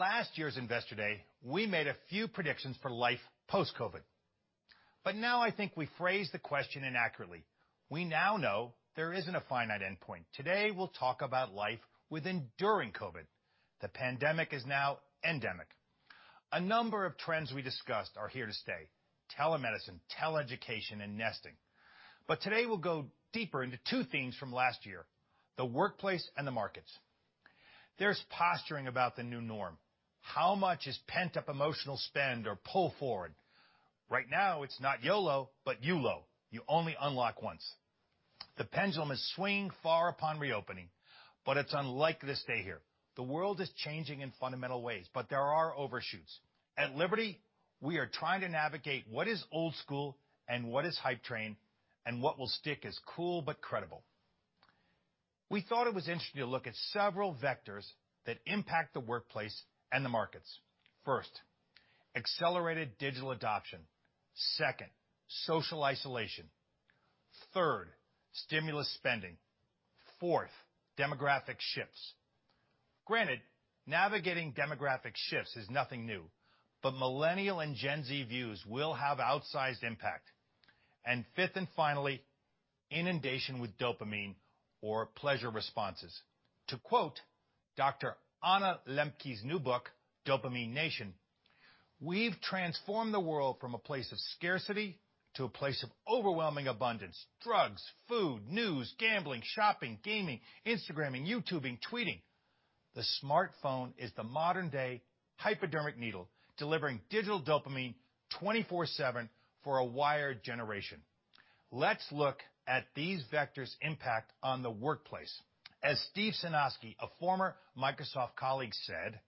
Last year's Investor Day, we made a few predictions for life post-COVID, but now I think we phrased the question inaccurately. We now know there isn't a finite endpoint. Today, we'll talk about life with enduring COVID. The pandemic is now endemic. A number of trends we discussed are here to stay, telemedicine, tele-education, and nesting. Today we'll go deeper into two themes from last year, the workplace and the markets. There's posturing about the new norm. How much is pent-up emotional spend or pull forward? Right now it's not YOLO, but YULO, you only unlock once. The pendulum is swinging far upon reopening, but it's unlikely to stay here. The world is changing in fundamental ways, but there are overshoots. At Liberty, we are trying to navigate what is old school and what is hype train, and what will stick as cool but credible. We thought it was interesting to look at several vectors that impact the workplace and the markets. First, accelerated digital adoption. Second, social isolation. Third, stimulus spending. Fourth, demographic shifts. Granted, navigating demographic shifts is nothing new, but Millennial and Gen Z views will have outsized impact. Fifth and finally, inundation with dopamine or pleasure responses. To quote Dr. Anna Lembke's new book, Dopamine Nation, "We've transformed the world from a place of scarcity to a place of overwhelming abundance, drugs, food, news, gambling, shopping, gaming, Instagramming, YouTubing, tweeting. The smartphone is the modern-day hypodermic needle, delivering digital dopamine 24/7 for a wired generation." Let's look at these vectors' impact on the workplace. As Steve Sinofsky, a former Microsoft colleague, said,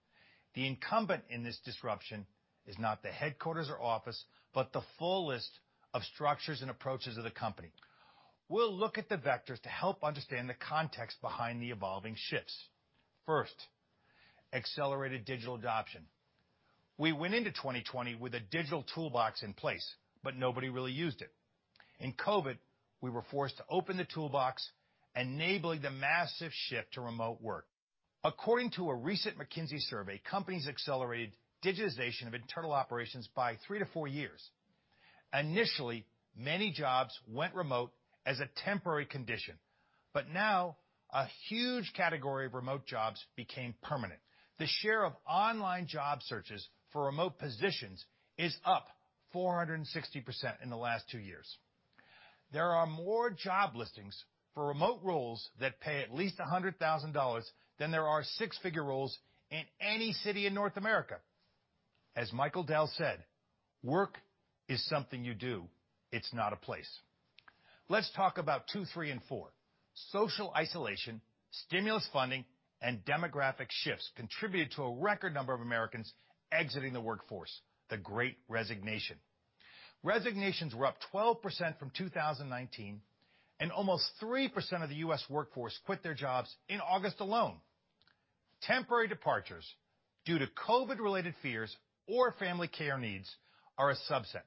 "The incumbent in this disruption is not the headquarters or office, but the full list of structures and approaches of the company." We'll look at the vectors to help understand the context behind the evolving shifts. First, accelerated digital adoption. We went into 2020 with a digital toolbox in place, but nobody really used it. In COVID, we were forced to open the toolbox, enabling the massive shift to remote work. According to a recent McKinsey survey, companies accelerated digitization of internal operations by 3-4 years. Initially, many jobs went remote as a temporary condition, but now a huge category of remote jobs became permanent. The share of online job searches for remote positions is up 460% in the last two years. There are more job listings for remote roles that pay at least $100,000 than there are six-figure roles in any city in North America. As Michael Dell said, "Work is something you do, it's not a place." Let's talk about two, three, and four. Social isolation, stimulus funding, and demographic shifts contributed to a record number of Americans exiting the workforce, the Great Resignation. Resignations were up 12% from 2019, and almost 3% of the U.S. workforce quit their jobs in August alone. Temporary departures due to COVID-related fears or family care needs are a subset.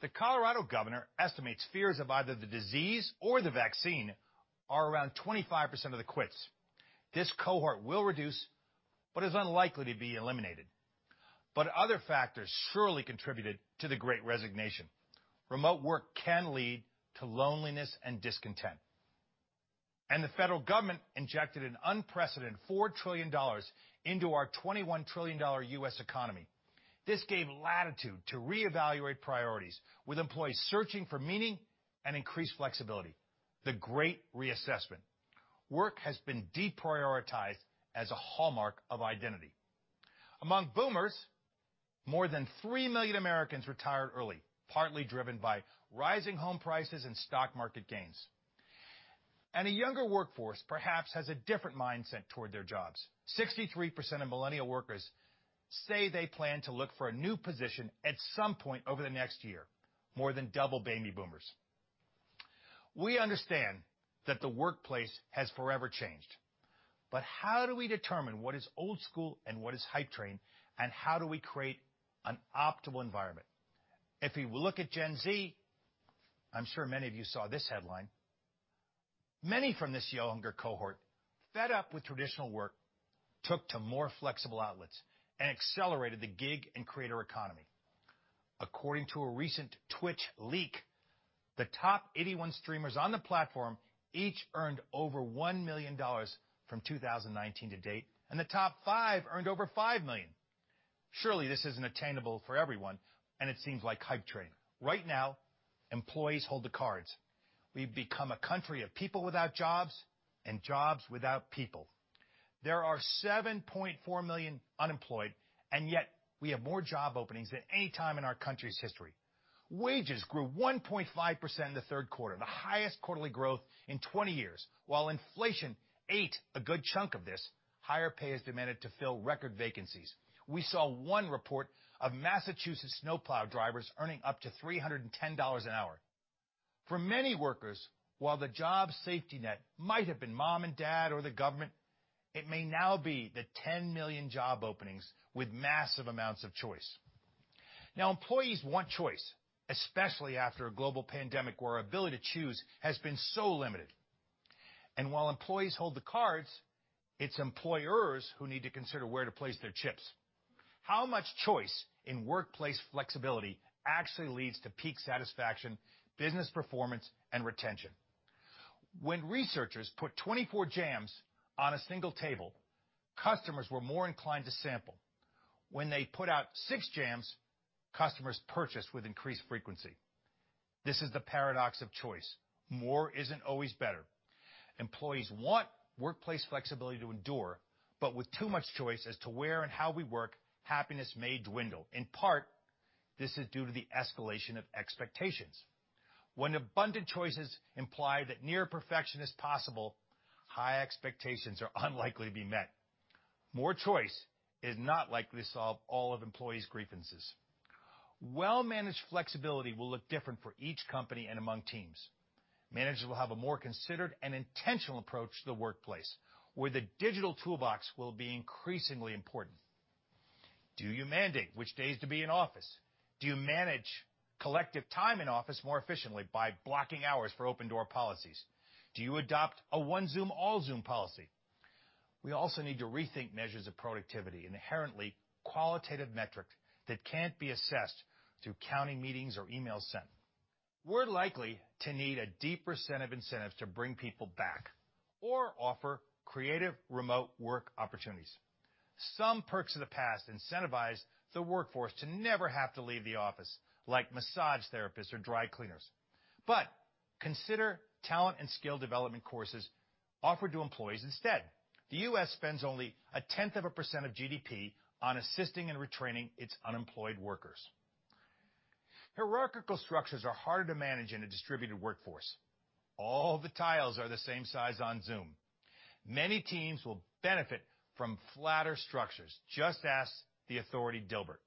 The Colorado governor estimates fears of either the disease or the vaccine are around 25% of the quits. This cohort will reduce, but is unlikely to be eliminated. Other factors surely contributed to the Great Resignation. Remote work can lead to loneliness and discontent. The federal government injected an unprecedented $4 trillion into our $21 trillion U.S. economy. This gave latitude to reevaluate priorities, with employees searching for meaning and increased flexibility. The great reassessment. Work has been deprioritized as a hallmark of identity. Among Boomers, more than 3 million Americans retired early, partly driven by rising home prices and stock market gains. A younger workforce perhaps has a different mindset toward their jobs. 63% of millennial workers say they plan to look for a new position at some point over the next year, more than double Baby Boomers. We understand that the workplace has forever changed, but how do we determine what is old school and what is hype train, and how do we create an optimal environment? If we look at Gen Z, I'm sure many of you saw this headline. Many from this younger cohort, fed up with traditional work, took to more flexible outlets and accelerated the gig and creator economy. According to a recent Twitch leak, the top 81 streamers on the platform each earned over $1 million from 2019 to date, and the top five earned over $5 million. Surely this isn't attainable for everyone, and it seems like hype trading. Right now, employees hold the cards. We've become a country of people without jobs and jobs without people. There are 7.4 million unemployed, and yet we have more job openings than any time in our country's history. Wages grew 1.5% in the Q3, the highest quarterly growth in 20 years. While inflation ate a good chunk of this, higher pay is demanded to fill record vacancies. We saw one report of Massachusetts snowplow drivers earning up to $310 an hour. For many workers, while the job safety net might have been mom and dad or the government, it may now be the 10 million job openings with massive amounts of choice. Now, employees want choice, especially after a global pandemic where our ability to choose has been so limited. While employees hold the cards, it's employers who need to consider where to place their chips. How much choice in workplace flexibility actually leads to peak satisfaction, business performance, and retention? When researchers put 24 jams on a single table, customers were more inclined to sample. When they put out 6 jams, customers purchased with increased frequency. This is the paradox of choice. More isn't always better. Employees want workplace flexibility to endure, but with too much choice as to where and how we work, happiness may dwindle. In part, this is due to the escalation of expectations. When abundant choices imply that near perfection is possible, high expectations are unlikely to be met. More choice is not likely to solve all of employees' grievances. Well-managed flexibility will look different for each company and among teams. Managers will have a more considered and intentional approach to the workplace, where the digital toolbox will be increasingly important. Do you mandate which days to be in office? Do you manage collective time in office more efficiently by blocking hours for open door policies? Do you adopt a one Zoom, all Zoom policy? We also need to rethink measures of productivity, inherently qualitative metrics that can't be assessed through counting meetings or emails sent. We're likely to need a deeper set of incentives to bring people back or offer creative remote work opportunities. Some perks of the past incentivize the workforce to never have to leave the office, like massage therapists or dry cleaners. Consider talent and skill development courses offered to employees instead. The U.S. spends only 0.1% of GDP on assisting and retraining its unemployed workers. Hierarchical structures are harder to manage in a distributed workforce. All the tiles are the same size on Zoom. Many teams will benefit from flatter structures. Just ask the authority, Dilbert.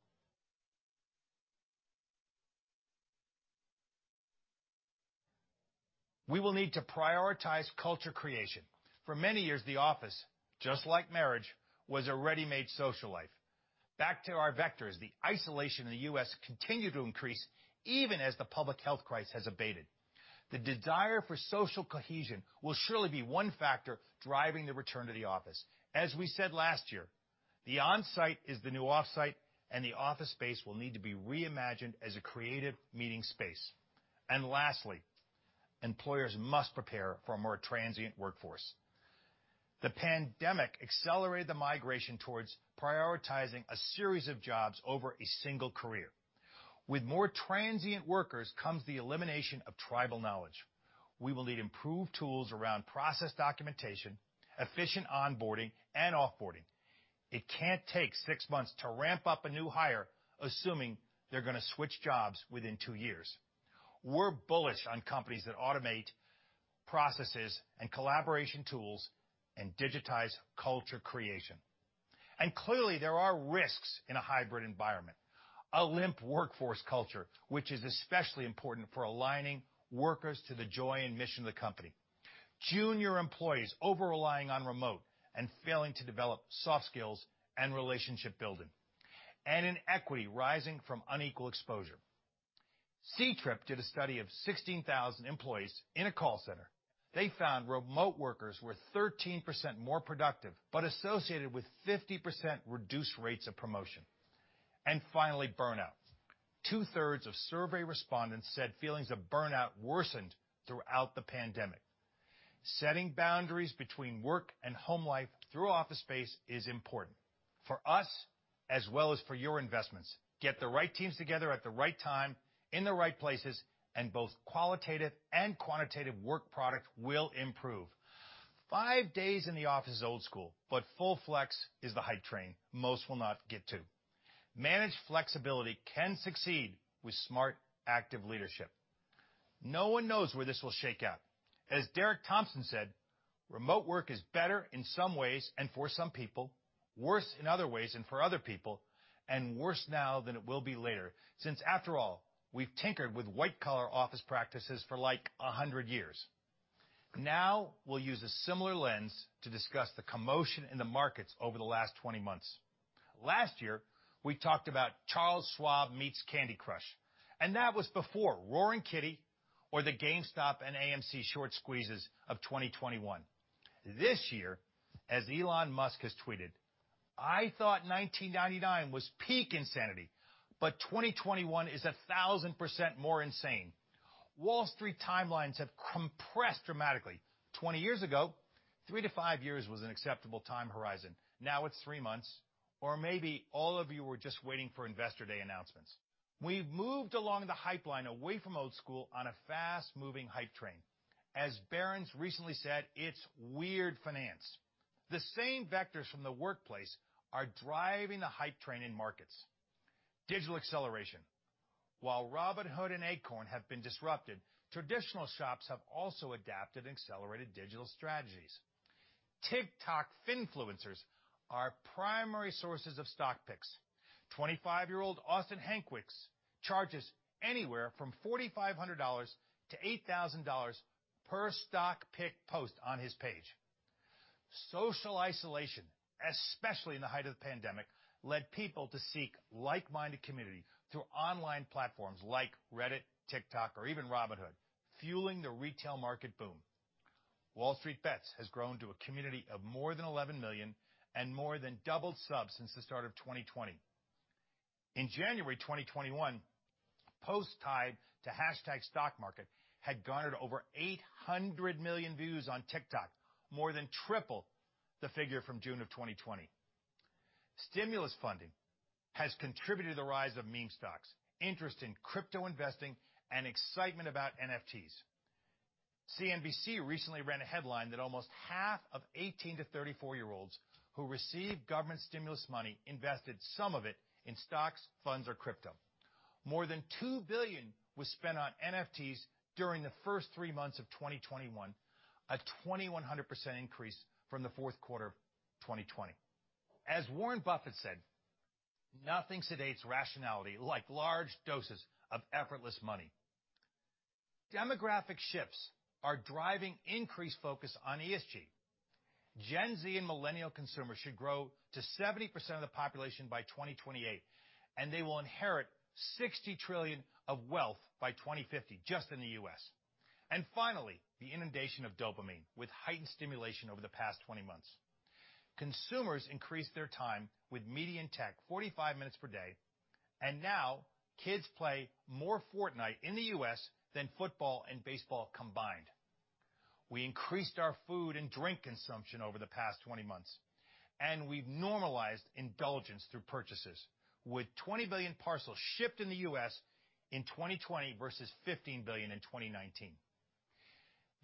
We will need to prioritize culture creation. For many years, the office, just like marriage, was a ready-made social life. Back to our vectors, the isolation in the U.S. continued to increase even as the public health crisis has abated. The desire for social cohesion will surely be one factor driving the return to the office. As we said last year, the on-site is the new off-site, and the office space will need to be reimagined as a creative meeting space. Lastly, employers must prepare for a more transient workforce. The pandemic accelerated the migration towards prioritizing a series of jobs over a single career. With more transient workers comes the elimination of tribal knowledge. We will need improved tools around process documentation, efficient onboarding and off-boarding. It can't take six months to ramp up a new hire, assuming they're gonna switch jobs within two years. We're bullish on companies that automate processes and collaboration tools and digitize culture creation. Clearly, there are risks in a hybrid environment. A limp workforce culture, which is especially important for aligning workers to the joy and mission of the company. Junior employees over-relying on remote and failing to develop soft skills and relationship building, and inequity rising from unequal exposure. Ctrip did a study of 16,000 employees in a call center. They found remote workers were 13% more productive, but associated with 50% reduced rates of promotion. Finally, burnout. Two-thirds of survey respondents said feelings of burnout worsened throughout the pandemic. Setting boundaries between work and home life through office space is important for us as well as for your investments. Get the right teams together at the right time in the right places, and both qualitative and quantitative work product will improve. Five days in the office is old school, but full flex is the hype train most will not get to. Managed flexibility can succeed with smart, active leadership. No one knows where this will shake out. As Derek Thompson said, "Remote work is better in some ways and for some people, worse in other ways and for other people, and worse now than it will be later, since after all, we've tinkered with white-collar office practices for like 100 years." Now we'll use a similar lens to discuss the commotion in the markets over the last 20 months. Last year, we talked about Charles Schwab meets Candy Crush, and that was before Roaring Kitty or the GameStop and AMC short squeezes of 2021. This year, as Elon Musk has tweeted, "I thought 1999 was peak insanity, but 2021 is 1,000% more insane." Wall Street timelines have compressed dramatically. 20 years ago, 3-5 years was an acceptable time horizon. Now it's 3 months. Or maybe all of you were just waiting for Investor Day announcements. We've moved along the hype line away from old school on a fast-moving hype train. As Barron's recently said, "It's weird finance." The same vectors from the workplace are driving the hype train in markets. Digital acceleration. While Robinhood and Acorns have been disrupted, traditional shops have also adapted and accelerated digital strategies. TikTok finfluencers are primary sources of stock picks. 25-year-old Austin Hankwitz charges anywhere from $4,500 to $8,000 per stock pick post on his page. Social isolation, especially in the height of the pandemic, led people to seek like-minded community through online platforms like Reddit, TikTok, or even Robinhood, fueling the retail market boom. WallStreetBets has grown to a community of more than 11 million and more than doubled subs since the start of 2020. In January 2021, posts tied to hashtag stock market had garnered over 800 million views on TikTok, more than triple the figure from June of 2020. Stimulus funding has contributed to the rise of meme stocks, interest in crypto investing, and excitement about NFTs. CNBC recently ran a headline that almost half of 18- to 34-year-olds who received government stimulus money invested some of it in stocks, funds, or crypto. More than $2 billion was spent on NFTs during the first 3 months of 2021, a 2,100% increase from the fourth quarter of 2020. As Warren Buffett said, "Nothing sedates rationality like large doses of effortless money." Demographic shifts are driving increased focus on ESG. Gen Z and millennial consumers should grow to 70% of the population by 2028, and they will inherit $60 trillion of wealth by 2050 just in the U.S. Finally, the inundation of dopamine with heightened stimulation over the past 20 months. Consumers increased their time with media and tech 45 minutes per day, and now kids play more Fortnite in the U.S. than football and baseball combined. We increased our food and drink consumption over the past 20 months, and we've normalized indulgence through purchases, with 20 billion parcels shipped in the U.S. in 2020 versus 15 billion in 2019.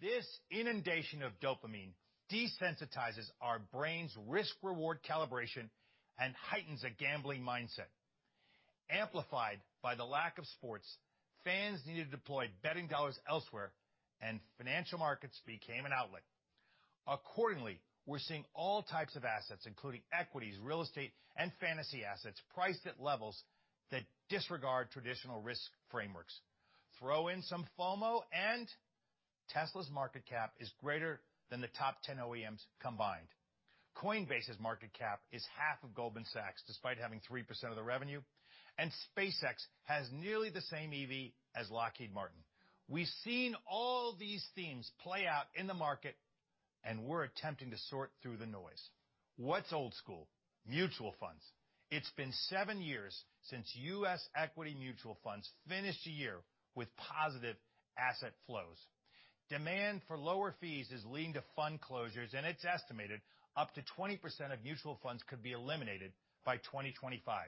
This inundation of dopamine desensitizes our brain's risk-reward calibration and heightens a gambling mindset. Amplified by the lack of sports, fans needed to deploy betting dollars elsewhere and financial markets became an outlet. Accordingly, we're seeing all types of assets, including equities, real estate, and fantasy assets priced at levels that disregard traditional risk frameworks. Throw in some FOMO and Tesla's market cap is greater than the top 10 OEMs combined. Coinbase's market cap is half of Goldman Sachs, despite having 3% of the revenue, and SpaceX has nearly the same EV as Lockheed Martin. We've seen all these themes play out in the market, and we're attempting to sort through the noise. What's old school? Mutual funds. It's been seven years since U.S. equity mutual funds finished a year with positive asset flows. Demand for lower fees is leading to fund closures, and it's estimated up to 20% of mutual funds could be eliminated by 2025.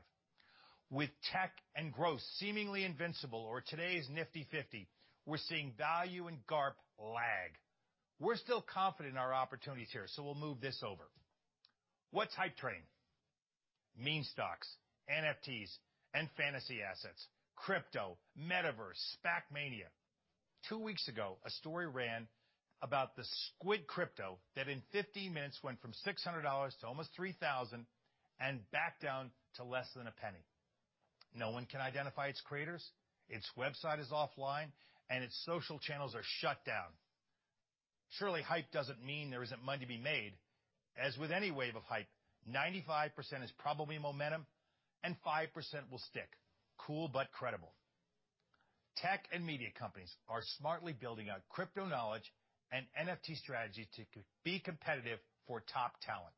With tech and growth seemingly invincible or today's Nifty Fifty, we're seeing Value and GARP lag. We're still confident in our opportunities here, so we'll move this over. What's hype train? Meme stocks, NFTs and fantasy assets, crypto, metaverse, SPAC mania. Two weeks ago, a story ran about the SQUID that in 15 minutes went from $600 to almost $3,000 and back down to less than $0.01. No one can identify its creators, its website is offline, and its social channels are shut down. Surely, hype doesn't mean there isn't money to be made. As with any wave of hype, 95% is probably momentum and 5% will stick. Cool but credible. Tech and media companies are smartly building out crypto knowledge and NFT strategy to be competitive for top talent.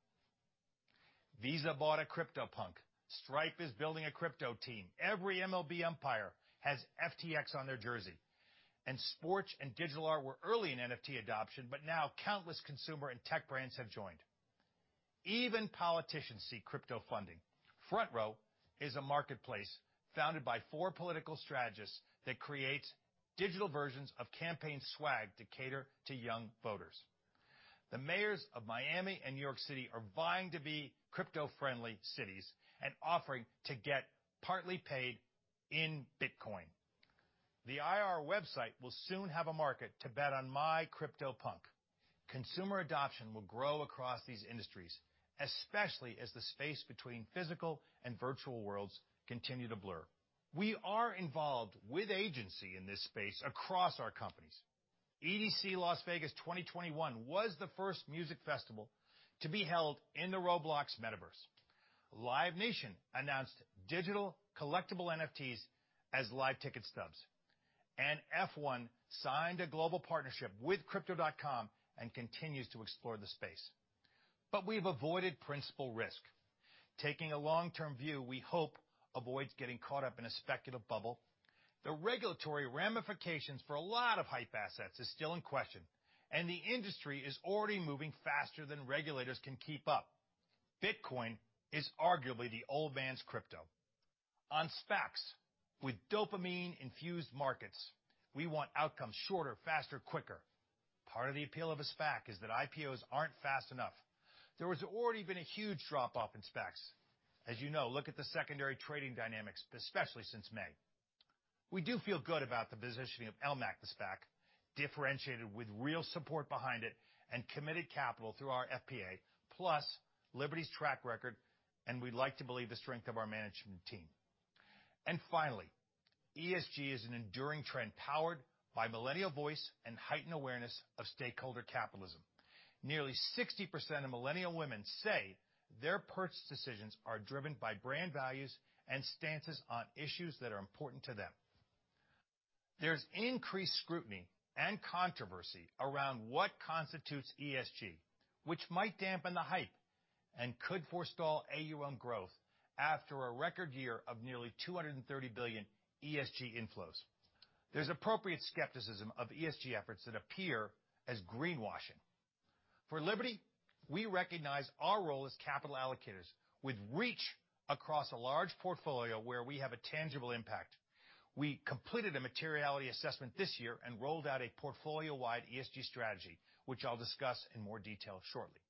Visa bought a CryptoPunk. Stripe is building a crypto team. Every MLB umpire has FTX on their jersey, and sports and digital art were early in NFT adoption, but now countless consumer and tech brands have joined. Even politicians see crypto funding. Front Row Strategies is a marketplace founded by four political strategists that creates digital versions of campaign swag to cater to young voters. The mayors of Miami and New York City are vying to be crypto-friendly cities and offering to get partly paid in Bitcoin. The IR website will soon have a market to bet on CryptoPunk. Consumer adoption will grow across these industries, especially as the space between physical and virtual worlds continue to blur. We are involved with agency in this space across our companies. EDC Las Vegas 2021 was the first music festival to be held in the Roblox metaverse. Live Nation announced digital collectible NFTs as live ticket stubs. F1 signed a global partnership with Crypto.com and continues to explore the space. We've avoided principal risk. Taking a long-term view, we hope avoids getting caught up in a speculative bubble. The regulatory ramifications for a lot of hype assets is still in question, and the industry is already moving faster than regulators can keep up. Bitcoin is arguably the old man's crypto. On SPACs, with dopamine-infused markets, we want outcomes shorter, faster, quicker. Part of the appeal of a SPAC is that IPOs aren't fast enough. There has already been a huge drop-off in SPACs. As you know, look at the secondary trading dynamics, especially since May. We do feel good about the positioning of LMAC, the SPAC, differentiated with real support behind it and committed capital through our FPA, plus Liberty's track record, and we'd like to believe the strength of our management team. Finally, ESG is an enduring trend powered by millennial voice and heightened awareness of stakeholder capitalism. Nearly 60% of millennial women say their purchase decisions are driven by brand values and stances on issues that are important to them. There's increased scrutiny and controversy around what constitutes ESG, which might dampen the hype and could forestall AUM growth after a record year of nearly $230 billion ESG inflows. There's appropriate skepticism of ESG efforts that appear as greenwashing. For Liberty, we recognize our role as capital allocators with reach across a large portfolio where we have a tangible impact. We completed a materiality assessment this year and rolled out a portfolio-wide ESG strategy, which I'll discuss in more detail shortly.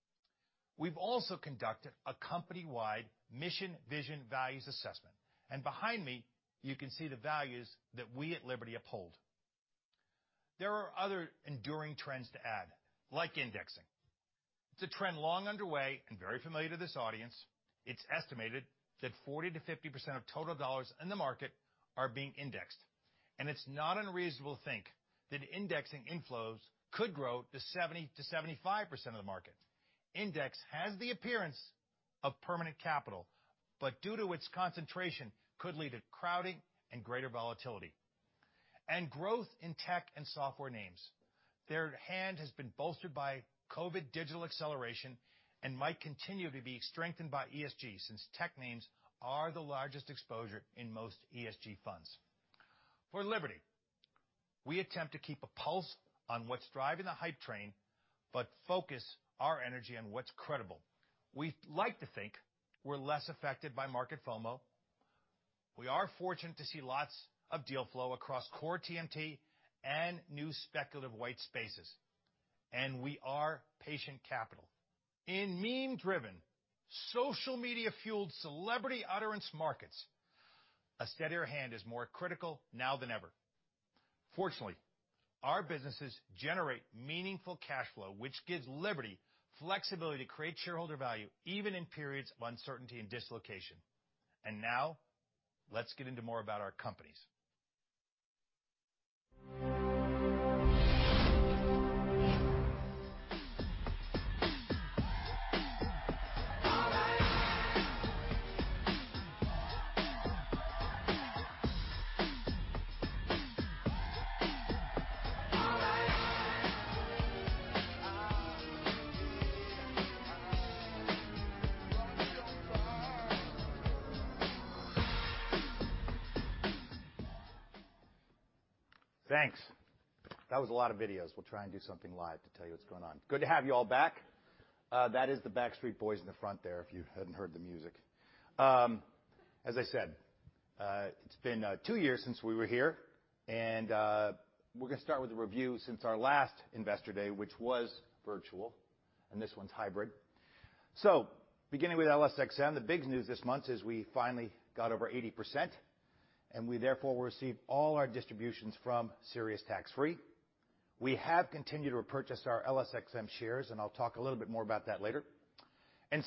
We've also conducted a company-wide mission, vision, values assessment, and behind me, you can see the values that we at Liberty uphold. There are other enduring trends to add, like indexing. It's a trend long underway and very familiar to this audience. It's estimated that 40%-50% of total dollars in the market are being indexed, and it's not unreasonable to think that indexing inflows could grow to 70%-75% of the market. Index has the appearance of permanent capital, but due to its concentration, could lead to crowding and greater volatility. Growth in tech and software names. Their trend has been bolstered by COVID digital acceleration and might continue to be strengthened by ESG, since tech names are the largest exposure in most ESG funds. For Liberty, we attempt to keep a pulse on what's driving the hype train, but focus our energy on what's credible. We like to think we're less affected by market FOMO. We are fortunate to see lots of deal flow across core TMT and new speculative white spaces, and we are patient capital. In meme-driven, social media-fueled celebrity utterance markets, a steadier hand is more critical now than ever. Fortunately, our businesses generate meaningful cash flow, which gives Liberty flexibility to create shareholder value even in periods of uncertainty and dislocation. Now, let's get into more about our companies. Thanks. That was a lot of videos. We'll try and do something live to tell you what's going on. Good to have you all back. That is the Backstreet Boys in the front there, if you hadn't heard the music. As I said, it's been two years since we were here, and we're gonna start with a review since our last Investor Day, which was virtual, and this one's hybrid. Beginning with LSXM, the big news this month is we finally got over 80%, and we therefore will receive all our distributions from SiriusXM tax-free. We have continued to repurchase our LSXM shares, and I'll talk a little bit more about that later.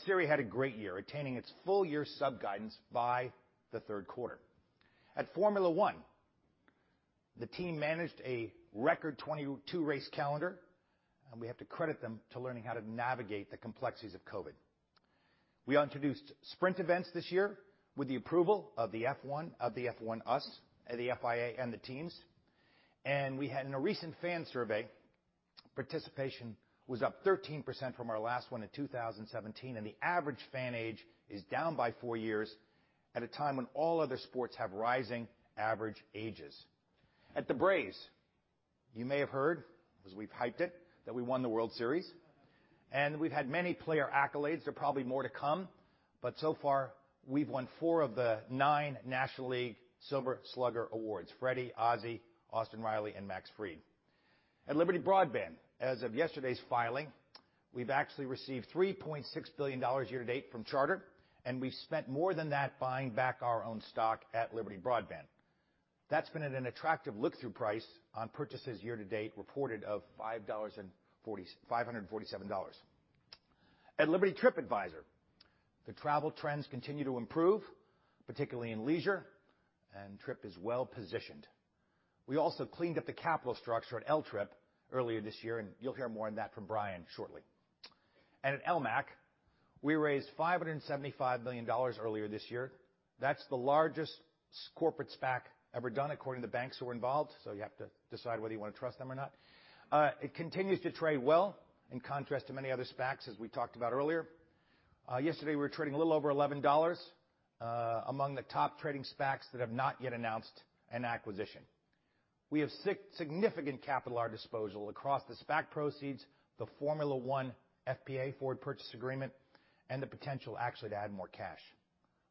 Sirius had a great year, attaining its full year sub-guidance by the Q3. At Formula One, the team managed a record 22 race calendar, and we have to credit them to learning how to navigate the complexities of COVID. We introduced sprint events this year with the approval of the F1, us, the FIA and the teams. We had in a recent fan survey, participation was up 13% from our last one in 2017, and the average fan age is down by four years at a time when all other sports have rising average ages. At the Braves, you may have heard, as we've hyped it, that we won the World Series, and we've had many player accolades. There are probably more to come, but so far, we've won 4 of the 9 National League Silver Slugger Awards, Freddie, Ozzie, Austin Riley, and Max Fried. At Liberty Broadband, as of yesterday's filing, we've actually received $3.6 billion year to date from Charter, and we've spent more than that buying back our own stock at Liberty Broadband. That's been at an attractive look-through price on purchases year to date, reported of $547. At Liberty TripAdvisor, the travel trends continue to improve, particularly in leisure, and Trip is well-positioned. We also cleaned up the capital structure at LTRP earlier this year, and you'll hear more on that from Brian shortly. At LMAC, we raised $575 million earlier this year. That's the largest corporate SPAC ever done, according to the banks who were involved, so you have to decide whether you want to trust them or not. It continues to trade well, in contrast to many other SPACs, as we talked about earlier. Yesterday, we were trading a little over $11, among the top trading SPACs that have not yet announced an acquisition. We have significant capital at our disposal across the SPAC proceeds, the Formula One FPA, forward purchase agreement, and the potential actually to add more cash.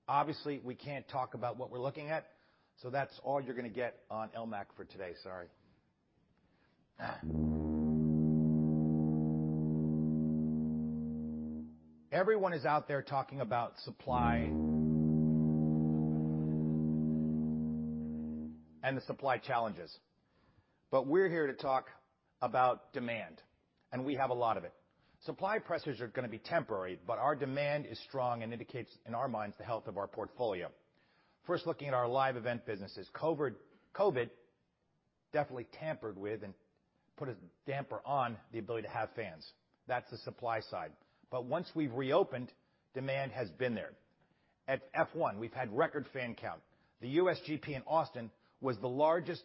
Obviously, we can't talk about what we're looking at, so that's all you're gonna get on LMAC for today. Sorry. Everyone is out there talking about supply and the supply challenges. We're here to talk about demand, and we have a lot of it. Supply pressures are gonna be temporary, but our demand is strong and indicates, in our minds, the health of our portfolio. First, looking at our live event businesses. COVID definitely tampered with and put a damper on the ability to have fans. That's the supply side. Once we've reopened, demand has been there. At F1, we've had record fan count. The U.S. GP in Austin was the largest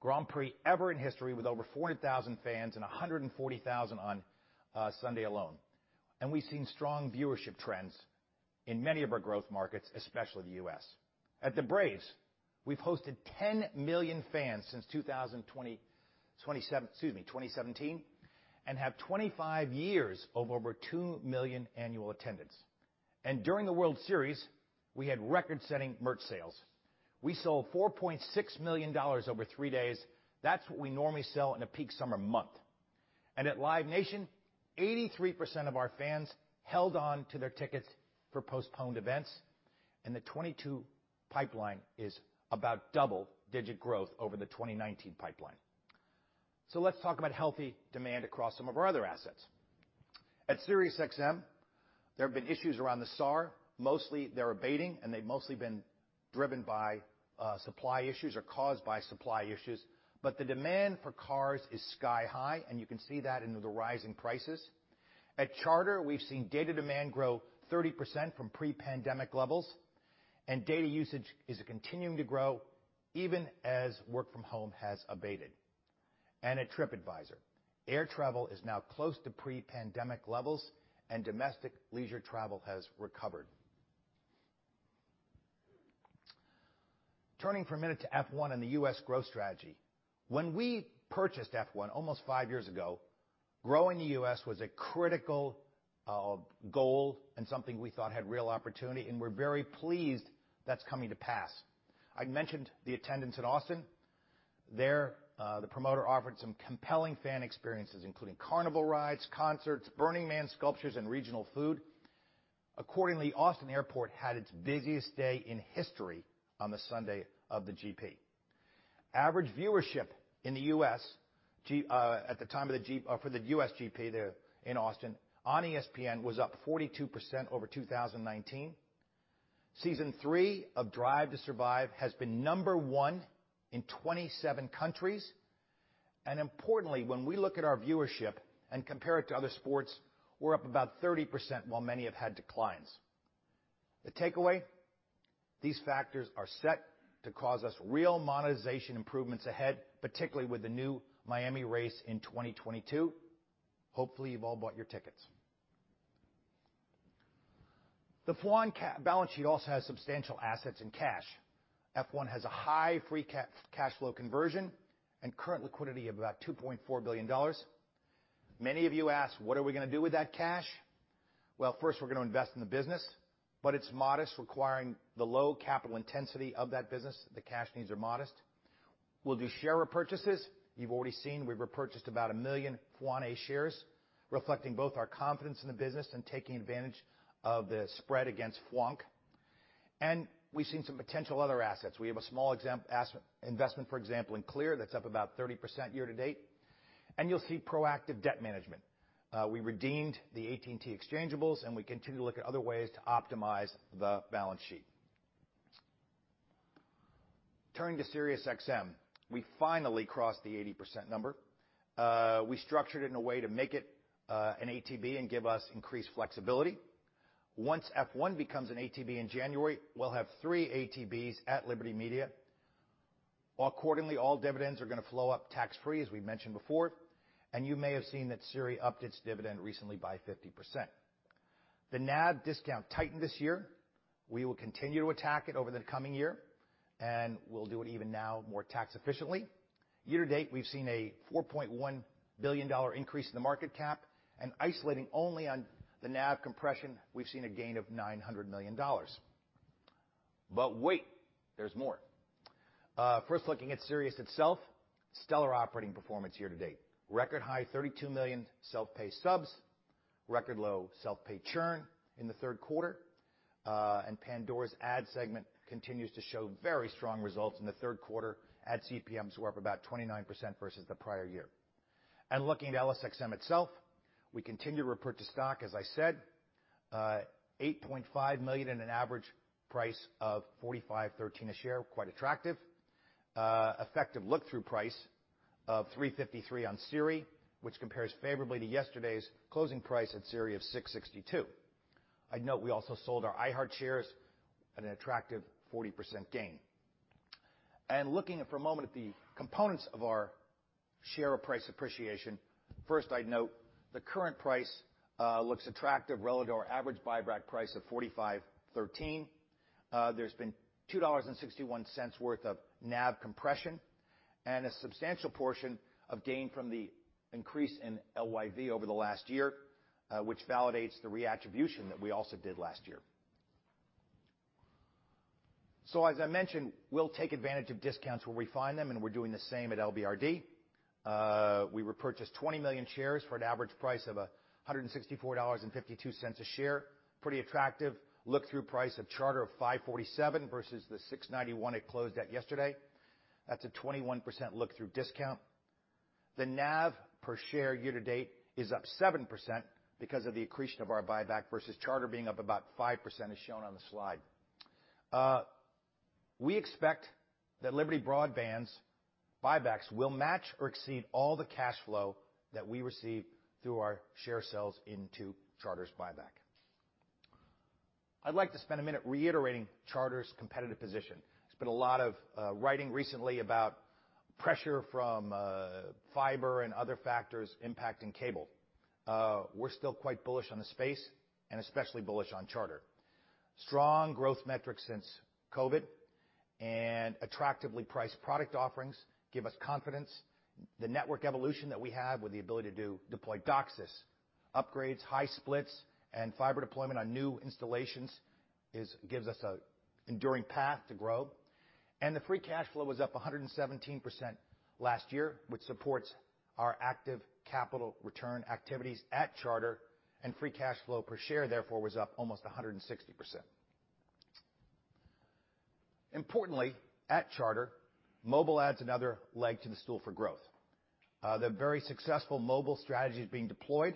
Grand Prix ever in history, with over 40,000 fans and 140,000 on Sunday alone. We've seen strong viewership trends in many of our growth markets, especially the U.S. At the Braves, we've hosted 10 million fans since 2017, and have 25 years over 2 million annual attendance. During the World Series, we had record-setting merch sales. We sold $4.6 million over 3 days. That's what we normally sell in a peak summer month. At Live Nation, 83% of our fans held on to their tickets for postponed events, and the 2022 pipeline is about double-digit growth over the 2019 pipeline. Let's talk about healthy demand across some of our other assets. At SiriusXM, there have been issues around the SAR. Mostly they're abating, and they've mostly been driven by supply issues or caused by supply issues, but the demand for cars is sky-high, and you can see that in the rising prices. At Charter, we've seen data demand grow 30% from pre-pandemic levels, and data usage is continuing to grow even as work from home has abated. At TripAdvisor, air travel is now close to pre-pandemic levels, and domestic leisure travel has recovered. Turning for a minute to F1 and the U.S. growth strategy. When we purchased F1 almost five years ago, growing the U.S. was a critical goal and something we thought had real opportunity, and we're very pleased that's coming to pass. I'd mentioned the attendance at Austin. There, the promoter offered some compelling fan experiences, including carnival rides, concerts, Burning Man sculptures, and regional food. Accordingly, Austin Airport had its busiest day in history on the Sunday of the GP. Average viewership in the U.S. at the time of the GP for the U.S. GP there in Austin on ESPN was up 42% over 2019. Season three of Drive to Survive has been number one in 27 countries. Importantly, when we look at our viewership and compare it to other sports, we're up about 30% while many have had declines. The takeaway, these factors are set to cause us real monetization improvements ahead, particularly with the new Miami race in 2022. Hopefully, you've all bought your tickets. The FWON balance sheet also has substantial assets and cash. F1 has a high free cash flow conversion and current liquidity of about $2.4 billion. Many of you ask, "What are we gonna do with that cash?" Well, first we're gonna invest in the business, but it's modest, requiring the low capital intensity of that business. The cash needs are modest. We'll do share repurchases. You've already seen we've repurchased about 1 million FWONA shares, reflecting both our confidence in the business and taking advantage of the spread against FWONK. We've seen some potential other assets. We have a small investment, for example, in Clear that's up about 30% year to date. You'll see proactive debt management. We redeemed the AT&T exchangeables, and we continue to look at other ways to optimize the balance sheet. Turning to SiriusXM, we finally crossed the 80% number. We structured it in a way to make it an ATB and give us increased flexibility. Once F1 becomes an ATB in January, we'll have three ATBs at Liberty Media. Accordingly, all dividends are gonna flow up tax-free, as we mentioned before, and you may have seen that SIRI upped its dividend recently by 50%. The NAV discount tightened this year. We will continue to attack it over the coming year, and we'll do it even now more tax efficiently. Year to date, we've seen a $4.1 billion increase in the market cap, and isolating only on the NAV compression, we've seen a gain of $900 million. Wait, there's more. First looking at Sirius itself, stellar operating performance year to date. Record high 32 million self-pay subs, record low self-pay churn in the Q3, and Pandora's ad segment continues to show very strong results in the Q3, ad CPMs were up about 29% versus the prior year. Looking at LXM itself, we continue to repurchase stock, as I said. 8.5 million and an average price of $45.13 a share, quite attractive. Effective look-through price of $3.53 on SIRI, which compares favorably to yesterday's closing price at SIRI of $6.62. I'd note we also sold our iHeart shares at an attractive 40% gain. Looking for a moment at the components of our share price appreciation, first, I'd note the current price looks attractive relative to our average buyback price of $45.13. There's been $2.61 worth of NAV compression and a substantial portion of gain from the increase in LYV over the last year, which validates the reattribution that we also did last year. As I mentioned, we'll take advantage of discounts where we find them, and we're doing the same at LBRD. We repurchased 20 million shares for an average price of $164.52 a share. Pretty attractive. Look-through price of Charter of 547 versus the 691 it closed at yesterday. That's a 21% look-through discount. The NAV per share year to date is up 7% because of the accretion of our buyback versus Charter being up about 5% as shown on the slide. We expect that Liberty Broadband's buybacks will match or exceed all the cash flow that we receive through our share sales into Charter's buyback. I'd like to spend a minute reiterating Charter's competitive position. There's been a lot of writing recently about pressure from fiber and other factors impacting cable. We're still quite bullish on the space and especially bullish on Charter. Strong growth metrics since COVID and attractively priced product offerings give us confidence. The network evolution that we have with the ability to deploy DOCSIS upgrades, high splits, and fiber deployment on new installations gives us an enduring path to grow. The free cash flow was up 117% last year, which supports our active capital return activities at Charter, and free cash flow per share therefore was up almost 160%. Importantly, at Charter, mobile adds another leg to the stool for growth. The very successful mobile strategy is being deployed.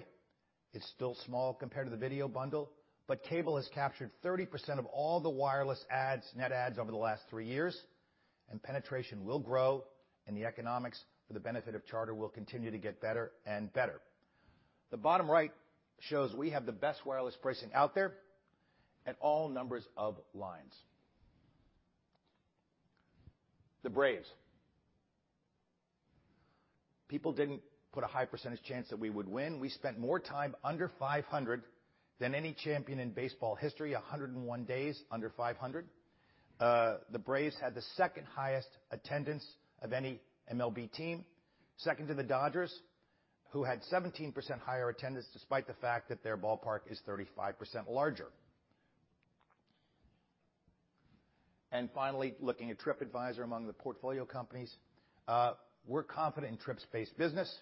It's still small compared to the video bundle, but cable has captured 30% of all the wireless adds, net adds over the last three years, and penetration will grow, and the economics for the benefit of Charter will continue to get better and better. The bottom right shows we have the best wireless pricing out there at all numbers of lines. The Braves. People didn't put a high percentage chance that we would win. We spent more time under 500 than any champion in baseball history, 101 days under 500. The Braves had the second highest attendance of any MLB team, second to the Dodgers, who had 17% higher attendance despite the fact that their ballpark is 35% larger. Finally, looking at TripAdvisor among the portfolio companies. We're confident in TripAdvisor's business.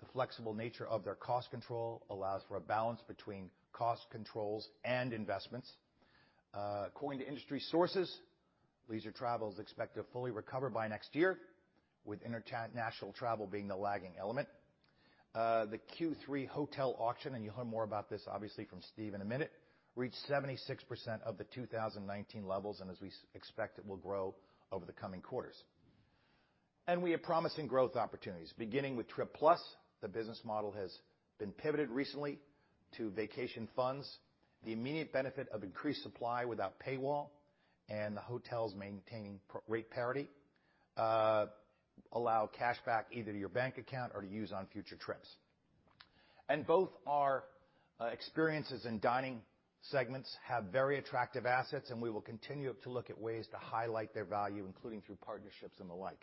The flexible nature of their cost control allows for a balance between cost controls and investments. According to industry sources, leisure travel is expected to fully recover by next year, with international travel being the lagging element. The Q3 hotel auction, and you'll hear more about this obviously from Steve in a minute, reached 76% of the 2019 levels, and as we expect it will grow over the coming quarters. We have promising growth opportunities. Beginning with Trip Plus, the business model has been pivoted recently to vacation funds. The immediate benefit of increased supply without paywall and the hotels maintaining rate parity allow cashback either to your bank account or to use on future trips. Both our experiences in dining segments have very attractive assets, and we will continue to look at ways to highlight their value, including through partnerships and the like.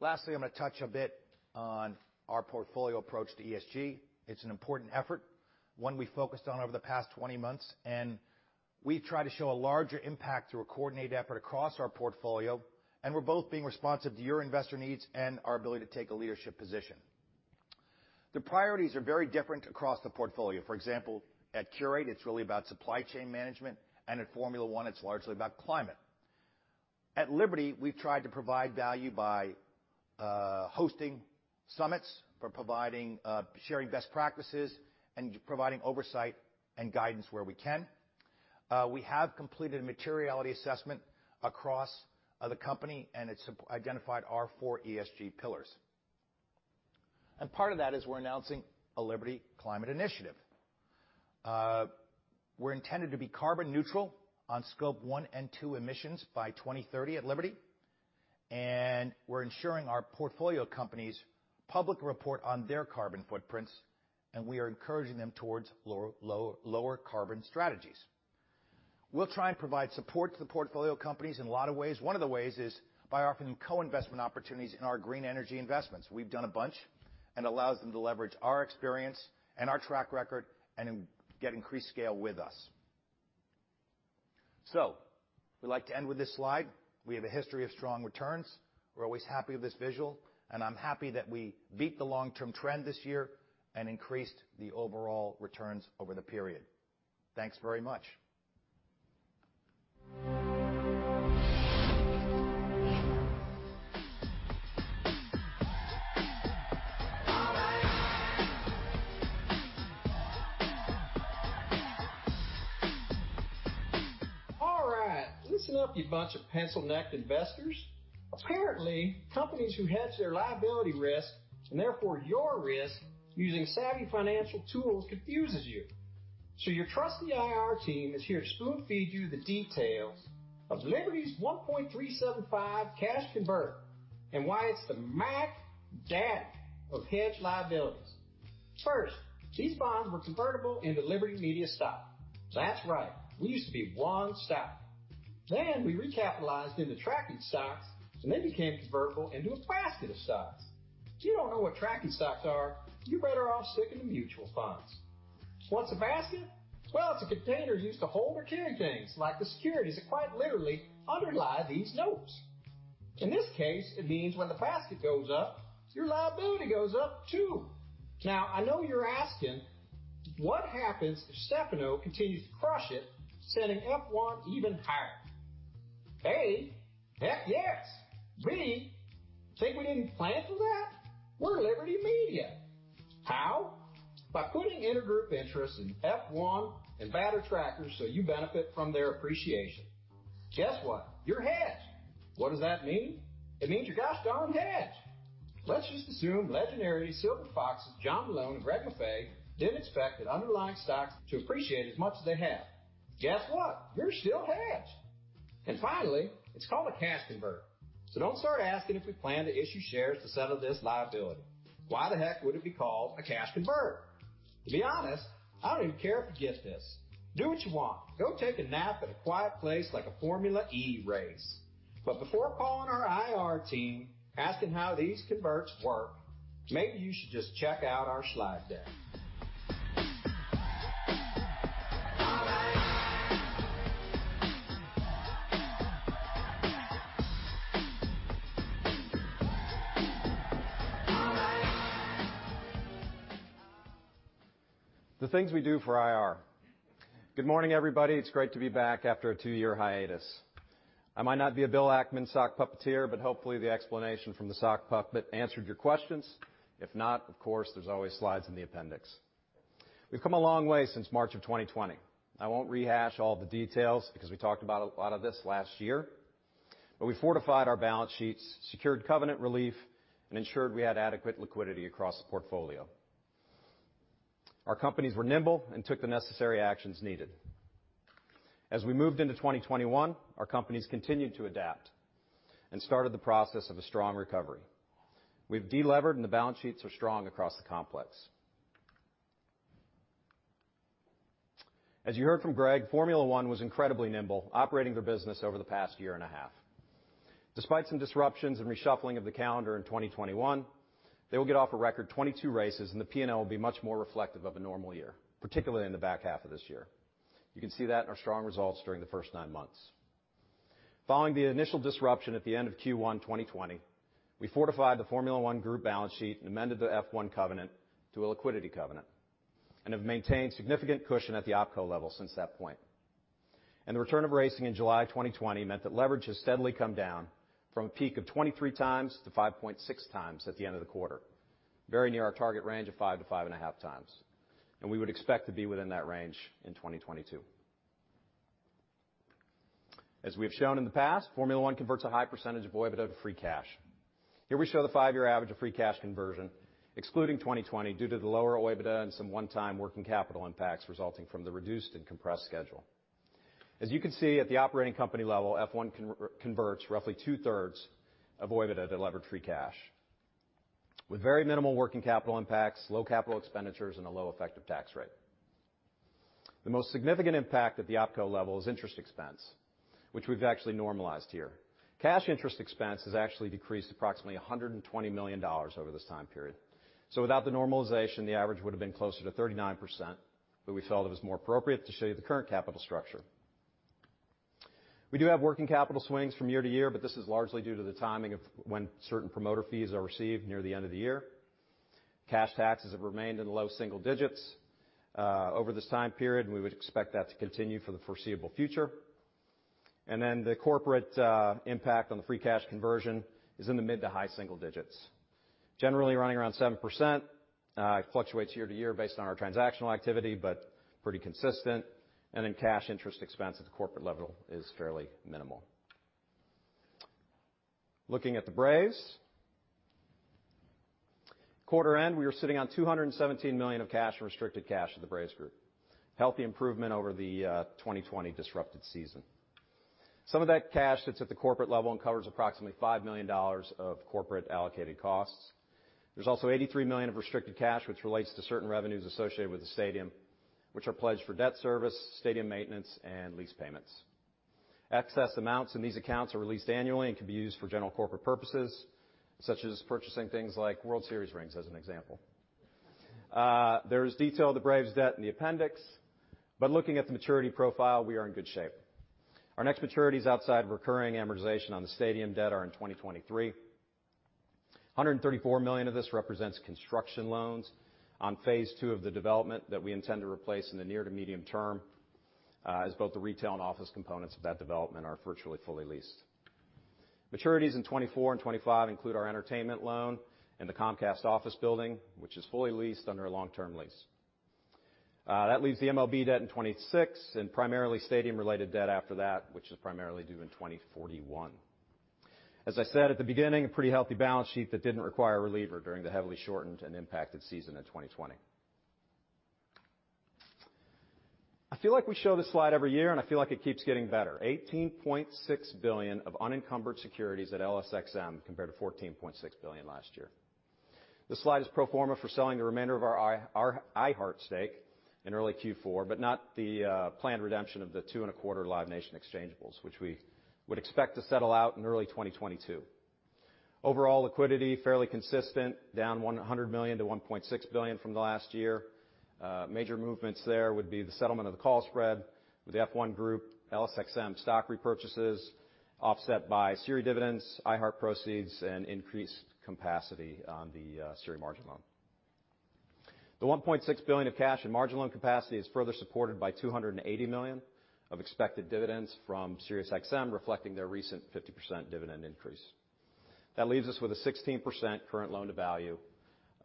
Lastly, I'm gonna touch a bit on our portfolio approach to ESG. It's an important effort, one we focused on over the past 20 months, and we try to show a larger impact through a coordinated effort across our portfolio, and we're both being responsive to your investor needs and our ability to take a leadership position. The priorities are very different across the portfolio. For example, at Qurate it's really about supply chain management, and at Formula One it's largely about climate. At Liberty, we've tried to provide value by hosting summits, sharing best practices and providing oversight and guidance where we can. We have completed a materiality assessment across the company and it's identified our four ESG pillars. Part of that is we're announcing a Liberty Climate Initiative. We're intend to be carbon neutral on scope one and two emissions by 2030 at Liberty, and we're ensuring our portfolio companies publicly report on their carbon footprints, and we are encouraging them towards lower carbon strategies. We'll try and provide support to the portfolio companies in a lot of ways. One of the ways is by offering co-investment opportunities in our green energy investments. We've done a bunch and allows them to leverage our experience and our track record and get increased scale with us. We like to end with this slide. We have a history of strong returns. We're always happy with this visual, and I'm happy that we beat the long-term trend this year and increased the overall returns over the period. Thanks very much. All right, listen up, you bunch of pencil neck investors. Apparently, companies who hedge their liability risk, and therefore your risk, using savvy financial tools confuses you. Your trusty IR team is here to spoon feed you the details of Liberty's 1.375 cash convertible and why it's the mac daddy of hedge liabilities. First, these bonds were convertible into Liberty Media stock. That's right. We used to be one stock. Then we recapitalized into tracking stocks, and they became convertible into a basket of stocks. If you don't know what tracking stocks are, you're better off sticking to mutual funds. What's a basket? Well, it's a container used to hold or carry things, like the securities that quite literally underlie these notes. In this case, it means when the basket goes up, your liability goes up too. Now I know you're asking what happens if Stefano continues to crush it, sending F1 even higher? A, heck yes. B, think we didn't plan for that? We're Liberty Media. How? By putting intergroup interests in F1 and Braves Tracker so you benefit from their appreciation. Guess what? You're hedged. What does that mean? It means you're gosh darn hedged. Let's just assume legendary silver foxes JohnMalone and Greg Maffei didn't expect the underlying stocks to appreciate as much as they have. Guess what? You're still hedged. Finally, it's called a cash convertible, so don't start asking if we plan to issue shares to settle this liability. Why the heck would it be called a cash convertible? To be honest, I don't even care if you get this. Do what you want. Go take a nap at a quiet place like a Formula E race. Before calling our IR team asking how these converts work, maybe you should just check out our slide deck. The things we do for IR. Good morning, everybody. It's great to be back after a 2-year hiatus. I might not be a Bill Ackman sock puppeteer, but hopefully, the explanation from the sock puppet answered your questions. If not, of course, there's always slides in the appendix. We've come a long way since March 2020. I won't rehash all the details because we talked about a lot of this last year, but we fortified our balance sheets, secured covenant relief, and ensured we had adequate liquidity across the portfolio. Our companies were nimble and took the necessary actions needed. As we moved into 2021, our companies continued to adapt and started the process of a strong recovery. We've de-levered and the balance sheets are strong across the complex. As you heard from Greg, Formula One was incredibly nimble operating their business over the past year and a half. Despite some disruptions and reshuffling of the calendar in 2021, they will get off a record 22 races and the P&L will be much more reflective of a normal year, particularly in the back half of this year. You can see that in our strong results during the first nine months. Following the initial disruption at the end of Q1 2020, we fortified the Formula One group balance sheet and amended the F1 covenant to a liquidity covenant and have maintained significant cushion at the opco level since that point. The return of racing in July 2020 meant that leverage has steadily come down from a peak of 23 times to 5.6 times at the end of the quarter, very near our target range of 5-5.5 times. We would expect to be within that range in 2022. As we've shown in the past, Formula One converts a high percentage of OIBDA to free cash. Here we show the five-year average of free cash conversion, excluding 2020 due to the lower OIBDA and some one-time working capital impacts resulting from the reduced and compressed schedule. As you can see at the operating company level, F1 converts roughly two-thirds of OIBDA to lever free cash with very minimal working capital impacts, low capital expenditures, and a low effective tax rate. The most significant impact at the opco level is interest expense, which we've actually normalized here. Cash interest expense has actually decreased approximately $120 million over this time period. Without the normalization, the average would have been closer to 39%, but we felt it was more appropriate to show you the current capital structure. We do have working capital swings from year to year, but this is largely due to the timing of when certain promoter fees are received near the end of the year. Cash taxes have remained in the low double digits over this time period, and we would expect that to continue for the foreseeable future. The corporate impact on the free cash conversion is in the mid- to high single digits. Generally running around 7%, it fluctuates year to year based on our transactional activity, but pretty consistent. Cash interest expense at the corporate level is fairly minimal. Looking at the Braves, at quarter end, we are sitting on $217 million of cash and restricted cash at the Braves group. Healthy improvement over the 2020 disrupted season. Some of that cash sits at the corporate level and covers approximately $5 million of corporate allocated costs. There's also $83 million of restricted cash which relates to certain revenues associated with the stadium, which are pledged for debt service, stadium maintenance, and lease payments. Excess amounts in these accounts are released annually and can be used for general corporate purposes such as purchasing things like World Series rings, as an example. There's detail of the Braves debt in the appendix, but looking at the maturity profile, we are in good shape. Our next maturities outside recurring amortization on the stadium debt are in 2023. $134 million of this represents construction loans on phase two of the development that we intend to replace in the near to medium term, as both the retail and office components of that development are virtually fully leased. Maturities in 2024 and 2025 include our entertainment loan and the Comcast office building, which is fully leased under a long-term lease. That leaves the MLB debt in 2026 and primarily stadium-related debt after that, which is primarily due in 2041. As I said at the beginning, a pretty healthy balance sheet that didn't require a reliever during the heavily shortened and impacted season in 2020. I feel like we show this slide every year, and I feel like it keeps getting better. $18.6 billion of unencumbered securities at Liberty SiriusXM, compared to $14.6 billion last year. This slide is pro forma for selling the remainder of our iHeart stake in early Q4, but not the planned redemption of the 2.25 Live Nation exchangeables, which we would expect to settle out in early 2022. Overall liquidity fairly consistent, down $100 million to $1.6 billion from last year. Major movements there would be the settlement of the call spread with the F1 group, LSXM stock repurchases offset by Sirius dividends, iHeart proceeds, and increased capacity on the Sirius margin loan. The $1.6 billion of cash and margin loan capacity is further supported by $280 million of expected dividends from SiriusXM, reflecting their recent 50% dividend increase. That leaves us with a 16% current loan-to-value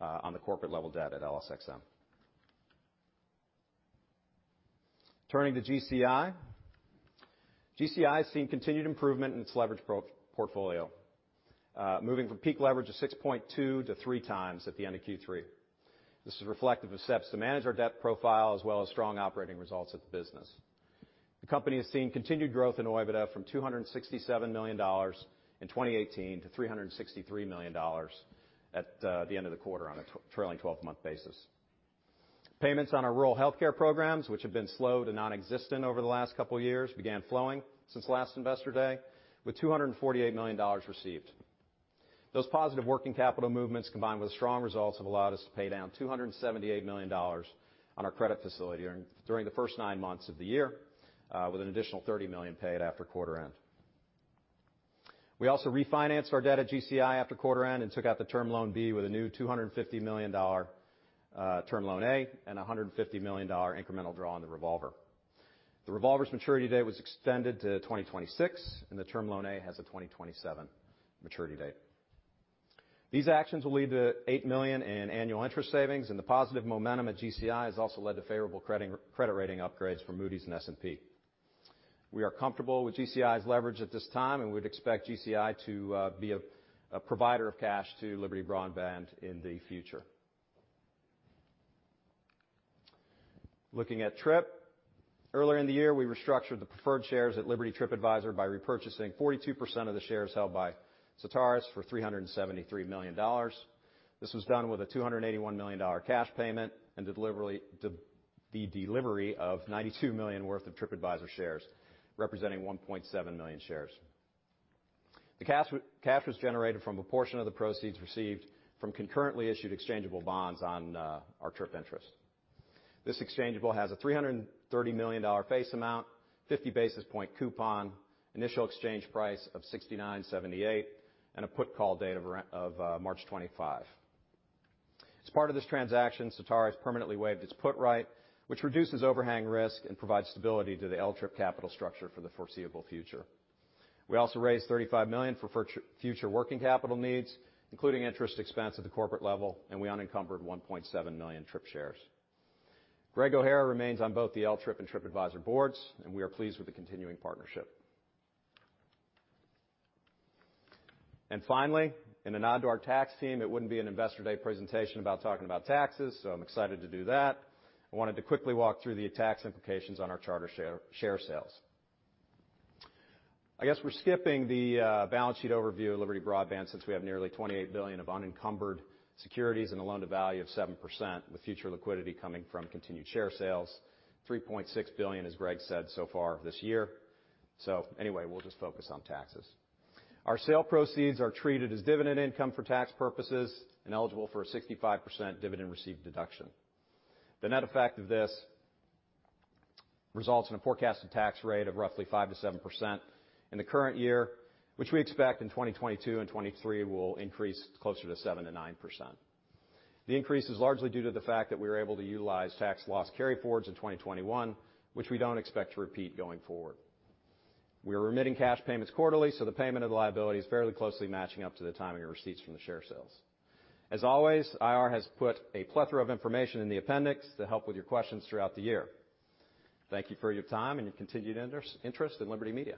on the corporate level debt at LSXM. Turning to GCI. GCI has seen continued improvement in its leverage portfolio. Moving from peak leverage of 6.2 to 3 times at the end of Q3. This is reflective of steps to manage our debt profile as well as strong operating results of the business. The company has seen continued growth in OIBDA from $267 million in 2018 to $363 million at the end of the quarter on a trailing twelve-month basis. Payments on our rural healthcare programs, which have been slow to non-existent over the last couple of years, began flowing since last Investor Day with $248 million received. Those positive working capital movements, combined with strong results, have allowed us to pay down $278 million on our credit facility during the first nine months of the year, with an additional $30 million paid after quarter end. We also refinanced our debt at GCI after quarter end, and took out the term loan B with a new $250 million-dollar term loan A, and a $150 million-dollar incremental draw on the revolver. The revolver's maturity date was extended to 2026, and the term loan A has a 2027 maturity date. These actions will lead to $8 million in annual interest savings, and the positive momentum at GCI has also led to favorable credit rating upgrades from Moody's and S&P. We are comfortable with GCI's leverage at this time, and we'd expect GCI to be a provider of cash to Liberty Broadband in the future. Looking at Trip. Earlier in the year, we restructured the preferred shares at Liberty TripAdvisor by repurchasing 42% of the shares held by Certares for $373 million. This was done with a $281 million cash payment and the delivery of $92 million worth of TripAdvisor shares, representing 1.7 million shares. The cash was generated from a portion of the proceeds received from concurrently issued exchangeable bonds on our Trip interest. This exchangeable has a $330 million face amount, 50 basis point coupon, initial exchange price of 69.78, and a put/call date of around March 25. As part of this transaction, Certares permanently waived its put right, which reduces overhang risk and provides stability to the L Trip capital structure for the foreseeable future. We also raised $35 million for future working capital needs, including interest expense at the corporate level, and we unencumbered 1.7 million Trip shares. Greg O'Hara remains on both the L Trip and TripAdvisor boards, and we are pleased with the continuing partnership. Finally, in a nod to our tax team, it wouldn't be an Investor Day presentation without talking about taxes, so I'm excited to do that. I wanted to quickly walk through the tax implications on our Charter share sales. I guess we're skipping the balance sheet overview of Liberty Broadband since we have nearly $28 billion of unencumbered securities and a loan-to-value of 7% with future liquidity coming from continued share sales. $3.6 billion, as Greg said, so far this year. Anyway, we'll just focus on taxes. Our sale proceeds are treated as dividend income for tax purposes and eligible for a 65% dividend received deduction. The net effect of this results in a forecasted tax rate of roughly 5%-7% in the current year, which we expect in 2022 and 2023 will increase closer to 7%-9%. The increase is largely due to the fact that we were able to utilize tax loss carryforwards in 2021, which we don't expect to repeat going forward. We are remitting cash payments quarterly, so the payment of the liability is fairly closely matching up to the timing of receipts from the share sales. As always, IR has put a plethora of information in the appendix to help with your questions throughout the year. Thank you for your time and your continued interest in Liberty Media.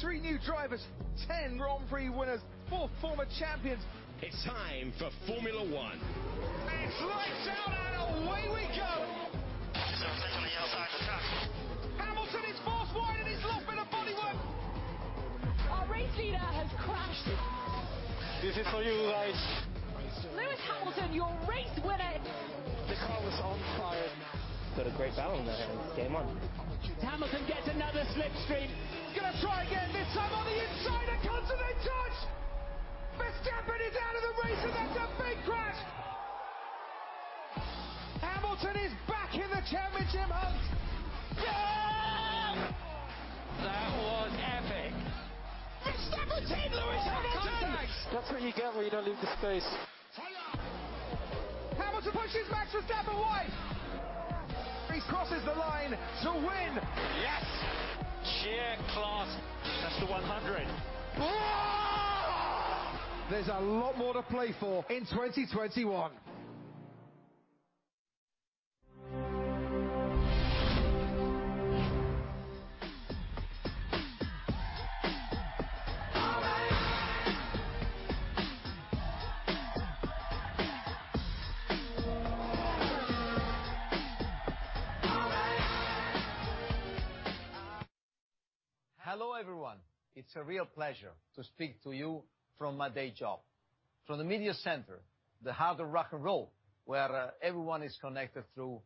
Three new drivers, 10 Grand Prix winners, four former champions. It's time for Formula One. It's lights out and away we go. There's something on the outside of the car. Hamilton is forced wide and he's lost a bit of bodywork. Our race leader has crashed. This is for you guys. Lewis Hamilton, your race winner. The car was on fire. Got a great battle in the game 1. Hamilton gets another slipstream. Gonna try again, this time on the inside and comes into contact. Verstappen is out of the race and that's a big crash. Hamilton is back in the championship hunt. Yes. That was epic. Verstappen takes Lewis Hamilton. That's what you get when you don't leave the space. Hamilton pushes back Verstappen wide. He crosses the line to win. Yes. Sheer class. That's the 100. There's a lot more to play for in 2021. Hello, everyone. It's a real pleasure to speak to you from my day job. From the media center, the heart of rock and roll, where everyone is connected through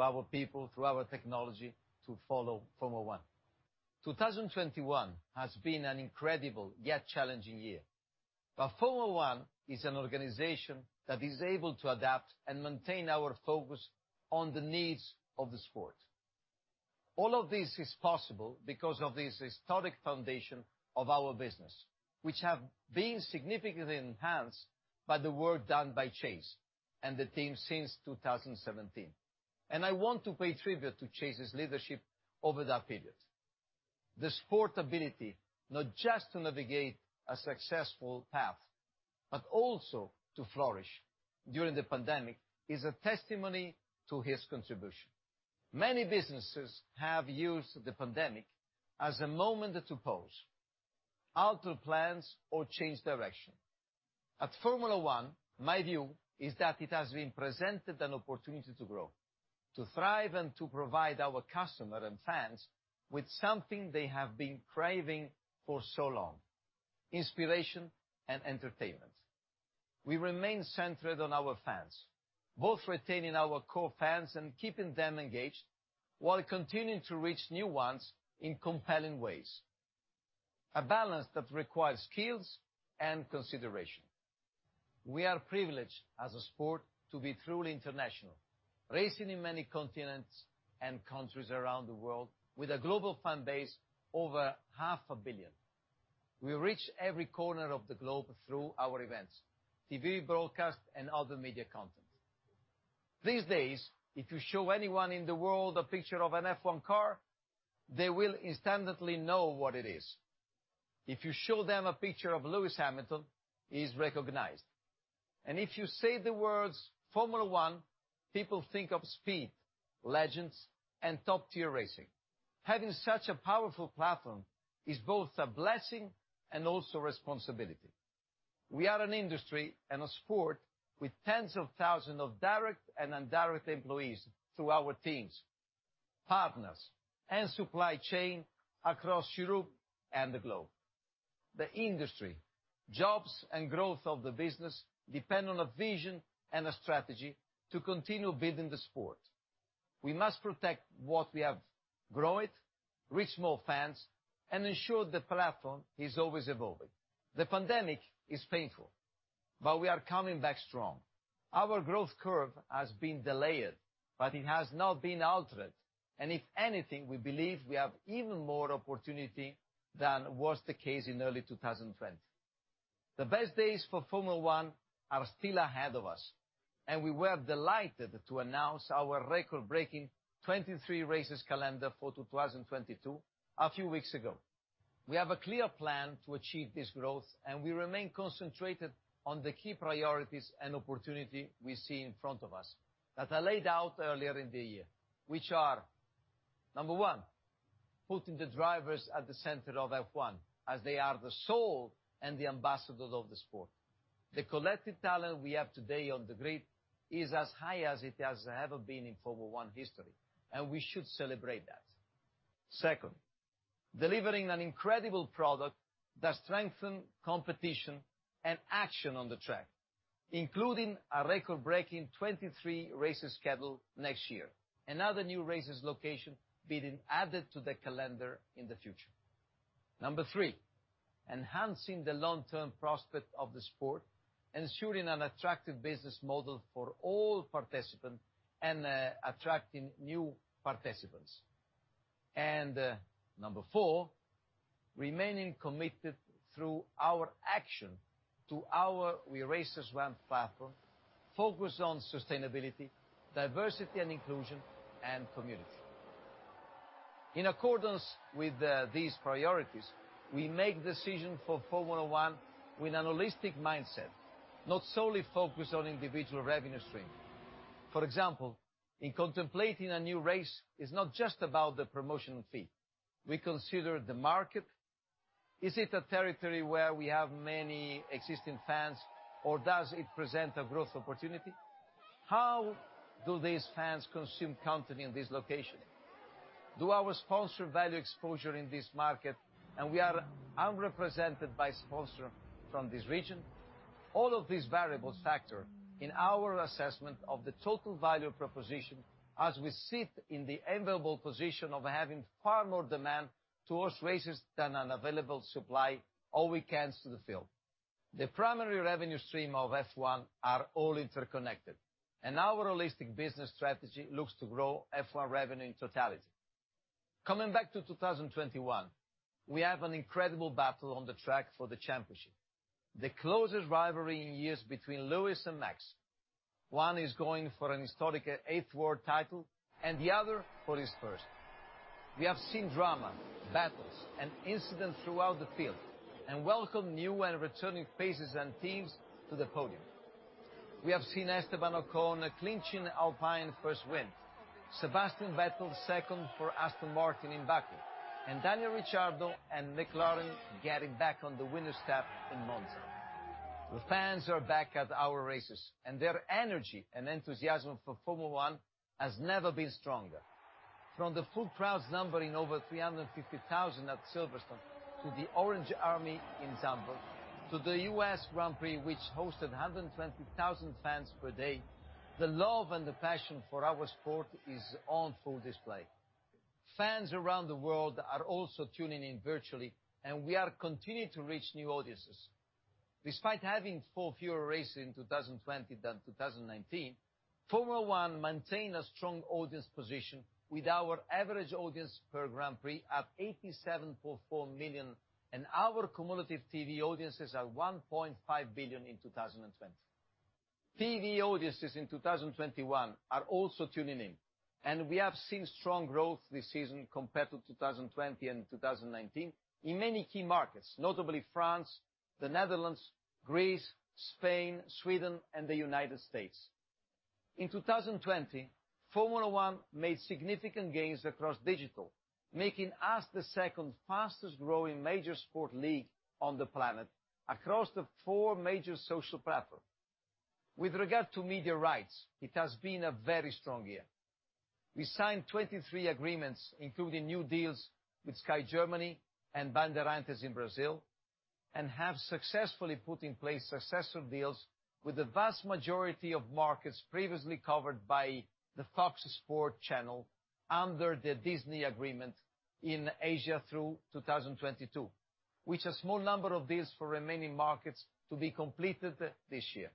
our people, through our technology to follow Formula One. 2021 has been an incredible, yet challenging year. Formula One is an organization that is able to adapt and maintain our focus on the needs of the sport. All of this is possible because of this historic foundation of our business, which have been significantly enhanced by the work done by Chase and the team since 2017. I want to pay tribute to Chase's leadership over that period. The sport's ability, not just to navigate a successful path, but also to flourish during the pandemic, is a testimony to his contribution. Many businesses have used the pandemic as a moment to pause, alter plans or change direction. At Formula One, my view is that it has been presented an opportunity to grow, to thrive, and to provide our customer and fans with something they have been craving for so long, inspiration and entertainment. We remain centered on our fans, both retaining our core fans and keeping them engaged while continuing to reach new ones in compelling ways. A balance that requires skills and consideration. We are privileged as a sport to be truly international, racing in many continents and countries around the world with a global fan base over half a billion. We reach every corner of the globe through our events, TV broadcast, and other media content. These days, if you show anyone in the world a picture of an F1 car, they will instantly know what it is. If you show them a picture of Lewis Hamilton, he's recognized. If you say the words Formula One, people think of speed, legends, and top-tier racing. Having such a powerful platform is both a blessing and also responsibility. We are an industry and a sport with tens of thousands of direct and indirect employees through our teams, partners, and supply chain across Europe and the globe. The industry, jobs, and growth of the business depend on a vision and a strategy to continue building the sport. We must protect what we have, grow it, reach more fans, and ensure the platform is always evolving. The pandemic is painful, but we are coming back strong. Our growth curve has been delayed, but it has not been altered. If anything, we believe we have even more opportunity than was the case in early 2020. The best days for Formula One are still ahead of us, and we were delighted to announce our record-breaking 23-race calendar for 2022 a few weeks ago. We have a clear plan to achieve this growth, and we remain concentrated on the key priorities and opportunity we see in front of us that I laid out earlier in the year, which are, number one, putting the drivers at the center of F1 as they are the soul and the ambassador of the sport. The collective talent we have today on the grid is as high as it has ever been in Formula One history, and we should celebrate that. Second, delivering an incredible product that strengthen competition and action on the track, including a record-breaking 23-race schedule next year, another new race location being added to the calendar in the future. Number three, enhancing the long-term prospect of the sport and ensuring an attractive business model for all participants and attracting new participants. Number four, remaining committed through our action to our We Race As One platform, focused on sustainability, diversity and inclusion, and community. In accordance with these priorities, we make decision for Formula One with an holistic mindset, not solely focused on individual revenue stream. For example, in contemplating a new race, it is not just about the promotion fee. We consider the market. Is it a territory where we have many existing fans or does it present a growth opportunity? How do these fans consume content in this location? Do our sponsors value exposure in this market, and are we unrepresented by sponsors from this region? All of these variables factor in our assessment of the total value proposition as we sit in the enviable position of having far more demand toward races than an available supply all weekends to the field. The primary revenue stream of F1 are all interconnected, and our holistic business strategy looks to grow F1 revenue in totality. Coming back to 2021, we have an incredible battle on the track for the championship. The closest rivalry in years between Lewis and Max. One is going for an historic eighth world title and the other for his first. We have seen drama, battles, and incidents throughout the field, and welcome new and returning faces and teams to the podium. We have seen Esteban Ocon clinching Alpine first win, Sebastian Vettel second for Aston Martin in Baku, and Daniel Ricciardo and McLaren getting back on the winner step in Monza. The fans are back at our races, and their energy and enthusiasm for Formula One has never been stronger. From the full crowds numbering over 350,000 at Silverstone, to the Orange Army in Zandvoort, to the US Grand Prix, which hosted 120,000 fans per day, the love and the passion for our sport is on full display. Fans around the world are also tuning in virtually, and we are continuing to reach new audiences. Despite having four fewer races in 2020 than 2019, Formula One maintain a strong audience position with our average audience per Grand Prix at 87.4 million, and our cumulative TV audiences at 1.5 billion in 2020. TV audiences in 2021 are also tuning in, and we have seen strong growth this season compared to 2020 and 2019 in many key markets, notably France, the Netherlands, Greece, Spain, Sweden, and the United States. In 2020, Formula One made significant gains across digital, making us the second fastest-growing major sport league on the planet across the four major social platforms. With regard to media rights, it has been a very strong year. We signed 23 agreements, including new deals with Sky Deutschland and Bandeirantes in Brazil, and have successfully put in place successive deals with the vast majority of markets previously covered by the Fox Sports channel under the Disney agreement in Asia through 2022. With a small number of deals for remaining markets to be completed this year.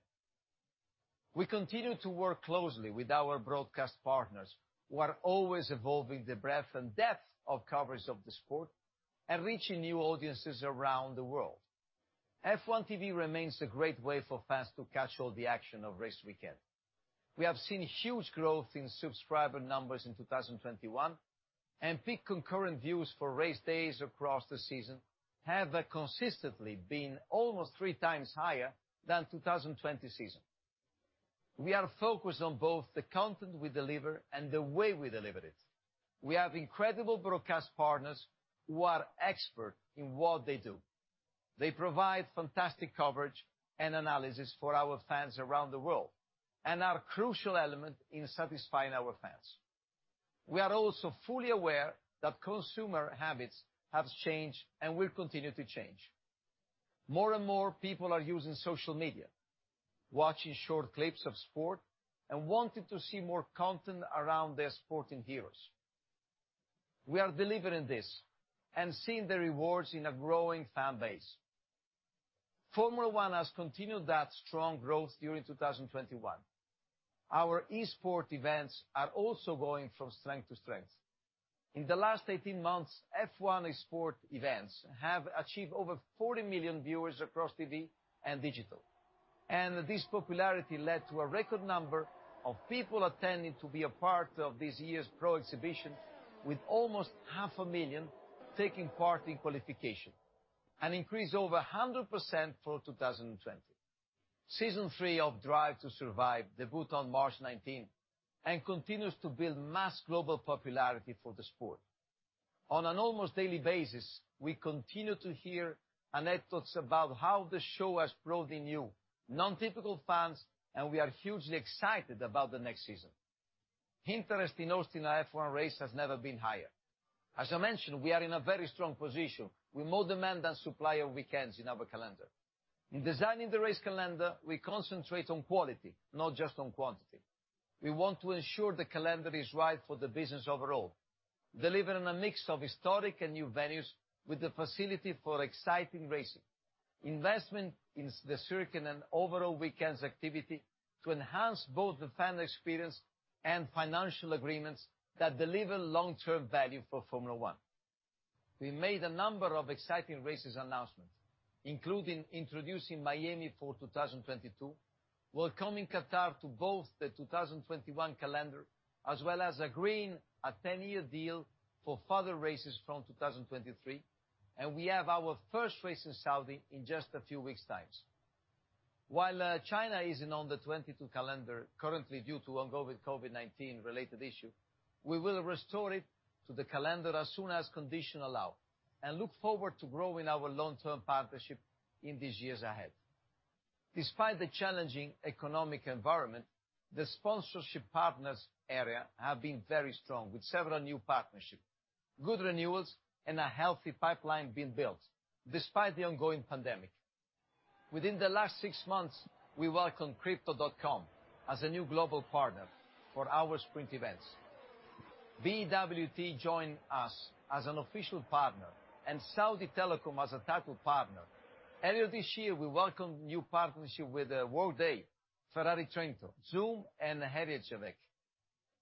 We continue to work closely with our broadcast partners who are always evolving the breadth and depth of coverage of the sport and reaching new audiences around the world. F1 TV remains a great way for fans to catch all the action of race weekend. We have seen huge growth in subscriber numbers in 2021, and peak concurrent views for race days across the season have consistently been almost three times higher than 2020 season. We are focused on both the content we deliver and the way we deliver it. We have incredible broadcast partners who are expert in what they do. They provide fantastic coverage and analysis for our fans around the world, and are a crucial element in satisfying our fans. We are also fully aware that consumer habits have changed and will continue to change. More and more people are using social media, watching short clips of sport, and wanting to see more content around their sporting heroes. We are delivering this and seeing the rewards in a growing fan base. Formula One has continued that strong growth during 2021. Our esports events are also going from strength to strength. In the last 18 months, F1 esports events have achieved over 40 million viewers across TV and digital. This popularity led to a record number of people attending to be a part of this year's pro exhibition, with almost half a million taking part in qualification, an increase over 100% for 2020. Season 3 of Drive to Survive debuted on March 19 and continues to build mass global popularity for the sport. On an almost daily basis, we continue to hear anecdotes about how the show has brought in new, non-typical fans, and we are hugely excited about the next season. Interest in hosting an F1 race has never been higher. As I mentioned, we are in a very strong position with more demand than supply of weekends in our calendar. In designing the race calendar, we concentrate on quality, not just on quantity. We want to ensure the calendar is right for the business overall, delivering a mix of historic and new venues with the facility for exciting racing. Investment in the circuit and overall weekends activity to enhance both the fan experience and financial agreements that deliver long-term value for Formula One. We made a number of exciting race announcements, including introducing Miami for 2022, welcoming Qatar to both the 2021 calendar, as well as agreeing a 10-year deal for further races from 2023, and we have our first race in Saudi in just a few weeks time. While China isn't on the 2022 calendar currently due to ongoing COVID-19 related issue, we will restore it to the calendar as soon as conditions allow, and look forward to growing our long-term partnership in these years ahead. Despite the challenging economic environment, the sponsorship partners area have been very strong, with several new partnerships, good renewals, and a healthy pipeline being built despite the ongoing pandemic. Within the last 6 months, we welcome Crypto.com as a new global partner for our sprint events. VWT joined us as an official partner, and stc as a title partner. Earlier this year, we welcomed new partnership with Workday, Ferrari Trento, Zoom, and Heineken.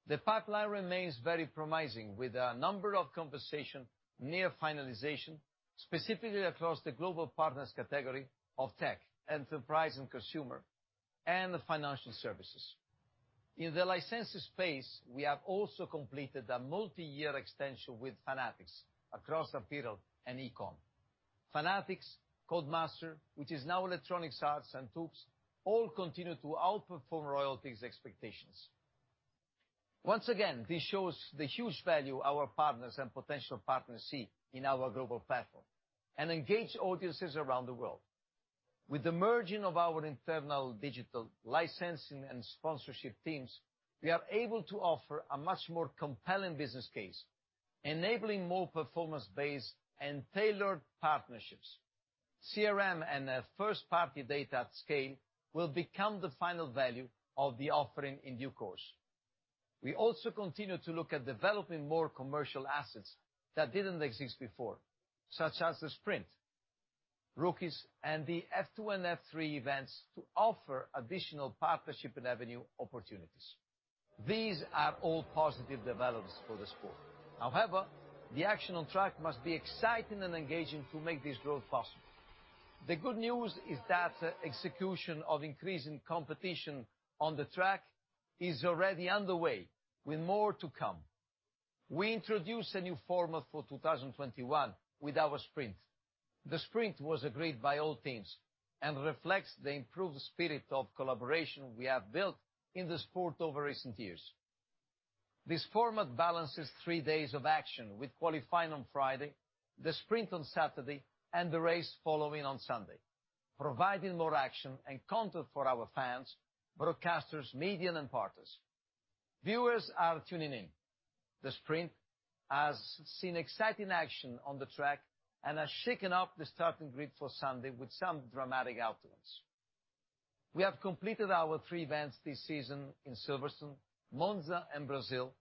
The pipeline remains very promising, with a number of conversations near finalization, specifically across the global partners category of tech, enterprise and consumer, and the financial services. In the licensing space, we have also completed a multi-year extension with Fanatics across apparel and e-com. Fanatics, Codemasters, which is now Electronic Arts, and Tukes all continue to outperform royalties expectations. Once again, this shows the huge value our partners and potential partners see in our global platform and engage audiences around the world. With the merging of our internal digital licensing and sponsorship teams, we are able to offer a much more compelling business case, enabling more performance-based and tailored partnerships. CRM and the first-party data at scale will become the final value of the offering in due course. We also continue to look at developing more commercial assets that didn't exist before, such as the Sprint, rookies, and the F2 and F3 events to offer additional partnership and revenue opportunities. These are all positive developments for the sport. However, the action on track must be exciting and engaging to make this growth possible. The good news is that execution of increasing competition on the track is already underway with more to come. We introduced a new format for 2021 with our Sprint. The Sprint was agreed by all teams and reflects the improved spirit of collaboration we have built in the sport over recent years. This format balances three days of action with qualifying on Friday, the Sprint on Saturday, and the race following on Sunday, providing more action and content for our fans, broadcasters, media, and partners. Viewers are tuning in. The Sprint has seen exciting action on the track and has shaken up the starting grid for Sunday with some dramatic outcomes. We have completed our three events this season in Silverstone, Monza, and Brazil,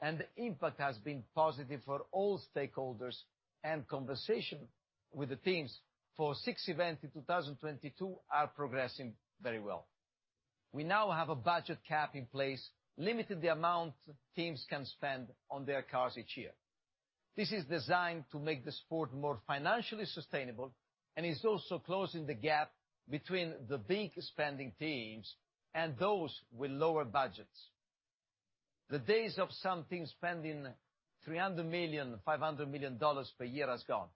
and the impact has been positive for all stakeholders, and conversation with the teams for six events in 2022 are progressing very well. We now have a budget cap in place, limiting the amount teams can spend on their cars each year. This is designed to make the sport more financially sustainable, and is also closing the gap between the big spending teams and those with lower budgets. The days of some teams spending $300 million-$500 million per year has gone.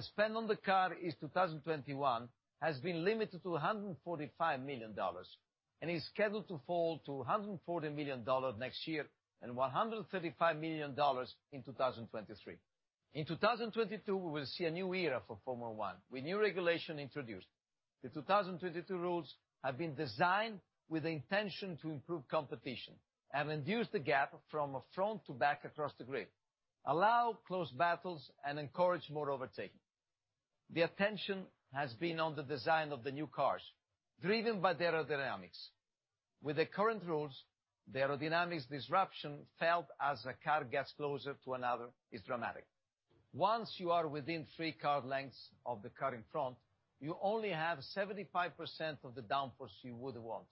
Spend on the car in 2021 has been limited to $145 million, and is scheduled to fall to $140 million next year, and $135 million in 2023. In 2022, we will see a new era for Formula One with new regulation introduced. The 2022 rules have been designed with the intention to improve competition and reduce the gap from front to back across the grid, allow close battles, and encourage more overtaking. The attention has been on the design of the new cars, driven by the aerodynamics. With the current rules, the aerodynamics disruption felt as a car gets closer to another is dramatic. Once you are within 3 car lengths of the car in front, you only have 75% of the downforce you would want.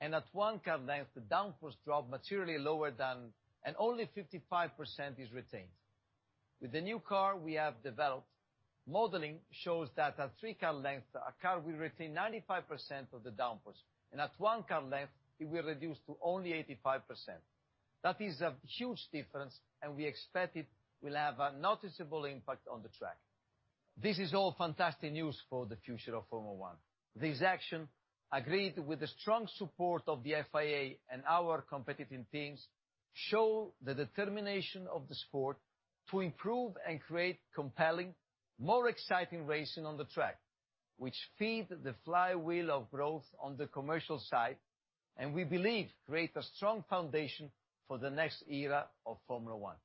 At 1 car length, the downforce drop materially lower than, and only 55% is retained. With the new car we have developed, modeling shows that at 3 car lengths, a car will retain 95% of the downforce, and at 1 car length, it will reduce to only 85%. That is a huge difference, and we expect it will have a noticeable impact on the track. This is all fantastic news for the future of Formula One. This action, agreed with the strong support of the FIA and our competitive teams, show the determination of the sport to improve and create compelling, more exciting racing on the track, which feed the flywheel of growth on the commercial side, and we believe create a strong foundation for the next era of Formula One.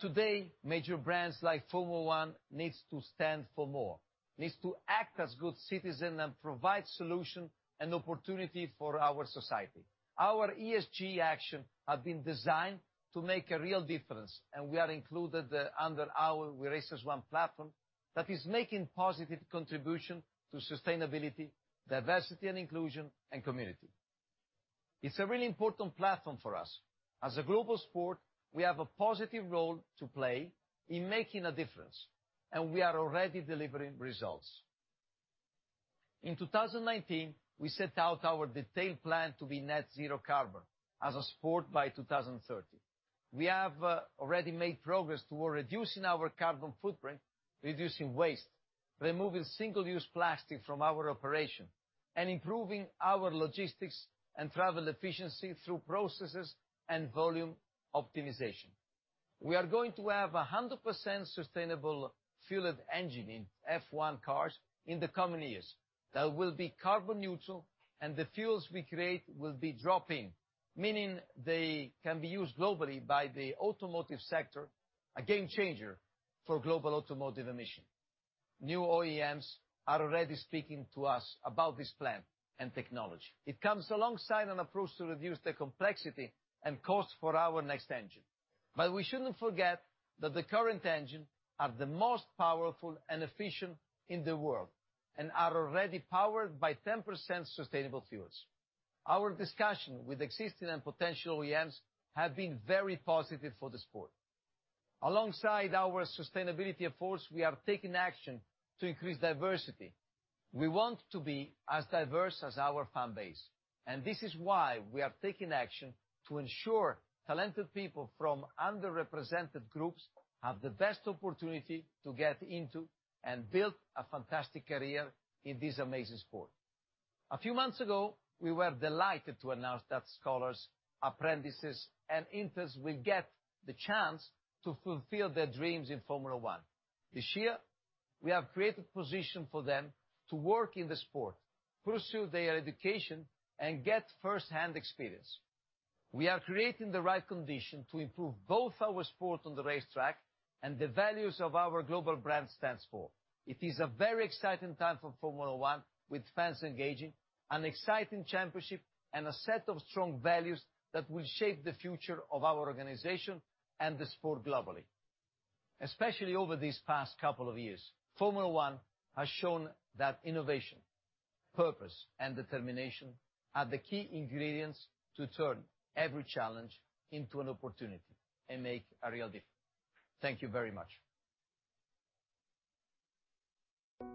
Today, major brands like Formula One needs to stand for more, needs to act as good citizen and provide solution and opportunity for our society. Our ESG action have been designed to make a real difference, under our We Race As One platform that is making positive contribution to sustainability, diversity and inclusion, and community. It's a really important platform for us. As a global sport, we have a positive role to play in making a difference, and we are already delivering results. In 2019, we set out our detailed plan to be net zero carbon as a sport by 2030. We have already made progress toward reducing our carbon footprint, reducing waste, removing single-use plastic from our operation, and improving our logistics and travel efficiency through processes and volume optimization. We are going to have 100% sustainable fueled engine in F1 cars in the coming years that will be carbon neutral, and the fuels we create will be drop-in, meaning they can be used globally by the automotive sector, a game changer for global automotive emission. New OEMs are already speaking to us about this plan and technology. It comes alongside an approach to reduce the complexity and cost for our next engine. We shouldn't forget that the current engine are the most powerful and efficient in the world, and are already powered by 10% sustainable fuels. Our discussion with existing and potential OEMs have been very positive for the sport. Alongside our sustainability efforts, we are taking action to increase diversity. We want to be as diverse as our fan base, and this is why we are taking action to ensure talented people from underrepresented groups have the best opportunity to get into and build a fantastic career in this amazing sport. A few months ago, we were delighted to announce that scholars, apprentices, and interns will get the chance to fulfill their dreams in Formula One. This year, we have created position for them to work in the sport, pursue their education, and get first-hand experience. We are creating the right condition to improve both our sport on the racetrack and the values of our global brand stands for. It is a very exciting time for Formula One with fans engaging, an exciting championship, and a set of strong values that will shape the future of our organization and the sport globally. Especially over these past couple of years, Formula One has shown that innovation, purpose, and determination are the key ingredients to turn every challenge into an opportunity and make a real difference. Thank you very much. That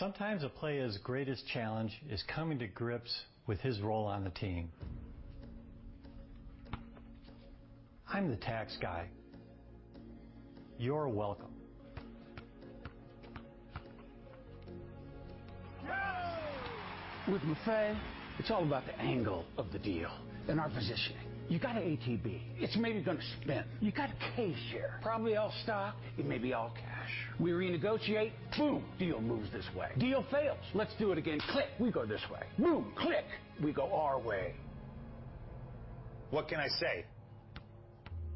was personal to me. I took offense to that. I took it personally. I was offended. I took it personally. Sometimes a player's greatest challenge is coming to grips with his role on the team. I'm the tax guy. You're welcome. Go! With Maffei, it's all about the angle of the deal and our positioning. You got a ATB. It's maybe gonna spin. You got a K share, probably all stock. It may be all cash. We renegotiate. Boom, deal moves this way. Deal fails. Let's do it again. Click, we go this way. Boom, click, we go our way. What can I say?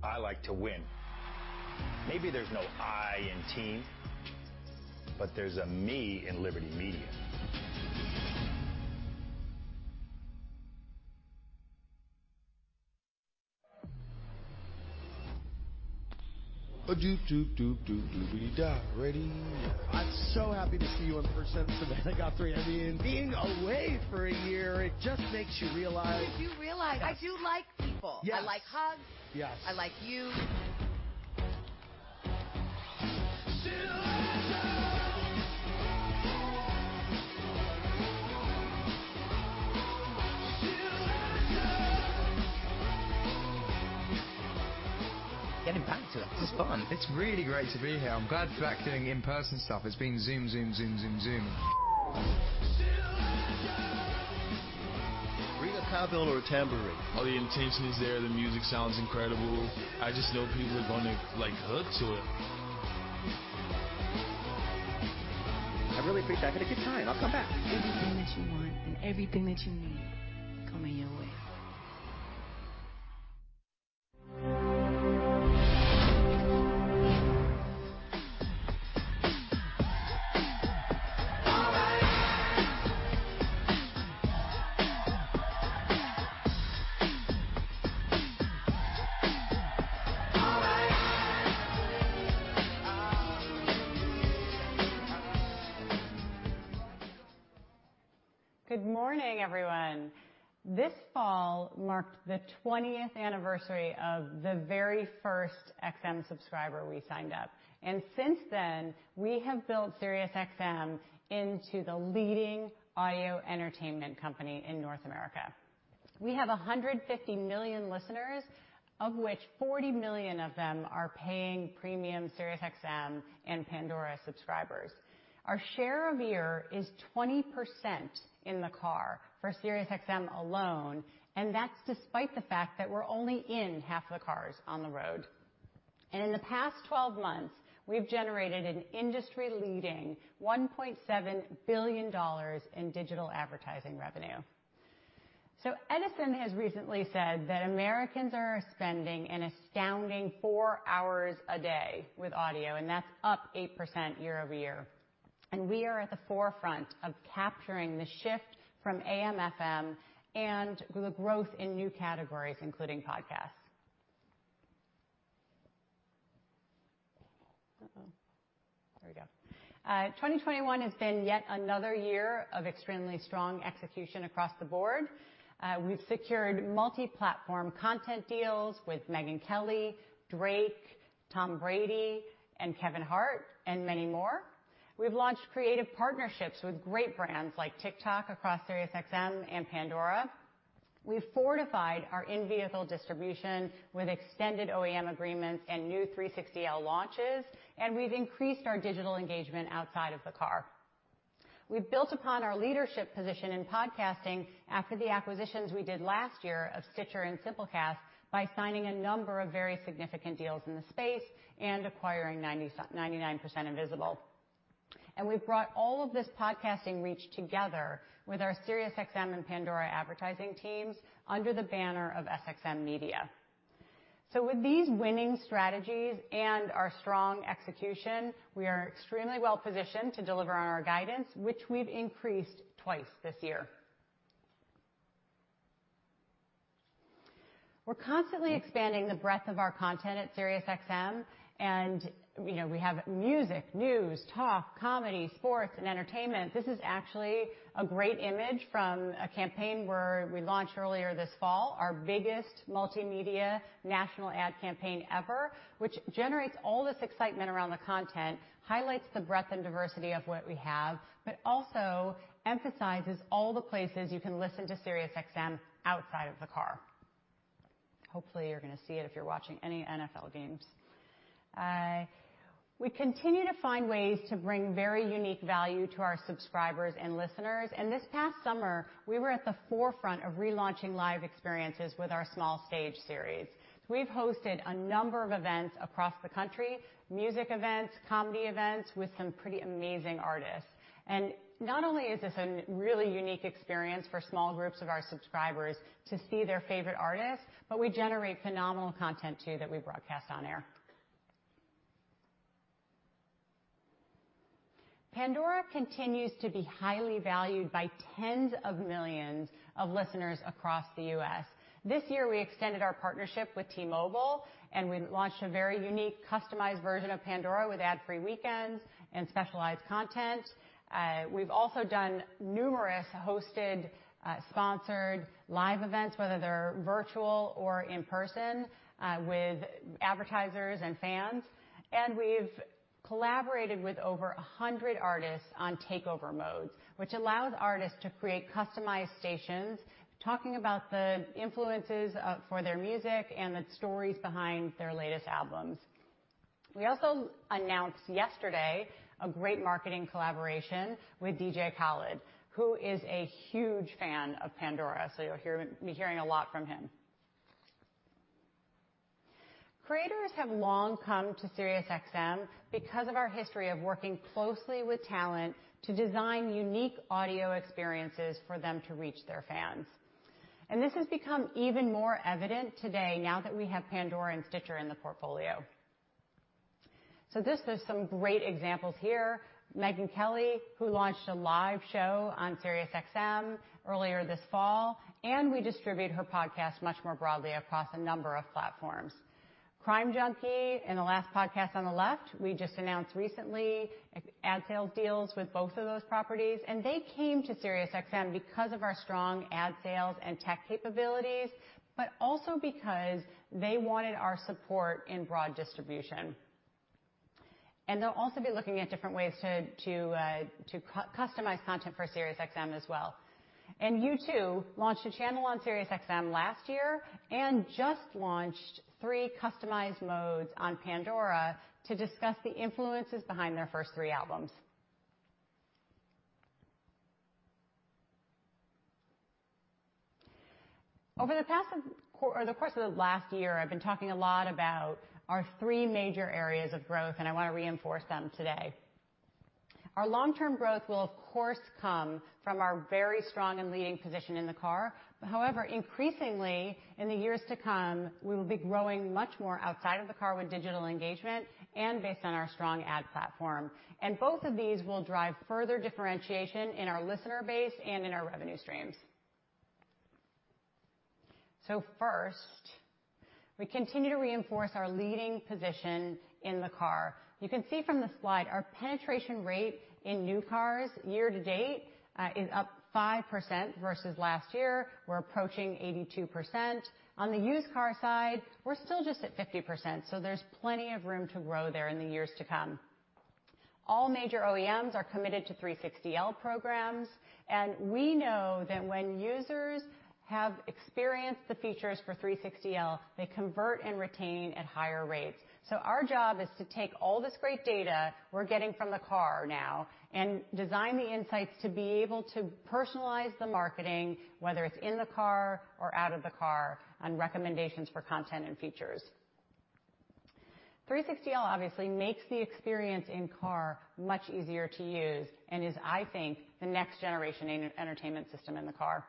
I like to win. Maybe there's no I in team, but there's a me in Liberty Media. I'm so happy to see you in person, Savannah Guthrie. I mean, being away for a year, it just makes you realize. I do realize I do like people. Yes. I like hugs. Yes. I like you. Still I rise. Still I rise. Getting back to it, this is fun. It's really great to be here. I'm glad to be back doing in-person stuff. It's been Zoom, Zoom, Zoom. Still I rise. Read a Bible or a tambourine. All the intention is there. The music sounds incredible. I just know people are gonna like, hook to it. I really appreciate. I've had a good time, and I'll come back. Everything that you want and everything that you need coming your way. Good morning, everyone. This fall marked the 20th anniversary of the very first XM subscriber we signed up, and since then, we have built SiriusXM into the leading audio entertainment company in North America. We have 150 million listeners, of which 40 million of them are paying premium SiriusXM and Pandora subscribers. Our share of ear is 20% in the car for SiriusXM alone, and that's despite the fact that we're only in half the cars on the road. In the past 12 months, we've generated an industry-leading $1.7 billion in digital advertising revenue. Edison has recently said that Americans are spending an astounding 4 hours a day with audio, and that's up 8% year over year. We are at the forefront of capturing the shift from AM/FM and the growth in new categories, including podcasts. There we go. 2021 has been yet another year of extremely strong execution across the board. We've secured multi-platform content deals with Megyn Kelly, Drake, Tom Brady, and Kevin Hart, and many more. We've launched creative partnerships with great brands like TikTok across SiriusXM and Pandora. We've fortified our in-vehicle distribution with extended OEM agreements and new 360L launches, and we've increased our digital engagement outside of the car. We've built upon our leadership position in podcasting after the acquisitions we did last year of Stitcher and Simplecast by signing a number of very significant deals in the space and acquiring 99% Invisible. We've brought all of this podcasting reach together with our SiriusXM and Pandora advertising teams under the banner of SXM Media. With these winning strategies and our strong execution, we are extremely well-positioned to deliver on our guidance, which we've increased twice this year. We're constantly expanding the breadth of our content at SiriusXM, and you know, we have music, news, talk, comedy, sports, and entertainment. This is actually a great image from a campaign where we launched earlier this fall our biggest multimedia national ad campaign ever, which generates all this excitement around the content, highlights the breadth and diversity of what we have, but also emphasizes all the places you can listen to SiriusXM outside of the car. Hopefully, you're gonna see it if you're watching any NFL games. We continue to find ways to bring very unique value to our subscribers and listeners, and this past summer, we were at the forefront of relaunching live experiences with our small stage series. We've hosted a number of events across the country, music events, comedy events with some pretty amazing artists. Not only is this a really unique experience for small groups of our subscribers to see their favorite artists, but we generate phenomenal content too that we broadcast on air. Pandora continues to be highly valued by tens of millions of listeners across the U.S. This year we extended our partnership with T-Mobile, and we launched a very unique customized version of Pandora with ad-free weekends and specialized content. We've also done numerous hosted, sponsored live events, whether they're virtual or in person, with advertisers and fans. We've collaborated with over 100 artists on takeover modes, which allows artists to create customized stations talking about the influences for their music and the stories behind their latest albums. We also announced yesterday a great marketing collaboration with DJ Khaled, who is a huge fan of Pandora, so you'll be hearing a lot from him. Creators have long come to SiriusXM because of our history of working closely with talent to design unique audio experiences for them to reach their fans. This has become even more evident today now that we have Pandora and Stitcher in the portfolio. This is some great examples here. Megyn Kelly, who launched a live show on SiriusXM earlier this fall, and we distribute her podcast much more broadly across a number of platforms. Crime Junkie and Last Podcast on the Left, we just announced recently ad sales deals with both of those properties, and they came to SiriusXM because of our strong ad sales and tech capabilities, but also because they wanted our support in broad distribution. They'll also be looking at different ways to customize content for SiriusXM as well. U2 launched a channel on SiriusXM last year and just launched three customized modes on Pandora to discuss the influences behind their first three albums. Over the past quarter or the course of the last year, I've been talking a lot about our three major areas of growth, and I wanna reinforce them today. Our long-term growth will of course come from our very strong and leading position in the car. However, increasingly, in the years to come, we will be growing much more outside of the car with digital engagement and based on our strong ad platform. Both of these will drive further differentiation in our listener base and in our revenue streams. First, we continue to reinforce our leading position in the car. You can see from the slide our penetration rate in new cars year to date is up 5% versus last year. We're approaching 82%. On the used car side, we're still just at 50%, so there's plenty of room to grow there in the years to come. All major OEMs are committed to 360L programs, and we know that when users have experienced the features for 360L, they convert and retain at higher rates. Our job is to take all this great data we're getting from the car now and design the insights to be able to personalize the marketing, whether it's in the car or out of the car, on recommendations for content and features. 360L obviously makes the experience in-car much easier to use and is, I think, the next generation in entertainment system in the car.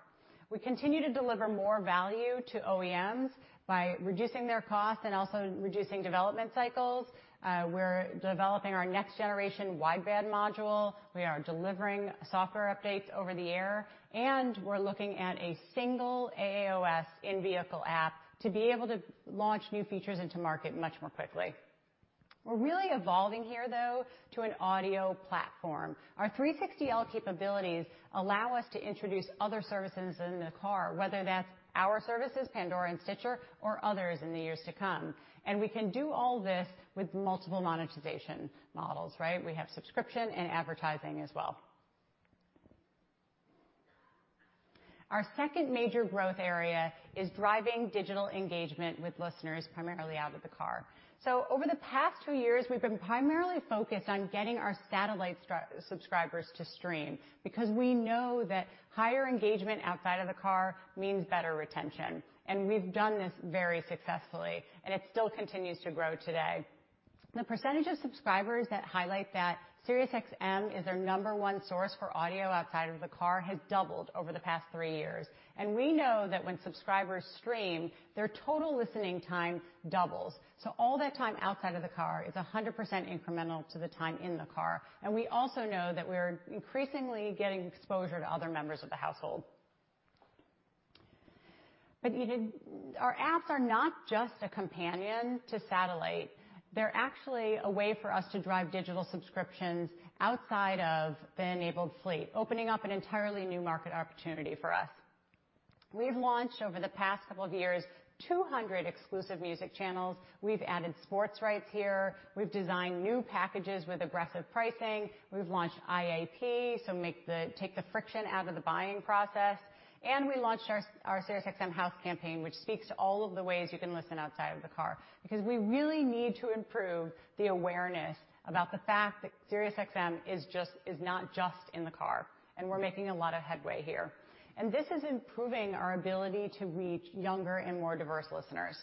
We continue to deliver more value to OEMs by reducing their costs and also reducing development cycles. We're developing our next generation wideband module. We are delivering software updates over the air, and we're looking at a single AAOS in-vehicle app to be able to launch new features into market much more quickly. We're really evolving here, though, to an audio platform. Our 360L capabilities allow us to introduce other services in the car, whether that's our services, Pandora and Stitcher, or others in the years to come. We can do all this with multiple monetization models, right? We have subscription and advertising as well. Our second major growth area is driving digital engagement with listeners primarily out of the car. Over the past two years, we've been primarily focused on getting our satellite subscribers to stream because we know that higher engagement outside of the car means better retention. We've done this very successfully, and it still continues to grow today. The percentage of subscribers that highlight that SiriusXM is their number one source for audio outside of the car has doubled over the past three years. We know that when subscribers stream, their total listening time doubles. All that time outside of the car is 100% incremental to the time in the car. We also know that we're increasingly getting exposure to other members of the household. Even our apps are not just a companion to satellite. They're actually a way for us to drive digital subscriptions outside of the enabled fleet, opening up an entirely new market opportunity for us. We've launched, over the past couple of years, 200 exclusive music channels. We've added sports rights here. We've designed new packages with aggressive pricing. We've launched IAP, so take the friction out of the buying process. We launched our Home of SiriusXM campaign, which speaks to all of the ways you can listen outside of the car, because we really need to improve the awareness about the fact that SiriusXM is not just in the car, and we're making a lot of headway here. This is improving our ability to reach younger and more diverse listeners.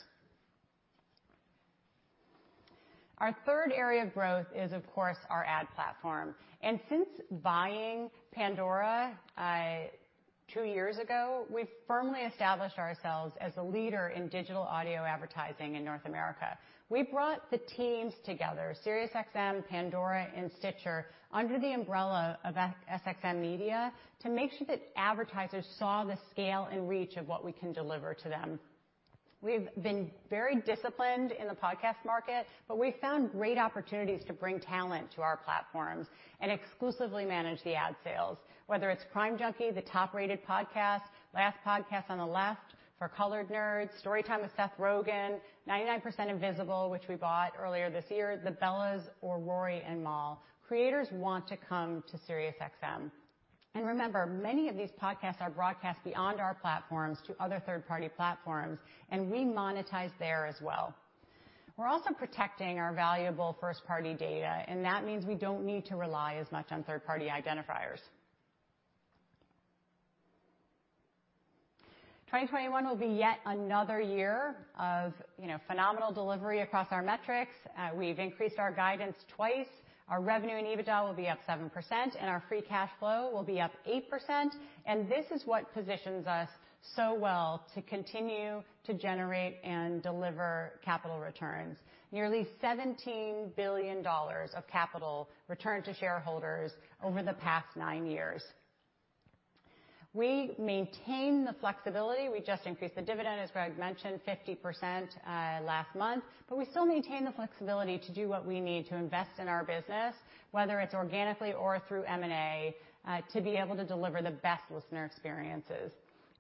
Our third area of growth is, of course, our ad platform. Since buying Pandora two years ago, we've firmly established ourselves as the leader in digital audio advertising in North America. We brought the teams together, SiriusXM, Pandora, and Stitcher, under the umbrella of SXM Media to make sure that advertisers saw the scale and reach of what we can deliver to them. We've been very disciplined in the podcast market, but we found great opportunities to bring talent to our platforms and exclusively manage the ad sales, whether it's Crime Junkie, the top-rated podcast, Last Podcast on the Left, For Colored Nerds, Storytime with Seth Rogen, Ninety-Nine Percent Invisible, which we bought earlier this year, The Bellas or Rory and Mal. Creators want to come to SiriusXM. Remember, many of these podcasts are broadcast beyond our platforms to other third-party platforms, and we monetize there as well. We're also protecting our valuable first-party data, and that means we don't need to rely as much on third-party identifiers. 2021 will be yet another year of, you know, phenomenal delivery across our metrics. We've increased our guidance twice. Our revenue and EBITDA will be up 7% and our free cash flow will be up 8%. This is what positions us so well to continue to generate and deliver capital returns. Nearly $17 billion of capital returned to shareholders over the past nine years. We maintain the flexibility. We just increased the dividend, as Greg mentioned, 50%, last month, but we still maintain the flexibility to do what we need to invest in our business, whether it's organically or through M&A, to be able to deliver the best listener experiences.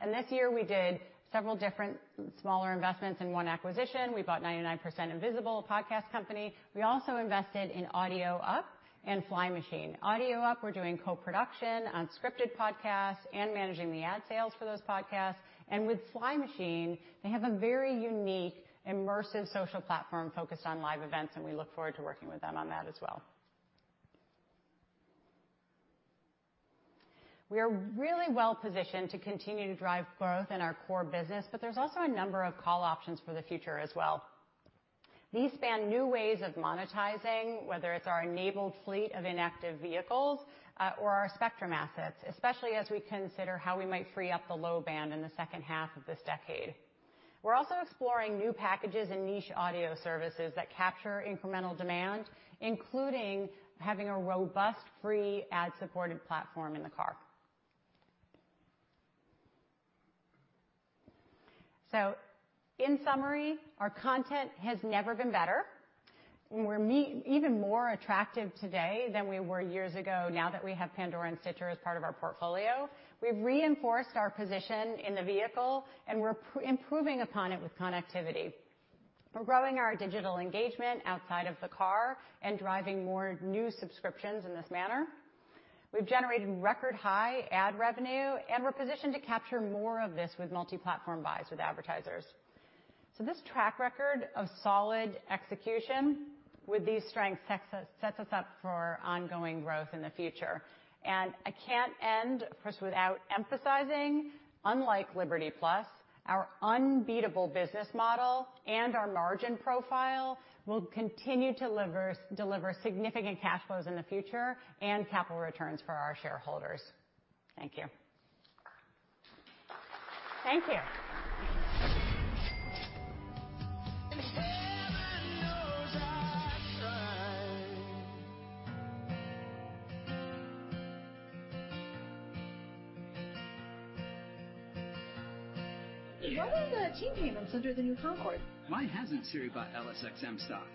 This year we did several different smaller investments in one acquisition. We bought 99% Invisible, a podcast company. We also invested in Audio Up and Flymachine. Audio Up, we're doing co-production on scripted podcasts and managing the ad sales for those podcasts. With Flymachine, they have a very unique immersive social platform focused on live events, and we look forward to working with them on that as well. We are really well-positioned to continue to drive growth in our core business, but there's also a number of call options for the future as well. These span new ways of monetizing, whether it's our enabled fleet of inactive vehicles, or our spectrum assets, especially as we consider how we might free up the low band in the second half of this decade. We're also exploring new packages and niche audio services that capture incremental demand, including having a robust, free ad-supported platform in the car. In summary, our content has never been better. We're even more attractive today than we were years ago now that we have Pandora and Stitcher as part of our portfolio. We've reinforced our position in the vehicle and we're improving upon it with connectivity. We're growing our digital engagement outside of the car and driving more new subscriptions in this manner. We've generated record high ad revenue, and we're positioned to capture more of this with multi-platform buys with advertisers. This track record of solid execution with these strengths sets us up for ongoing growth in the future. I can't end, of course, without emphasizing, unlike Liberty Plus, our unbeatable business model and our margin profile will continue to deliver significant cash flows in the future and capital returns for our shareholders. Thank you. When will the team payments under the new Concorde? Hasn't Sirius bought LSXM stock?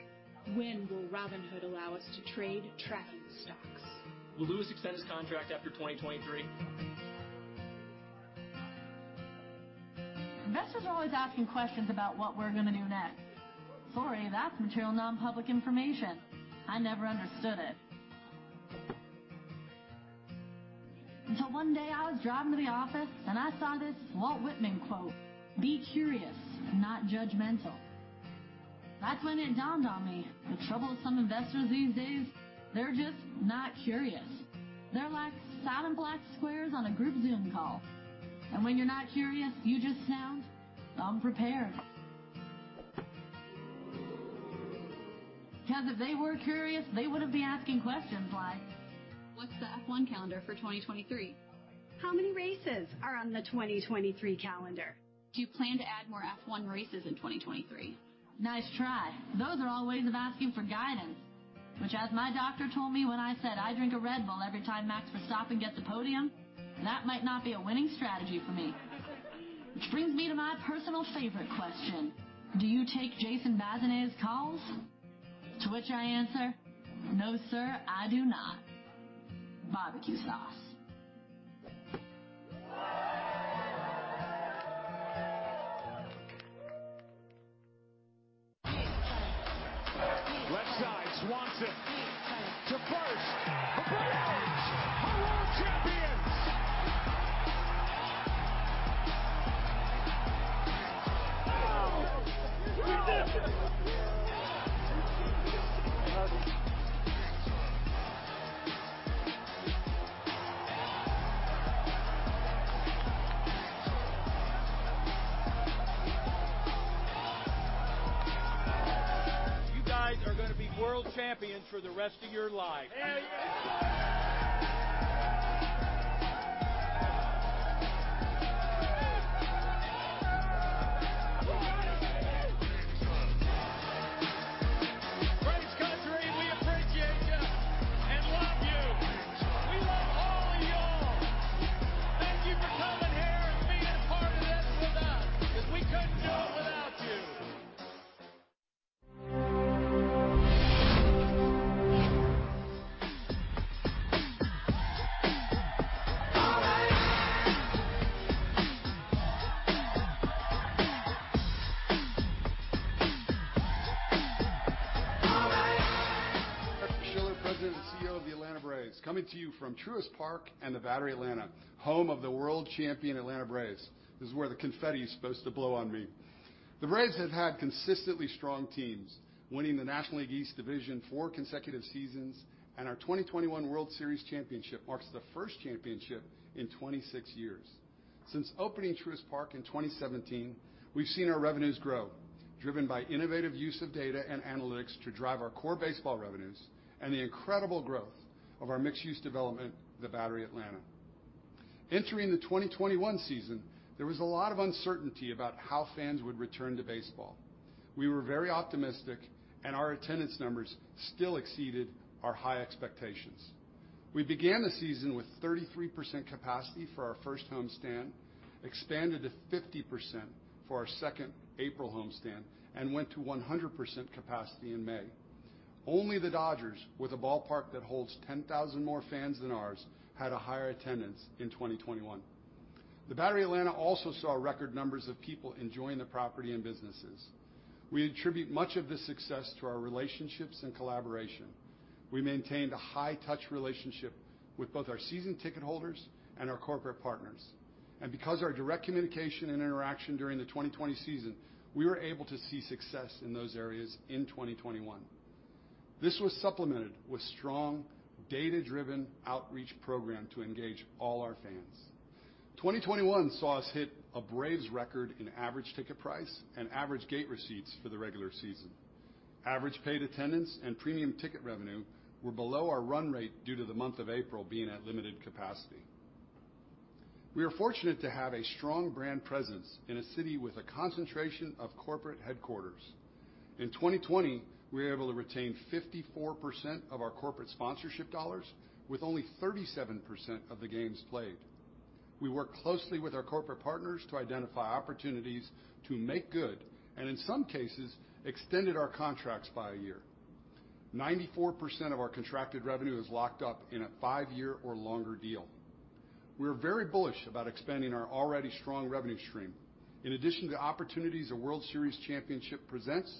When will Robinhood allow us to trade tracking stocks? Will Lewis extend his contract after 2023? Investors are always asking questions about what we're gonna do next. Sorry, that's material nonpublic information. I never understood it. Until one day I was driving to the office and I saw this Walt Whitman quote, "Be curious, not judgmental." That's when it dawned on me. The troublesome investors these days They're just not curious. They're like silent black squares on a group Zoom call. When you're not curious, you just sound unprepared. 'Cause if they were curious, they wouldn't be asking questions like, "What's the F1 calendar for 2023? How many races are on the 2023 calendar? Do you plan to add more F1 races in 2023?" Nice try. Those are all ways of asking for guidance, which as my doctor told me when I said I drink a Red Bull every time Max Verstappen gets a podium, that might not be a winning strategy for me. Which brings me to my personal favorite question. "Do you take Jason Bazinet's calls?" To which I answer, "No, sir, I do not. Barbecue sauce. Left side, Swanson to for coming here and being a part of this with us, 'cause we couldn't do it without you. Derek Schiller, President and CEO of the Atlanta Braves, coming to you from Truist Park and the Battery Atlanta, home of the world champion Atlanta Braves. This is where the confetti is supposed to blow on me. The Braves have had consistently strong teams, winning the National League East Division 4 consecutive seasons, and our 2021 World Series championship marks the first championship in 26 years. Since opening Truist Park in 2017, we've seen our revenues grow, driven by innovative use of data and analytics to drive our core baseball revenues and the incredible growth of our mixed-use development, the Battery Atlanta. Entering the 2021 season, there was a lot of uncertainty about how fans would return to baseball. We were very optimistic, and our attendance numbers still exceeded our high expectations. We began the season with 33% capacity for our first home stand, expanded to 50% for our second April home stand, and went to 100% capacity in May. Only the Dodgers, with a ballpark that holds 10,000 more fans than ours, had a higher attendance in 2021. The Battery Atlanta also saw record numbers of people enjoying the property and businesses. We attribute much of this success to our relationships and collaboration. We maintained a high touch relationship with both our season ticket holders and our corporate partners, and because of our direct communication and interaction during the 2020 season, we were able to see success in those areas in 2021. This was supplemented with strong data-driven outreach program to engage all our fans. 2021 saw us hit a Braves record in average ticket price and average gate receipts for the regular season. Average paid attendance and premium ticket revenue were below our run rate due to the month of April being at limited capacity. We are fortunate to have a strong brand presence in a city with a concentration of corporate headquarters. In 2020, we were able to retain 54% of our corporate sponsorship dollars with only 37% of the games played. We work closely with our corporate partners to identify opportunities to make good, and in some cases extended our contracts by a year. 94% of our contracted revenue is locked up in a five-year or longer deal. We are very bullish about expanding our already strong revenue stream. In addition to opportunities a World Series championship presents,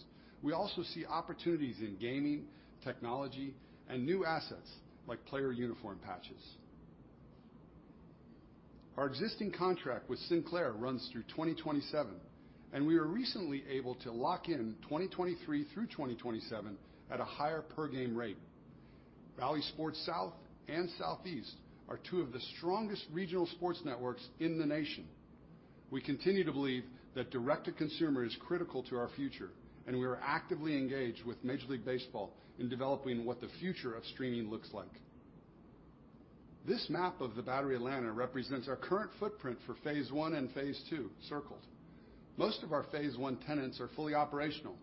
we also see opportunities in gaming, technology, and new assets like player uniform patches. Our existing contract with Sinclair runs through 2027, and we were recently able to lock in 2023 through 2027 at a higher per game rate. Bally Sports South and Southeast are two of the strongest regional sports networks in the nation. We continue to believe that direct to consumer is critical to our future, and we are actively engaged with Major League Baseball in developing what the future of streaming looks like. This map of the Battery Atlanta represents our current footprint for phase one and phase two, circled. Most of our phase one tenants are fully operational.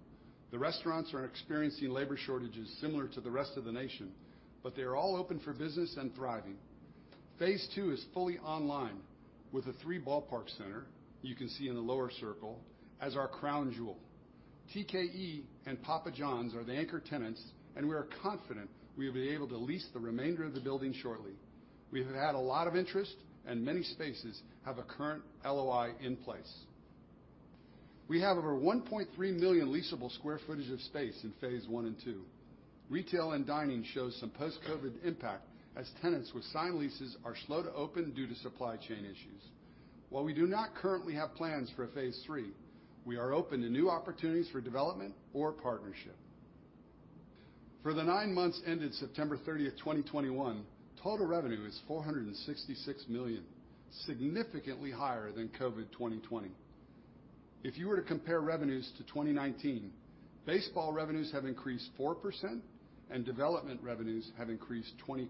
The restaurants are experiencing labor shortages similar to the rest of the nation, but they are all open for business and thriving. Phase two is fully online with a three ballpark center, you can see in the lower circle, as our crown jewel. TKE and Papa Johns are the anchor tenants, and we are confident we will be able to lease the remainder of the building shortly. We have had a lot of interest, and many spaces have a current LOI in place. We have over 1.3 million leasable square footage of space in phase one and two. Retail and dining shows some post-COVID impact as tenants with signed leases are slow to open due to supply chain issues. While we do not currently have plans for a phase three, we are open to new opportunities for development or partnership. For the nine months ended September 30, 2021, total revenue is $466 million, significantly higher than COVID 2020. If you were to compare revenues to 2019, baseball revenues have increased 4% and development revenues have increased 22%.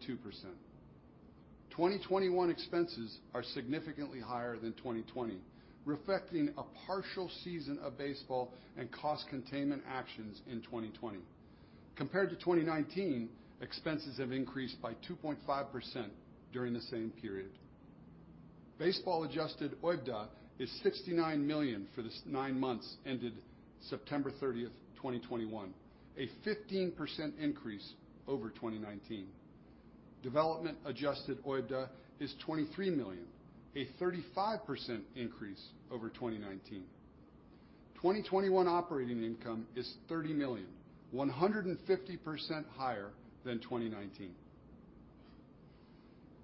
2021 expenses are significantly higher than 2020, reflecting a partial season of baseball and cost containment actions in 2020. Compared to 2019, expenses have increased by 2.5% during the same period. Baseball adjusted OIBDA is $69 million for the nine months ended September 30, 2021, a 15% increase over 2019. Development adjusted OIBDA is $23 million, a 35% increase over 2019. 2021 operating income is $30 million, 150% higher than 2019.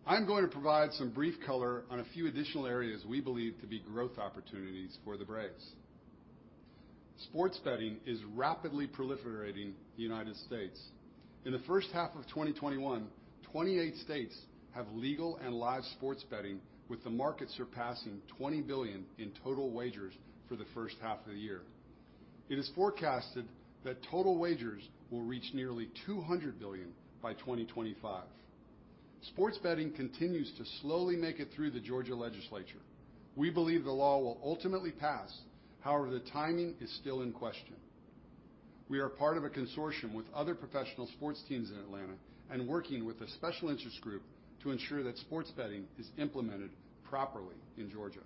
I'm going to provide some brief color on a few additional areas we believe to be growth opportunities for the Braves. Sports betting is rapidly proliferating in the United States. In the first half of 2021, 28 states have legal and live sports betting with the market surpassing $20 billion in total wagers for the first half of the year. It is forecasted that total wagers will reach nearly $200 billion by 2025. Sports betting continues to slowly make it through the Georgia legislature. We believe the law will ultimately pass, however, the timing is still in question. We are part of a consortium with other professional sports teams in Atlanta and working with a special interest group to ensure that sports betting is implemented properly in Georgia.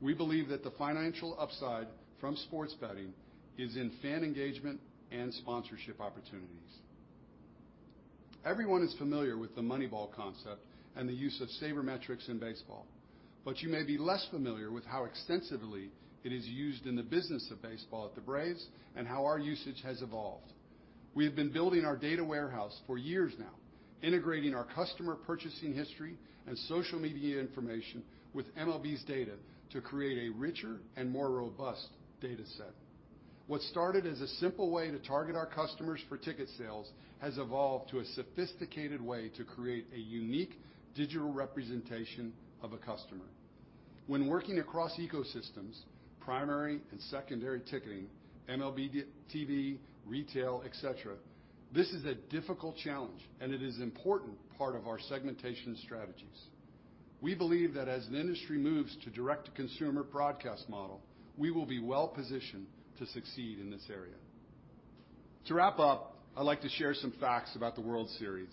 We believe that the financial upside from sports betting is in fan engagement and sponsorship opportunities. Everyone is familiar with the Moneyball concept and the use of sabermetrics in baseball, but you may be less familiar with how extensively it is used in the business of baseball at the Braves and how our usage has evolved. We have been building our data warehouse for years now, integrating our customer purchasing history and social media information with MLB's data to create a richer and more robust data set. What started as a simple way to target our customers for ticket sales has evolved to a sophisticated way to create a unique digital representation of a customer. When working across ecosystems, primary and secondary ticketing, MLB, DTV, retail, et cetera, this is a difficult challenge, and it is an important part of our segmentation strategies. We believe that as the industry moves to direct-to-consumer broadcast model, we will be well-positioned to succeed in this area. To wrap up, I'd like to share some facts about the World Series.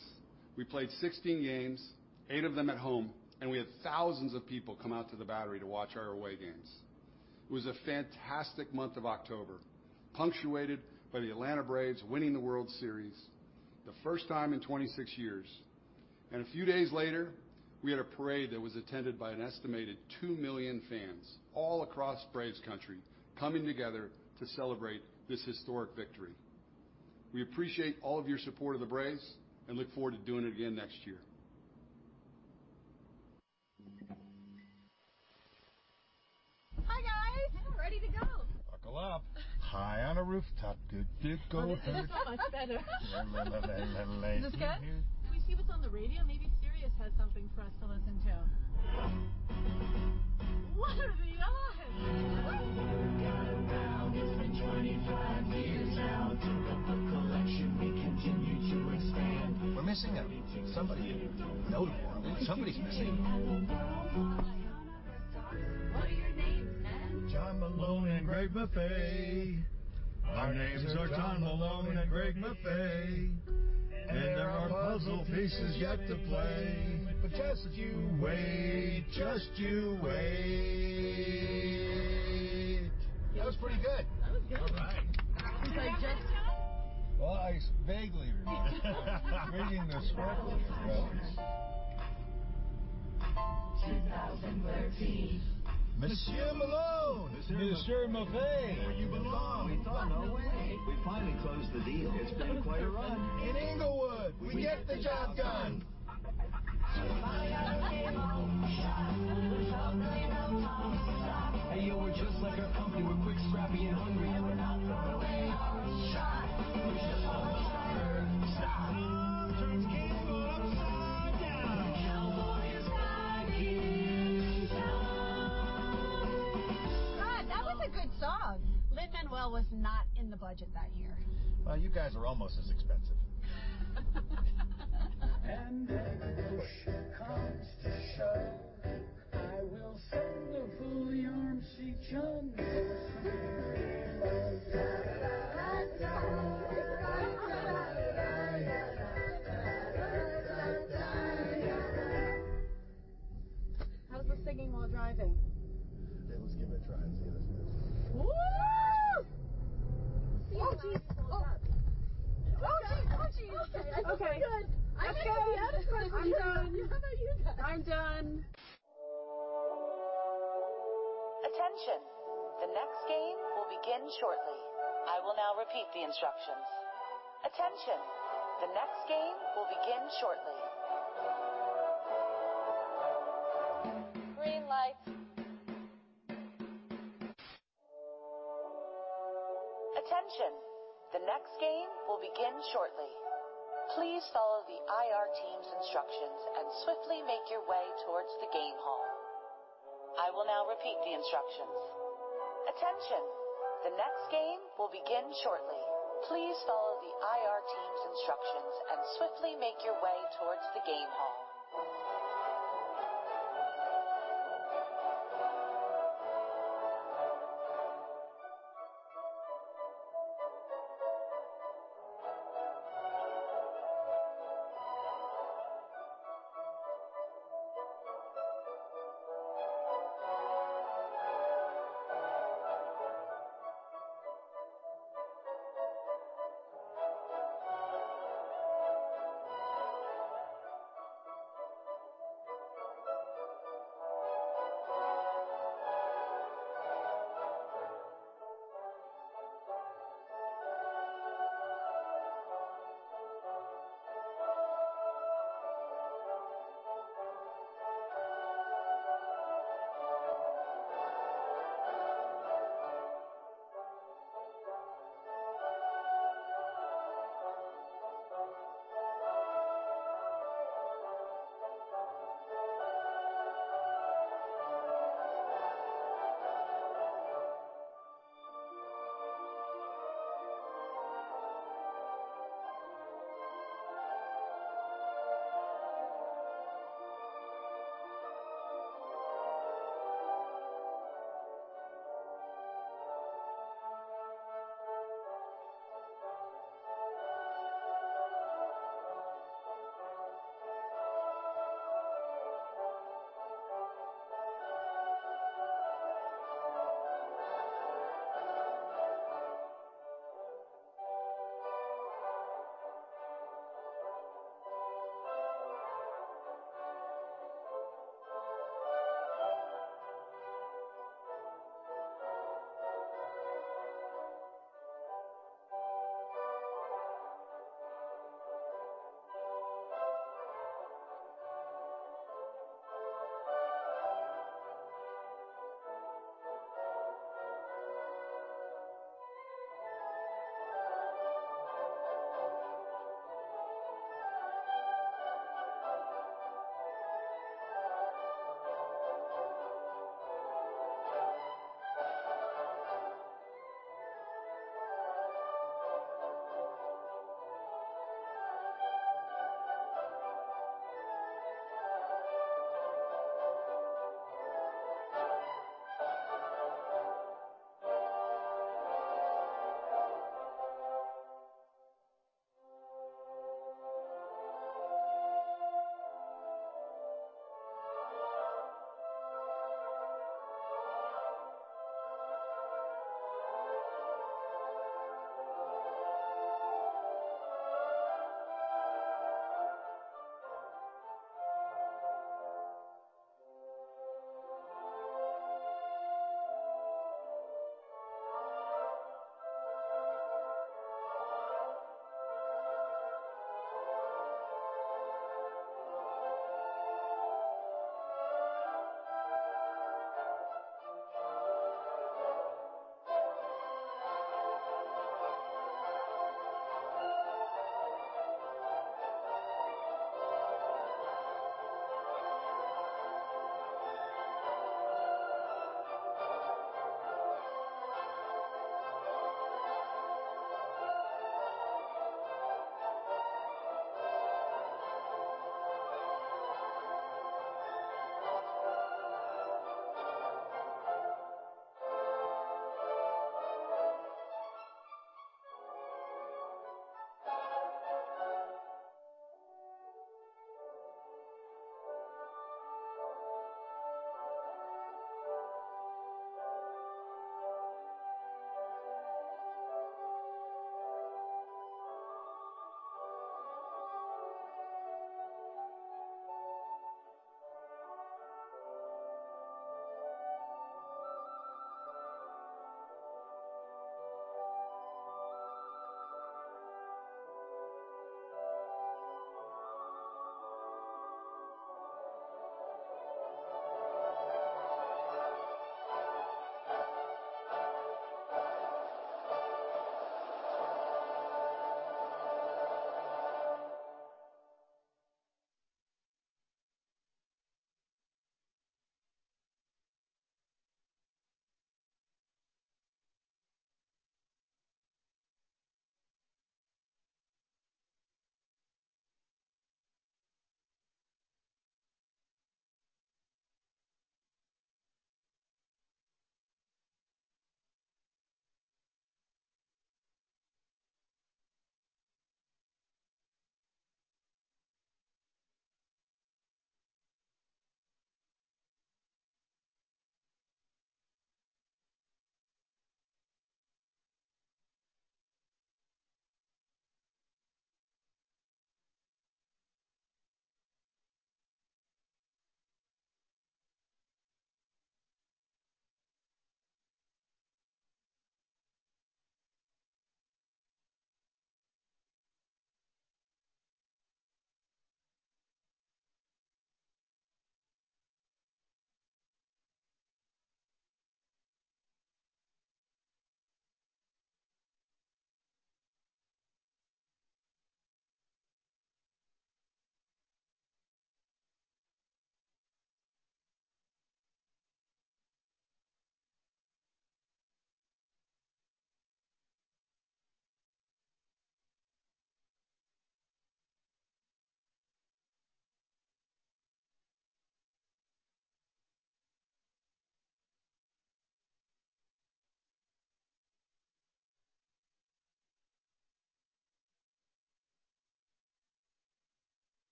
We played 16 games, 8 of them at home, and we had thousands of people come out to the Battery to watch our away games. It was a fantastic month of October, punctuated by the Atlanta Braves winning the World Series, the first time in 26 years, and a few days later, we had a parade that was attended by an estimated 2 million fans all across Braves country coming together to celebrate this historic victory. We appreciate all of your support of the Braves and look forward to doing it again next year. Hi, guys. Yeah, ready to go. Buckle up. High on a rooftop, good dick always. T his is so much better. Is this good? Can we see what's on the radio? Maybe Sirius has something for us to listen to. What are the odds? What? We've got it now. It's been 25 years now. Dig up the collection. We continue to expand. We're missing somebody important. Somebody's missing. At the Brown County Pawn and Restock. What are your names, men? John Malone and Greg Maffei. Our names are John Malone and Greg Maffei. There are puzzle pieces yet to play. Just you wait. Just you wait. That was pretty good. That was good. All right. Do you remember that song? Well, I vaguely remember it, reading the script. 2013. MonsieurMalone. Monsieur Maffei. Where you belong. We thought no way. We finally closed the deal. It's been quite a run. In Inglewood, we get the job done. She finally got her game on shot. It was all green, no Tom sock. Hey, yo, we're just like our company, we're quick, scrappy, and hungry. We're not throwing away our shot. We're just gonna fire off. Tom turns game upside down. The Cowboy's ride into town. God, that was a good song. Lin-Manuel was not in the budget that year. Well, you guys were almost as expensive. When push comes to shove. I will sing the full Yarmushke chime. Da-da-da-da-da. How's the singing while driving? Hey, let's give it a try and see how this goes. Whoo. Yes. Geez. Okay. I think we're good. Okay. Let's go. I think we had it for the road. I'm done. Yeah, I think you did. I'm done. Attention! The next game will begin shortly. I will now repeat the instructions. Attention! The next game will begin shortly. Green light. Attention. The next game will begin shortly. Please follow the IR team's instructions and swiftly make your way towards the game hall. I will now repeat the instructions. Attention. The next game will begin shortly. Please follow the IR team's instructions and swiftly make your way towards the game hall.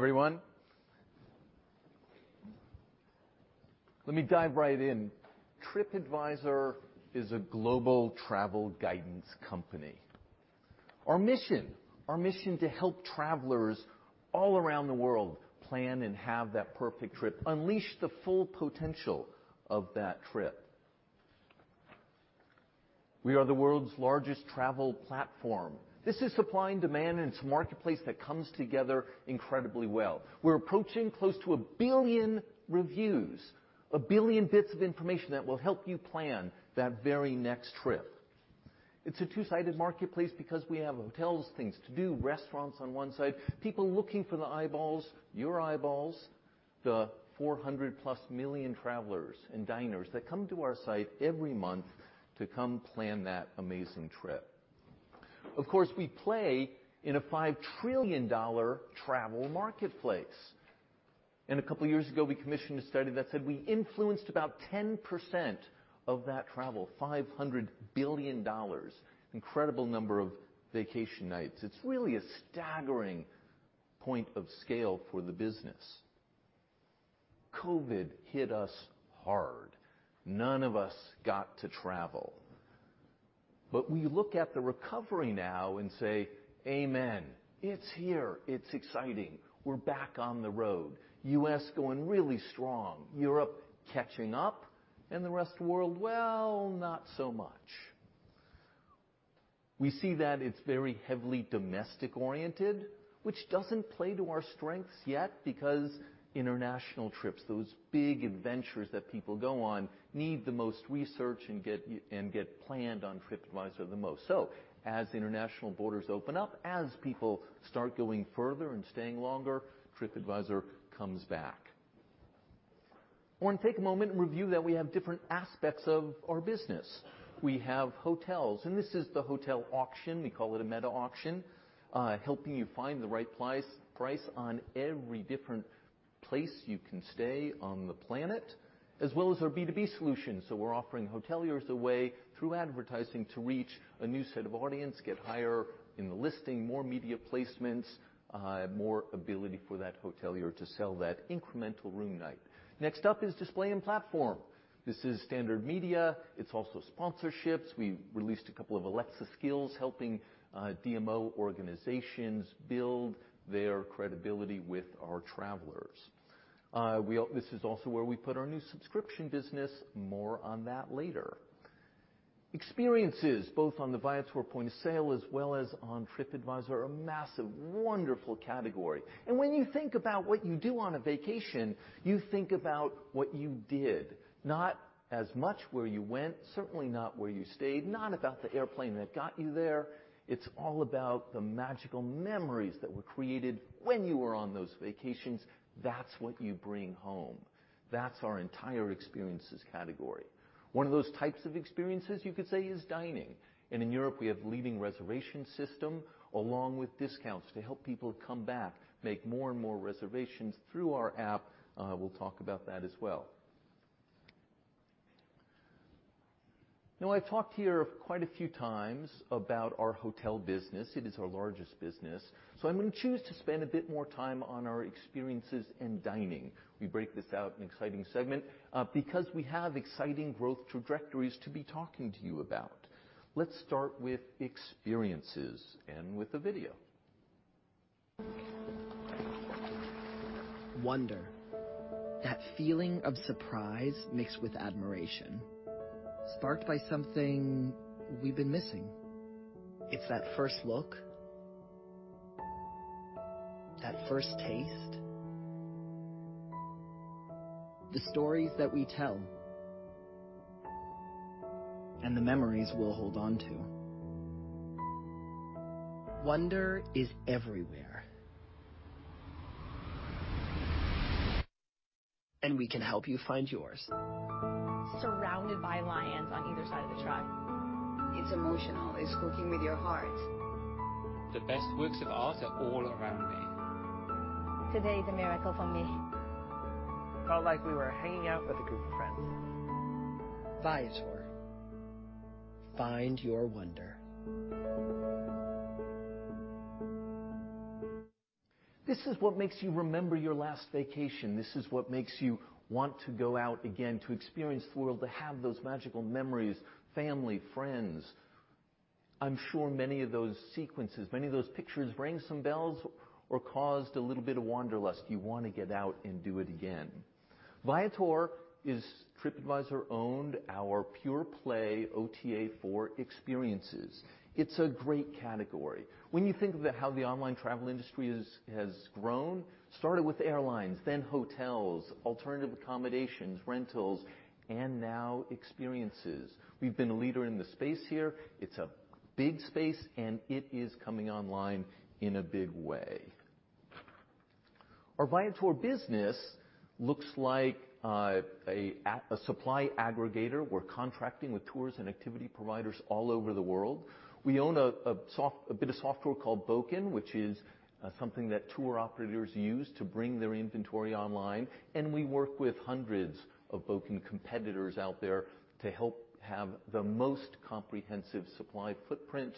Hello, everyone. Let me dive right in. TripAdvisor is a global travel guidance company. Our mission to help travelers all around the world plan and have that perfect trip, unleash the full potential of that trip. We are the world's largest travel platform. This is supply and demand, and it's a marketplace that comes together incredibly well. We're approaching close to 1 billion reviews, 1 billion bits of information that will help you plan that very next trip. It's a two-sided marketplace because we have hotels, things to do, restaurants on one side, people looking for the eyeballs, your eyeballs, the 400+ million travelers and diners that come to our site every month to come plan that amazing trip. Of course, we play in a $5 trillion travel marketplace. A couple of years ago, we commissioned a study that said we influenced about 10% of that travel, $500 billion. Incredible number of vacation nights. It's really a staggering point of scale for the business. COVID hit us hard. None of us got to travel. We look at the recovery now and say, "Amen, it's here. It's exciting. We're back on the road." U.S. going really strong, Europe catching up, and the rest of the world, well, not so much. We see that it's very heavily domestic-oriented, which doesn't play to our strengths yet because international trips, those big adventures that people go on, need the most research and get planned on TripAdvisor the most. As international borders open up, as people start going further and staying longer, TripAdvisor comes back. I want to take a moment and review that we have different aspects of our business. We have hotels, and this is the hotel auction. We call it a metasearch auction, helping you find the right price on every different place you can stay on the planet, as well as our B2B solutions. We're offering hoteliers a way through advertising to reach a new set of audience, get higher in the listing, more media placements, more ability for that hotelier to sell that incremental room night. Next up is display and platform. This is standard media. It's also sponsorships. We released a couple of Alexa skills, helping DMO organizations build their credibility with our travelers. This is also where we put our new subscription business. More on that later. Experiences both on the Viator point of sale as well as on TripAdvisor are a massive, wonderful category. When you think about what you do on a vacation, you think about what you did, not as much where you went, certainly not where you stayed, not about the airplane that got you there. It's all about the magical memories that were created when you were on those vacations. That's what you bring home. That's our entire experiences category. One of those types of experiences, you could say, is dining. In Europe, we have leading reservation system along with discounts to help people come back, make more and more reservations through our app. We'll talk about that as well. Now, I've talked here quite a few times about our hotel business. It is our largest business. I'm gonna choose to spend a bit more time on our experiences in dining. We break this out in an exciting segment, because we have exciting growth trajectories to be talking to you about. Let's start with experiences and with a video. Wonder. That feeling of surprise mixed with admiration, sparked by something we've been missing. It's that first look. That first taste. The stories that we tell. The memories we'll hold on to. Wonder is everywhere. We can help you find yours. Surrounded by lions on either side of the truck. It's emotional. It's cooking with your heart. The best works of art are all around me. Today is a miracle for me. Felt like we were hanging out with a group of friends. Viator. Find your wonder. This is what makes you remember your last vacation. This is what makes you want to go out again, to experience the world, to have those magical memories, family, friends. I'm sure many of those sequences, many of those pictures rang some bells or caused a little bit of wanderlust. You wanna get out and do it again. Viator is TripAdvisor-owned, our pure-play OTA for experiences. It's a great category. When you think about how the online travel industry has grown, started with airlines, then hotels, alternative accommodations, rentals, and now experiences. We've been a leader in the space here. It's a big space, and it is coming online in a big way. Our Viator business looks like a supply aggregator. We're contracting with tours and activity providers all over the world. We own a bit of software called Bókun, which is something that tour operators use to bring their inventory online. We work with hundreds of Bókun competitors out there to help have the most comprehensive supply footprint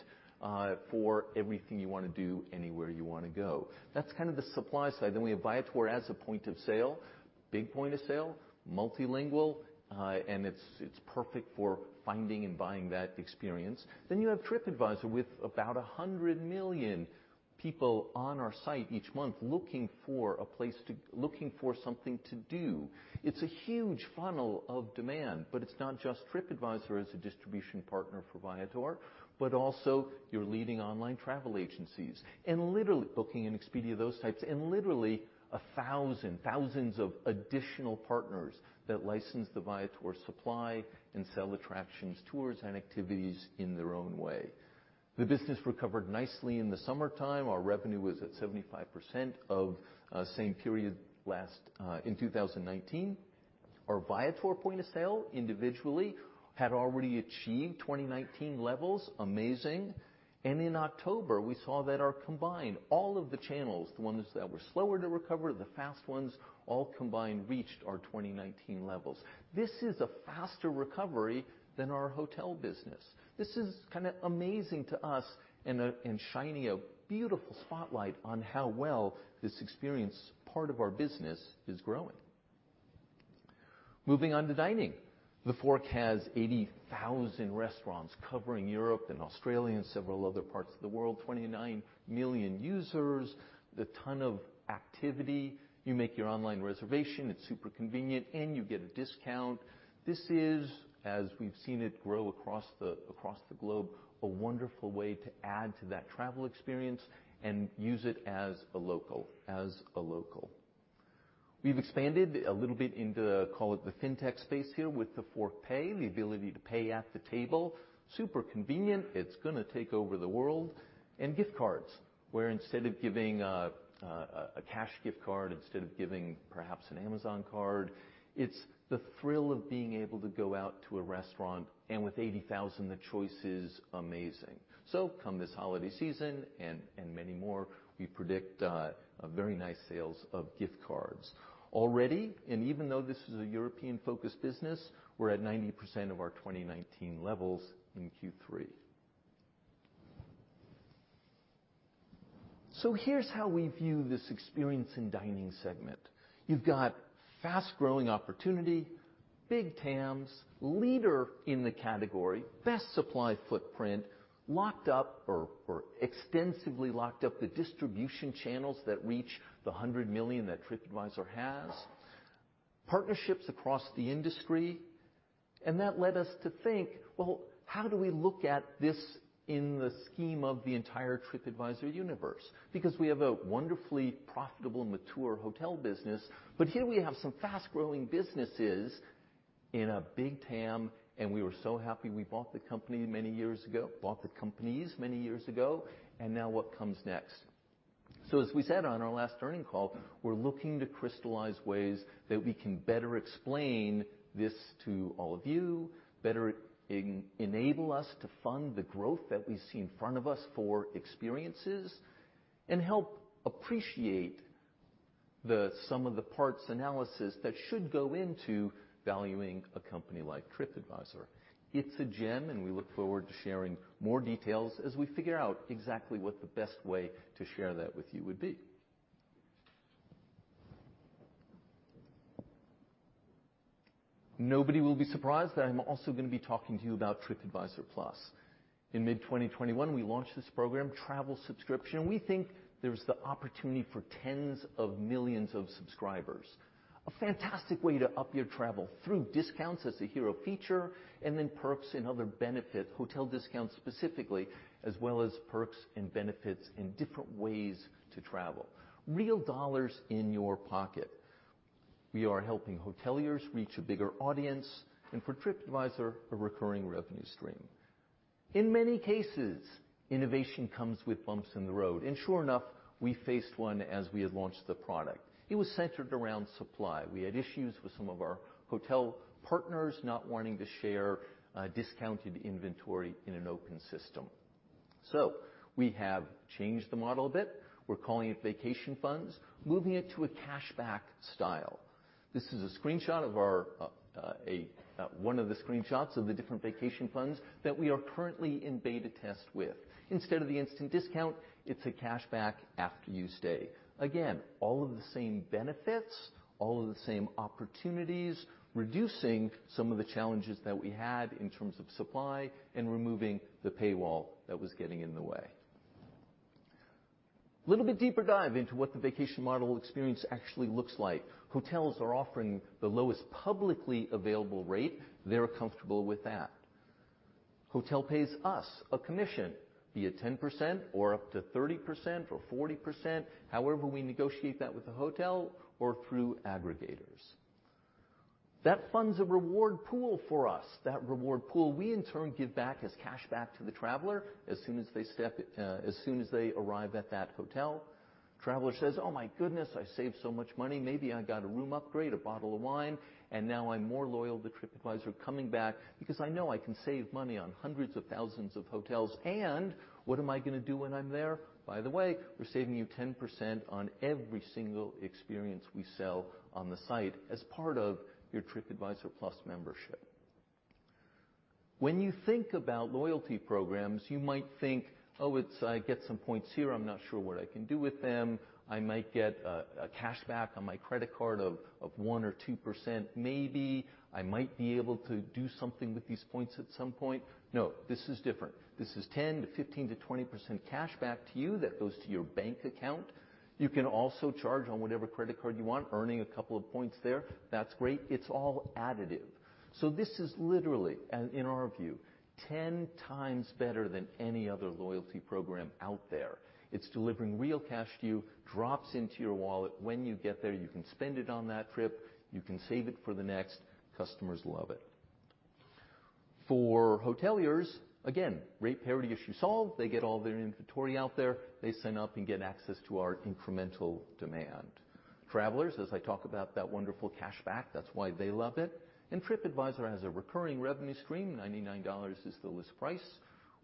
for everything you wanna do, anywhere you wanna go. That's kind of the supply side. We have Viator as a point of sale, big point of sale, multilingual, and it's perfect for finding and buying that experience. You have TripAdvisor with about 100 million people on our site each month looking for something to do. It's a huge funnel of demand, but it's not just TripAdvisor as a distribution partner for Viator, but also your leading online travel agencies. Literally, Booking.com and Expedia, those types, and literally thousands of additional partners that license the Viator supply and sell attractions, tours, and activities in their own way. The business recovered nicely in the summertime. Our revenue was at 75% of same period last in 2019. Our Viator point of sale individually had already achieved 2019 levels. Amazing. In October, we saw that our combined, all of the channels, the ones that were slower to recover, the fast ones, all combined reached our 2019 levels. This is a faster recovery than our hotel business. This is kinda amazing to us and shining a beautiful spotlight on how well this experience part of our business is growing. Moving on to dining. TheFork has 80,000 restaurants covering Europe and Australia and several other parts of the world. 29 million users. A ton of activity. You make your online reservation, it's super convenient, and you get a discount. This is, as we've seen it grow across the globe, a wonderful way to add to that travel experience and use it as a local. We've expanded a little bit into, call it, the fintech space here with TheFork Pay, the ability to pay at the table. Super convenient. It's gonna take over the world. Gift cards, where instead of giving a cash gift card, instead of giving perhaps an Amazon card, it's the thrill of being able to go out to a restaurant, and with 80,000, the choice is amazing. Come this holiday season and many more, we predict a very nice sales of gift cards. Already, even though this is a European-focused business, we're at 90% of our 2019 levels in Q3. Here's how we view this experience in dining segment. You've got fast-growing opportunity, big TAMs, leader in the category, best supply footprint, locked up or extensively locked up the distribution channels that reach the 100 million that TripAdvisor has. Partnerships across the industry. That led us to think, well, how do we look at this in the scheme of the entire TripAdvisor universe? Because we have a wonderfully profitable and mature hotel business. Here we have some fast-growing businesses in a big TAM, and we were so happy we bought the companies many years ago. Now what comes next? As we said on our last earnings call, we're looking to crystallize ways that we can better explain this to all of you, better enable us to fund the growth that we see in front of us for experiences, and help appreciate the sum of the parts analysis that should go into valuing a company like TripAdvisor. It's a gem, and we look forward to sharing more details as we figure out exactly what the best way to share that with you would be. Nobody will be surprised that I'm also gonna be talking to you about TripAdvisor Plus. In mid 2021, we launched this program, travel subscription. We think there's the opportunity for tens of millions of subscribers. A fantastic way to up your travel through discounts as the hero feature, and then perks and other benefit, hotel discounts specifically, as well as perks and benefits in different ways to travel. Real dollars in your pocket. We are helping hoteliers reach a bigger audience. For TripAdvisor, a recurring revenue stream. In many cases, innovation comes with bumps in the road. Sure enough, we faced one as we had launched the product. It was centered around supply. We had issues with some of our hotel partners not wanting to share discounted inventory in an open system. We have changed the model a bit. We're calling it vacation funds, moving it to a cashback style. This is a screenshot of our one of the screenshots of the different vacation funds that we are currently in beta test with. Instead of the instant discount, it's a cashback after you stay. Again, all of the same benefits, all of the same opportunities, reducing some of the challenges that we had in terms of supply, and removing the paywall that was getting in the way. A little bit deeper dive into what the vacation model experience actually looks like. Hotels are offering the lowest publicly available rate. They're comfortable with that. Hotel pays us a commission, be it 10% or up to 30% or 40%, however we negotiate that with the hotel or through aggregators. That funds a reward pool for us. That reward pool, we in turn give back as cashback to the traveler as soon as they arrive at that hotel. Traveler says, "Oh, my goodness, I saved so much money. Maybe I got a room upgrade, a bottle of wine, and now I'm more loyal to TripAdvisor, coming back because I know I can save money on hundreds of thousands of hotels. What am I gonna do when I'm there? By the way, we're saving you 10% on every single experience we sell on the site as part of your TripAdvisor Plus membership. When you think about loyalty programs, you might think, "Oh, I get some points here. I'm not sure what I can do with them. I might get a cashback on my credit card of 1% or 2%. Maybe I might be able to do something with these points at some point." No, this is different. This is 10% to 15% to 20% cashback to you that goes to your bank account. You can also charge on whatever credit card you want, earning a couple of points there. That's great. It's all additive. This is literally, in our view, ten times better than any other loyalty program out there. It's delivering real cash to you, drops into your wallet. When you get there, you can spend it on that trip. You can save it for the next. Customers love it. For hoteliers, again, rate parity issue solved. They get all their inventory out there. They sign up and get access to our incremental demand. Travelers, as I talk about that wonderful cashback, that's why they love it. TripAdvisor has a recurring revenue stream, $99 is the list price.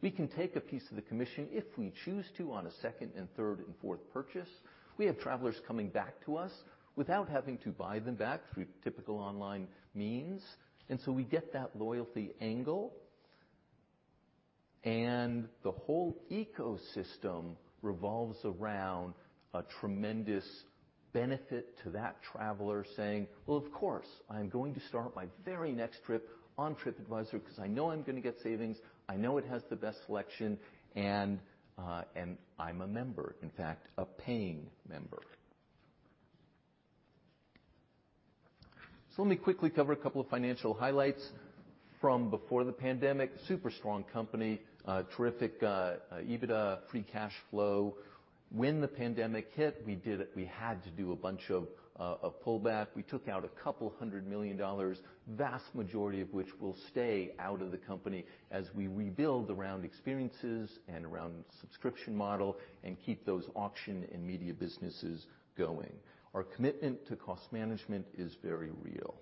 We can take a piece of the commission if we choose to on a second and third and fourth purchase. We have travelers coming back to us without having to buy them back through typical online means. We get that loyalty angle. The whole ecosystem revolves around a tremendous benefit to that traveler saying, "Well, of course I'm going to start my very next trip on TripAdvisor because I know I'm gonna get savings. I know it has the best selection, and I'm a member, in fact, a paying member." Let me quickly cover a couple of financial highlights from before the pandemic. Super strong company, terrific EBITDA, free cash flow. When the pandemic hit, we had to do a bunch of a pullback. We took out $200 million, vast majority of which will stay out of the company as we rebuild around experiences and around subscription model and keep those auction and media businesses going. Our commitment to cost management is very real.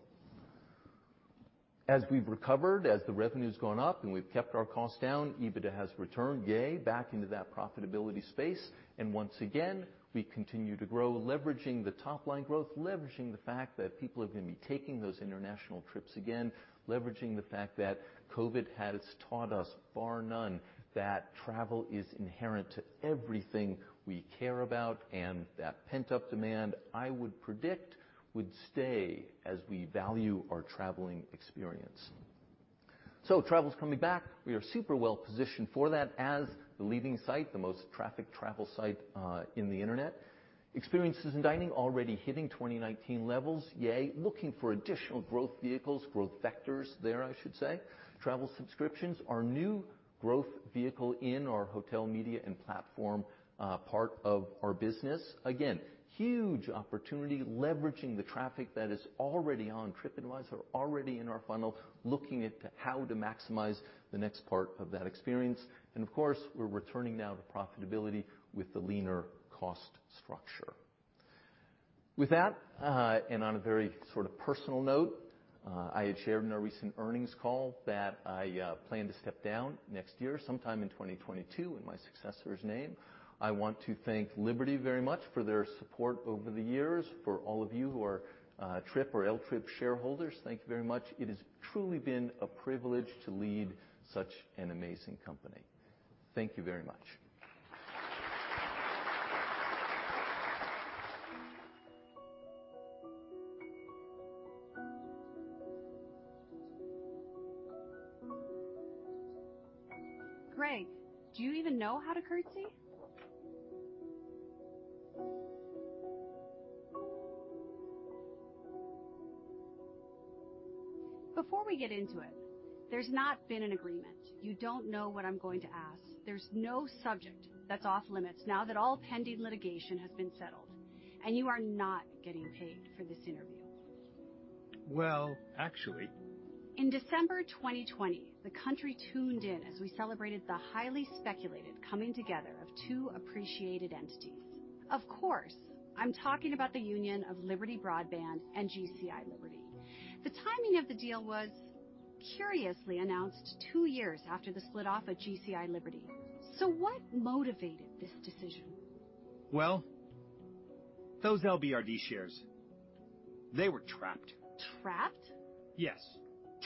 As we've recovered, as the revenue's gone up, and we've kept our costs down, EBITDA has returned, yay, back into that profitability space. Once again, we continue to grow, leveraging the top-line growth, leveraging the fact that people are gonna be taking those international trips again, leveraging the fact that COVID has taught us bar none that travel is inherent to everything we care about, and that pent-up demand, I would predict, would stay as we value our traveling experience. Travel's coming back. We are super well positioned for that as the leading site, the most trafficked travel site, in the internet. Experiences and dining already hitting 2019 levels. Yay. Looking for additional growth vehicles, growth vectors there, I should say. Travel subscriptions, our new growth vehicle in our hotel media and platform, part of our business. Huge opportunity leveraging the traffic that is already on TripAdvisor, already in our funnel, looking at how to maximize the next part of that experience. Of course, we're returning now to profitability with the leaner cost structure. With that, and on a very sort of personal note, I had shared in our recent earnings call that I plan to step down next year, sometime in 2022, and my successor's name. I want to thank Liberty very much for their support over the years. For all of you who are Trip or LTrip shareholders, thank you very much. It has truly been a privilege to lead such an amazing company. Thank you very much. Greg, do you even know how to curtsy? Before we get into it, there's not been an agreement. You don't know what I'm going to ask. There's no subject that's off-limits now that all pending litigation has been settled, and you are not getting paid for this interview. Well, actually. In December 2020, the country tuned in as we celebrated the highly speculated coming together of two appreciated entities. Of course, I'm talking about the union of Liberty Broadband and GCI Liberty. The timing of the deal was curiously announced two years after the split off of GCI Liberty. What motivated this decision? Well, those LBRD shares, they were trapped. Trapped? Yes.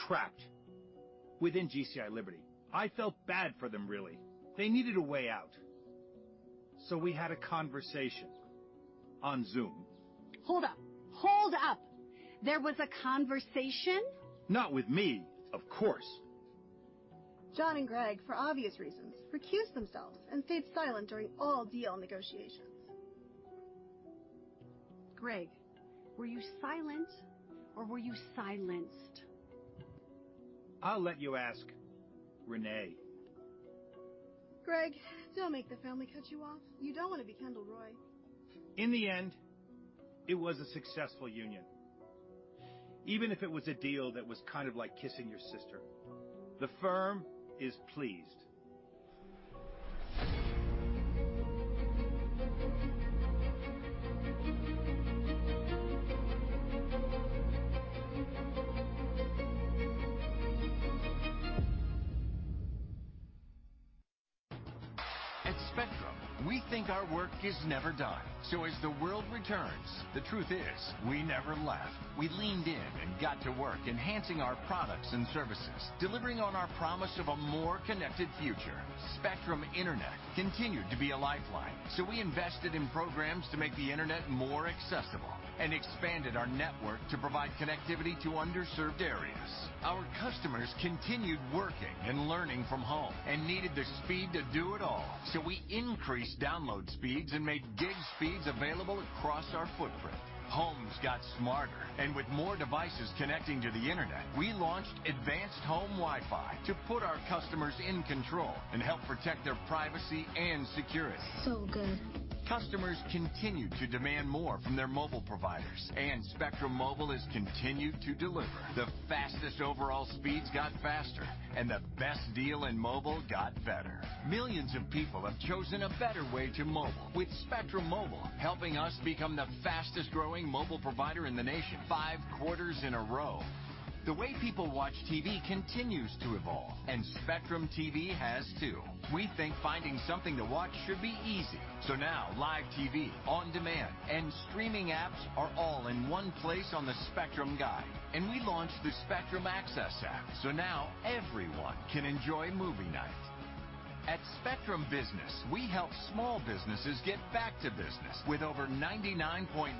Trapped within GCI Liberty. I felt bad for them, really. They needed a way out. We had a conversation on Zoom. Hold up. There was a conversation? Not with me, of course. John and Greg, for obvious reasons, recused themselves and stayed silent during all deal negotiations. Greg, were you silent or were you silenced? I'll let you ask Renee. Greg, don't make the family cut you off. You don't wanna be Kendall Roy. In the end, it was a successful union, even if it was a deal that was kind of like kissing your sister. The firm is pleased. At Spectrum, we think our work is never done. As the world returns, the truth is we never left. We leaned in and got to work enhancing our products and services, delivering on our promise of a more connected future. Spectrum Internet continued to be a lifeline, so we invested in programs to make the internet more accessible and expanded our network to provide connectivity to underserved areas. Our customers continued working and learning from home and needed the speed to do it all. We increased download speeds and made gig speeds available across our footprint. Homes got smarter, and with more devices connecting to the internet, we launched advanced home Wi-Fi to put our customers in control and help protect their privacy and security. Good. Customers continued to demand more from their mobile providers, and Spectrum Mobile has continued to deliver. The fastest overall speeds got faster, and the best deal in mobile got better. Millions of people have chosen a better way to mobile with Spectrum Mobile, helping us become the fastest-growing mobile provider in the nation five quarters in a row. The way people watch TV continues to evolve, and Spectrum TV has too. We think finding something to watch should be easy. Now, live TV, on-demand, and streaming apps are all in one place on the Spectrum guide. We launched the Spectrum Access app, so now everyone can enjoy movie night. At Spectrum Business, we help small businesses get back to business with over 99.9%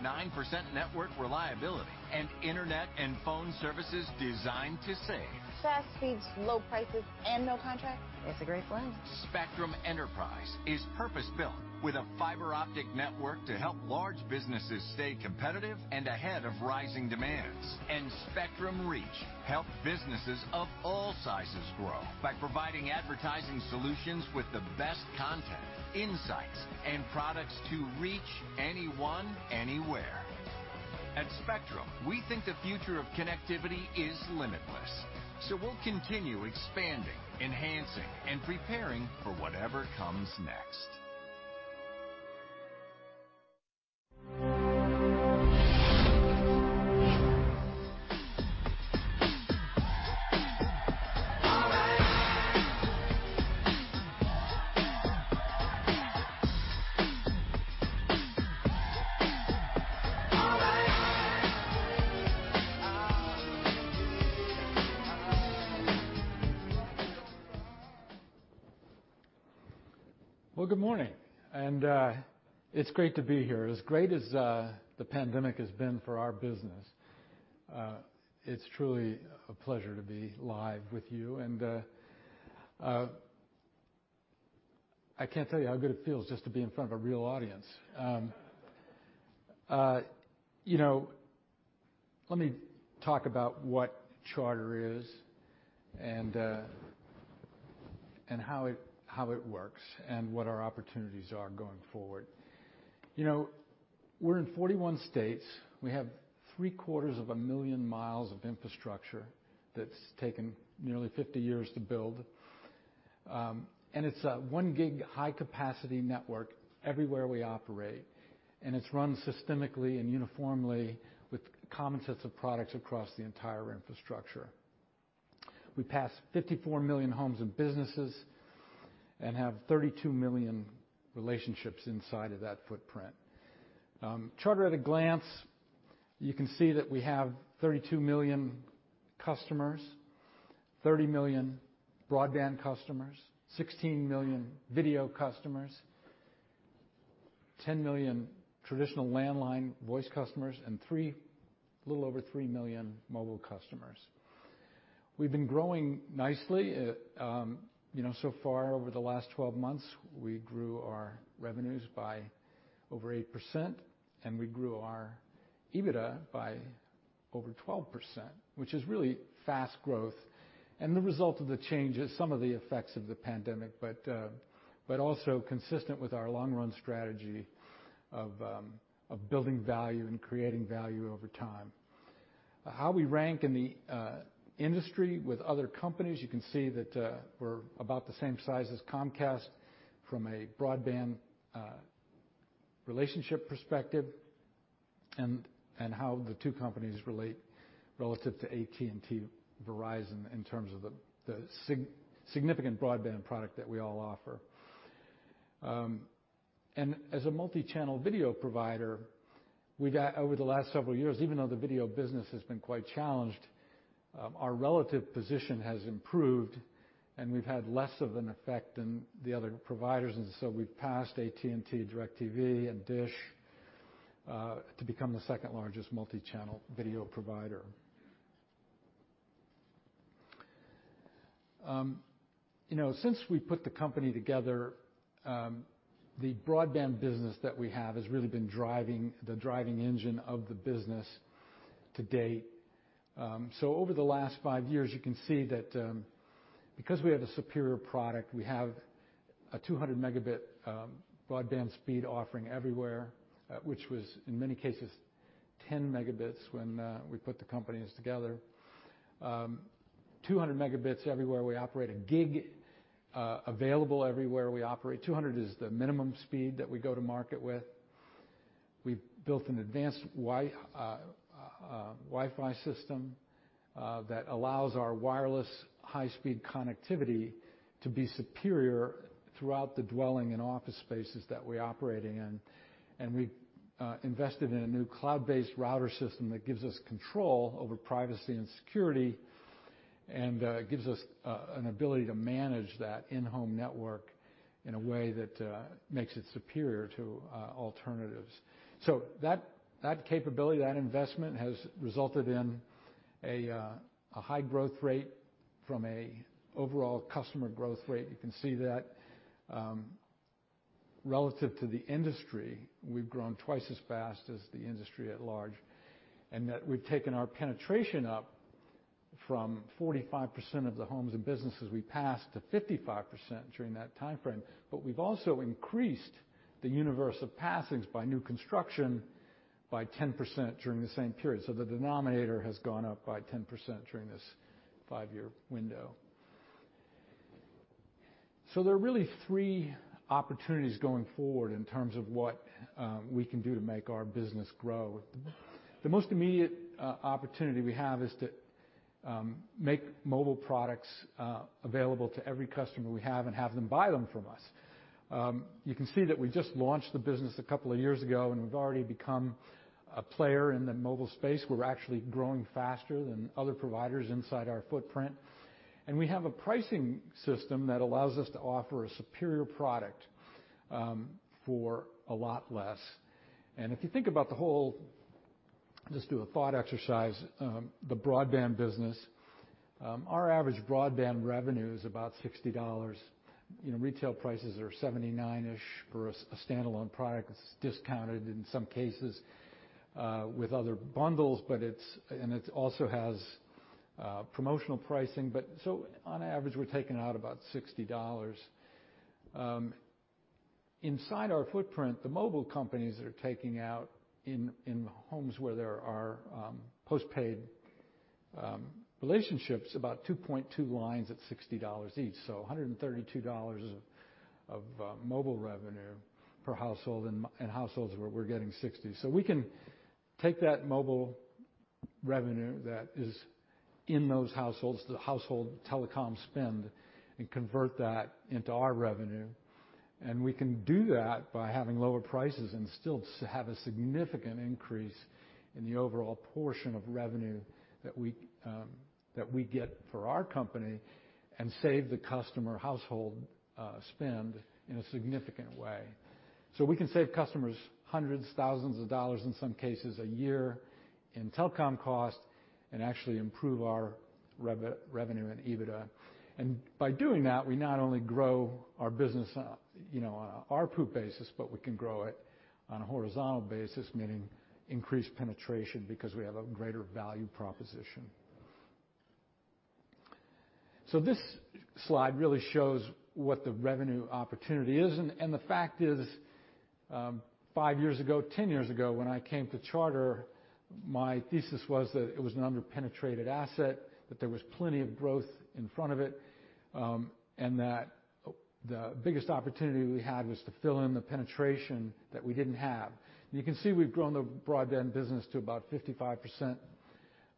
network reliability and internet and phone services designed to save. Fast speeds, low prices, and no contract? It's a great blend. Spectrum Enterprise is purpose-built with a fiber optic network to help large businesses stay competitive and ahead of rising demands. Spectrum Reach helps businesses of all sizes grow by providing advertising solutions with the best content, insights, and products to reach anyone, anywhere. At Spectrum, we think the future of connectivity is limitless, so we'll continue expanding, enhancing, and preparing for whatever comes next. Well, good morning. It's great to be here. As great as the pandemic has been for our business, it's truly a pleasure to be live with you and I can't tell you how good it feels just to be in front of a real audience. You know, let me talk about what Charter is and how it works and what our opportunities are going forward. You know, we're in 41 states. We have three-quarters of a million miles of infrastructure that's taken nearly 50 years to build. It's 1 gig high capacity network everywhere we operate, and it's run systematically and uniformly with common sets of products across the entire infrastructure. We pass 54 million homes and businesses and have 32 million relationships inside of that footprint. Charter at a glance, you can see that we have 32 million customers, 30 million broadband customers, 16 million video customers, 10 million traditional landline voice customers, and a little over 3 million mobile customers. We've been growing nicely. You know, so far over the last 12 months, we grew our revenues by over 8%, and we grew our EBITDA by over 12%, which is really fast growth and the result of the changes, some of the effects of the pandemic, but also consistent with our long run strategy of building value and creating value over time. How we rank in the industry with other companies, you can see that we're about the same size as Comcast from a broadband relationship perspective and how the two companies relate relative to AT&T, Verizon in terms of the significant broadband product that we all offer. As a multi-channel video provider, we got over the last several years, even though the video business has been quite challenged, our relative position has improved, and we've had less of an effect than the other providers. We've passed AT&T, DirecTV, and Dish to become the second largest multi-channel video provider. You know, since we put the company together, the broadband business that we have has really been driving the engine of the business to date. Over the last 5 years, you can see that because we have a superior product, we have a 200 Mbps broadband speed offering everywhere, which was, in many cases, 10 Mbps when we put the companies together. 200 Mbps everywhere we operate, a gig available everywhere we operate. 200 is the minimum speed that we go to market with. We've built an advanced Wi-Fi system that allows our wireless high speed connectivity to be superior throughout the dwelling and office spaces that we operate in. We've invested in a new cloud-based router system that gives us control over privacy and security, and it gives us an ability to manage that in-home network in a way that makes it superior to alternatives. That capability, that investment, has resulted in a high growth rate from an overall customer growth rate. You can see that relative to the industry, we've grown twice as fast as the industry at large, and that we've taken our penetration up from 45% of the homes and businesses we passed to 55% during that timeframe. We've also increased the universe of passings by new construction by 10% during the same period. The denominator has gone up by 10% during this five-year window. There are really three opportunities going forward in terms of what we can do to make our business grow. The most immediate opportunity we have is to make mobile products available to every customer we have and have them buy them from us. You can see that we just launched the business a couple of years ago, and we've already become a player in the mobile space. We're actually growing faster than other providers inside our footprint. We have a pricing system that allows us to offer a superior product for a lot less. If you think about the whole, just do a thought exercise, the broadband business, our average broadband revenue is about $60. You know, retail prices are $79-ish for a standalone product. It's discounted in some cases with other bundles, but it also has promotional pricing, but so on average, we're taking out about $60. Inside our footprint, the mobile companies are taking out in homes where there are post-paid relationships about 2.2 lines at $60 each. $132 of mobile revenue per household in households where we're getting $60. We can take that mobile revenue that is in those households, the household telecom spend, and convert that into our revenue, and we can do that by having lower prices and still have a significant increase in the overall portion of revenue that we that we get for our company and save the customer household spend in a significant way. We can save customers hundreds, thousands of dollars in some cases a year in telecom cost and actually improve our revenue and EBITDA. By doing that, we not only grow our business, you know, on a RPU basis, but we can grow it on a horizontal basis, meaning increased penetration because we have a greater value proposition. This slide really shows what the revenue opportunity is. The fact is, 5 years ago, 10 years ago, when I came to Charter, my thesis was that it was an under-penetrated asset, that there was plenty of growth in front of it, and that the biggest opportunity we had was to fill in the penetration that we didn't have. You can see we've grown the broadband business to about 55%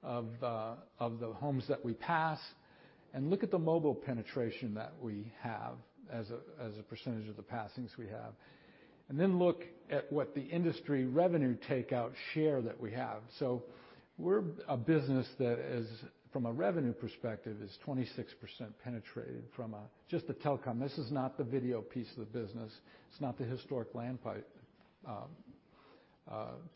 of the homes that we pass. Look at the mobile penetration that we have as a percentage of the passings we have. Then look at what the industry revenue take rate share that we have. We're a business that is, from a revenue perspective, 26% penetrated from just the telecom. This is not the video piece of the business. It's not the historic land pipe,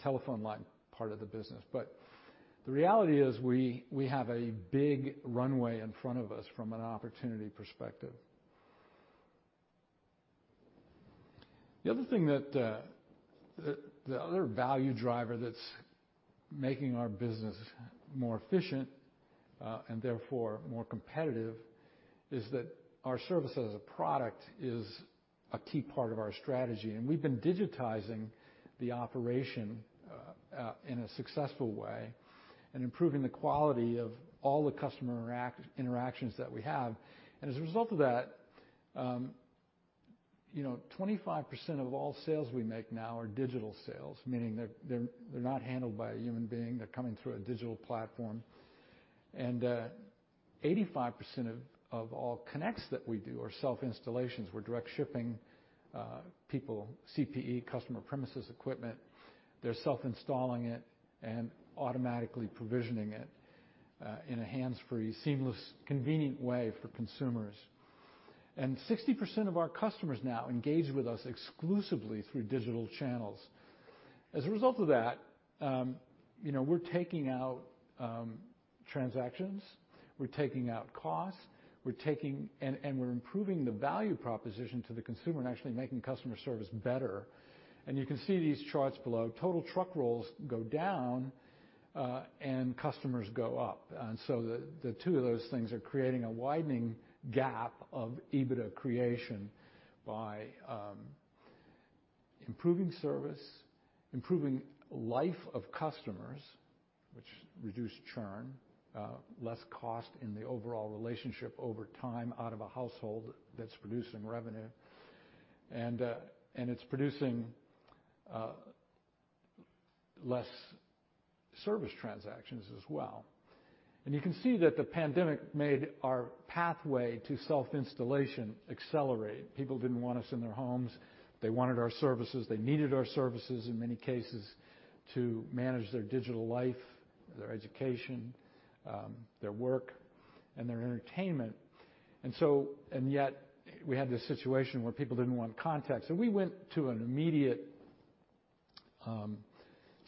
telephone line part of the business. The reality is we have a big runway in front of us from an opportunity perspective. The other thing that the other value driver that's making our business more efficient and therefore more competitive is that our service as a product is a key part of our strategy. We've been digitizing the operation in a successful way and improving the quality of all the customer interactions that we have. As a result of that, you know, 25% of all sales we make now are digital sales, meaning they're not handled by a human being, they're coming through a digital platform. Eighty-five percent of all connects that we do are self-installations. We're direct shipping people CPE, customer premises equipment. They're self-installing it and automatically provisioning it in a hands-free, seamless, convenient way for consumers. 60% of our customers now engage with us exclusively through digital channels. As a result of that, you know, we're taking out transactions, we're taking out costs, and we're improving the value proposition to the consumer and actually making customer service better. You can see these charts below, total truck rolls go down, and customers go up. The two of those things are creating a widening gap of EBITDA creation by improving service, improving life of customers, which reduce churn, less cost in the overall relationship over time out of a household that's producing revenue. It's producing less service transactions as well. You can see that the pandemic made our pathway to self-installation accelerate. People didn't want us in their homes. They wanted our services. They needed our services in many cases to manage their digital life, their education, their work, and their entertainment. Yet we had this situation where people didn't want contact. We went to an immediate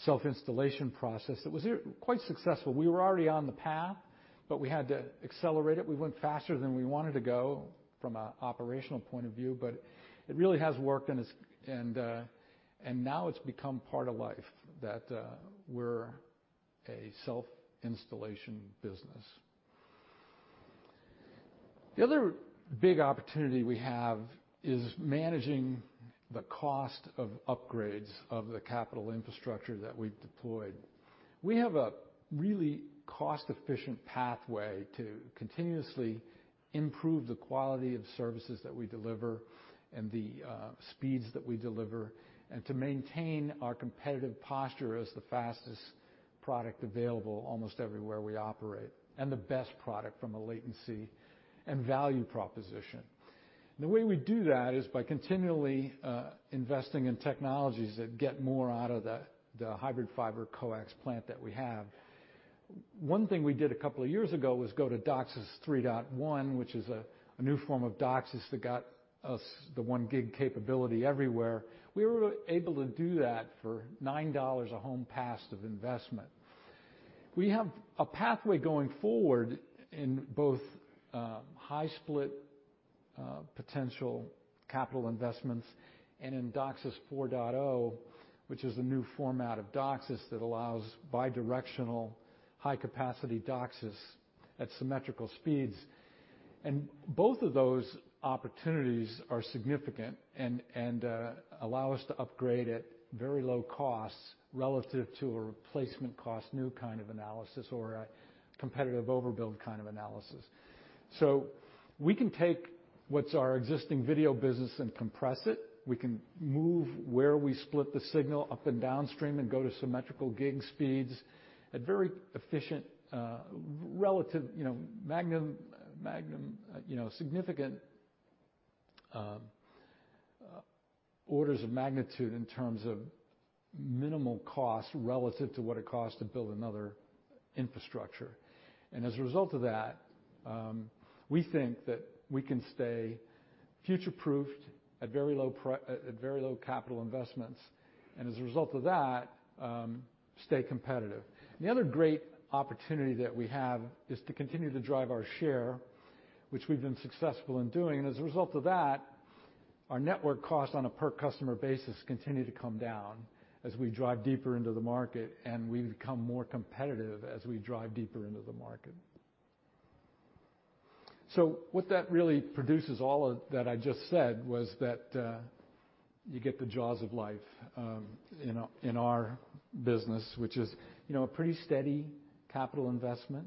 self-installation process that was quite successful. We were already on the path, but we had to accelerate it. We went faster than we wanted to go from an operational point of view, but it really has worked. Now it's become part of life that we're a self-installation business. The other big opportunity we have is managing the cost of upgrades of the capital infrastructure that we've deployed. We have a really cost-efficient pathway to continuously improve the quality of services that we deliver and the speeds that we deliver, and to maintain our competitive posture as the fastest product available almost everywhere we operate, and the best product from a latency and value proposition. The way we do that is by continually investing in technologies that get more out of the hybrid fiber-coaxial plant that we have. One thing we did a couple of years ago was go to DOCSIS 3.1, which is a new form of DOCSIS that got us the 1 gig capability everywhere. We were able to do that for $9 a home passed of investment. We have a pathway going forward in both high-split potential capital investments and in DOCSIS 4.0, which is a new format of DOCSIS that allows bi-directional high-capacity DOCSIS at symmetrical speeds. Both of those opportunities are significant and allow us to upgrade at very low costs relative to a replacement cost, new kind of analysis or a competitive overbuild kind of analysis. We can take what's our existing video business and compress it. We can move where we split the signal up and downstream and go to symmetrical gig speeds at very efficient relative, you know, magnitude, you know, significant orders of magnitude in terms of minimal cost relative to what it costs to build another infrastructure. As a result of that, we think that we can stay future-proofed at very low capital investments and as a result of that, stay competitive. The other great opportunity that we have is to continue to drive our share, which we've been successful in doing, and as a result of that, our network costs on a per customer basis continue to come down as we drive deeper into the market, and we become more competitive as we drive deeper into the market. What that really produces, all of that I just said, was that you get the jaws of life in our business, which is, you know, a pretty steady capital investment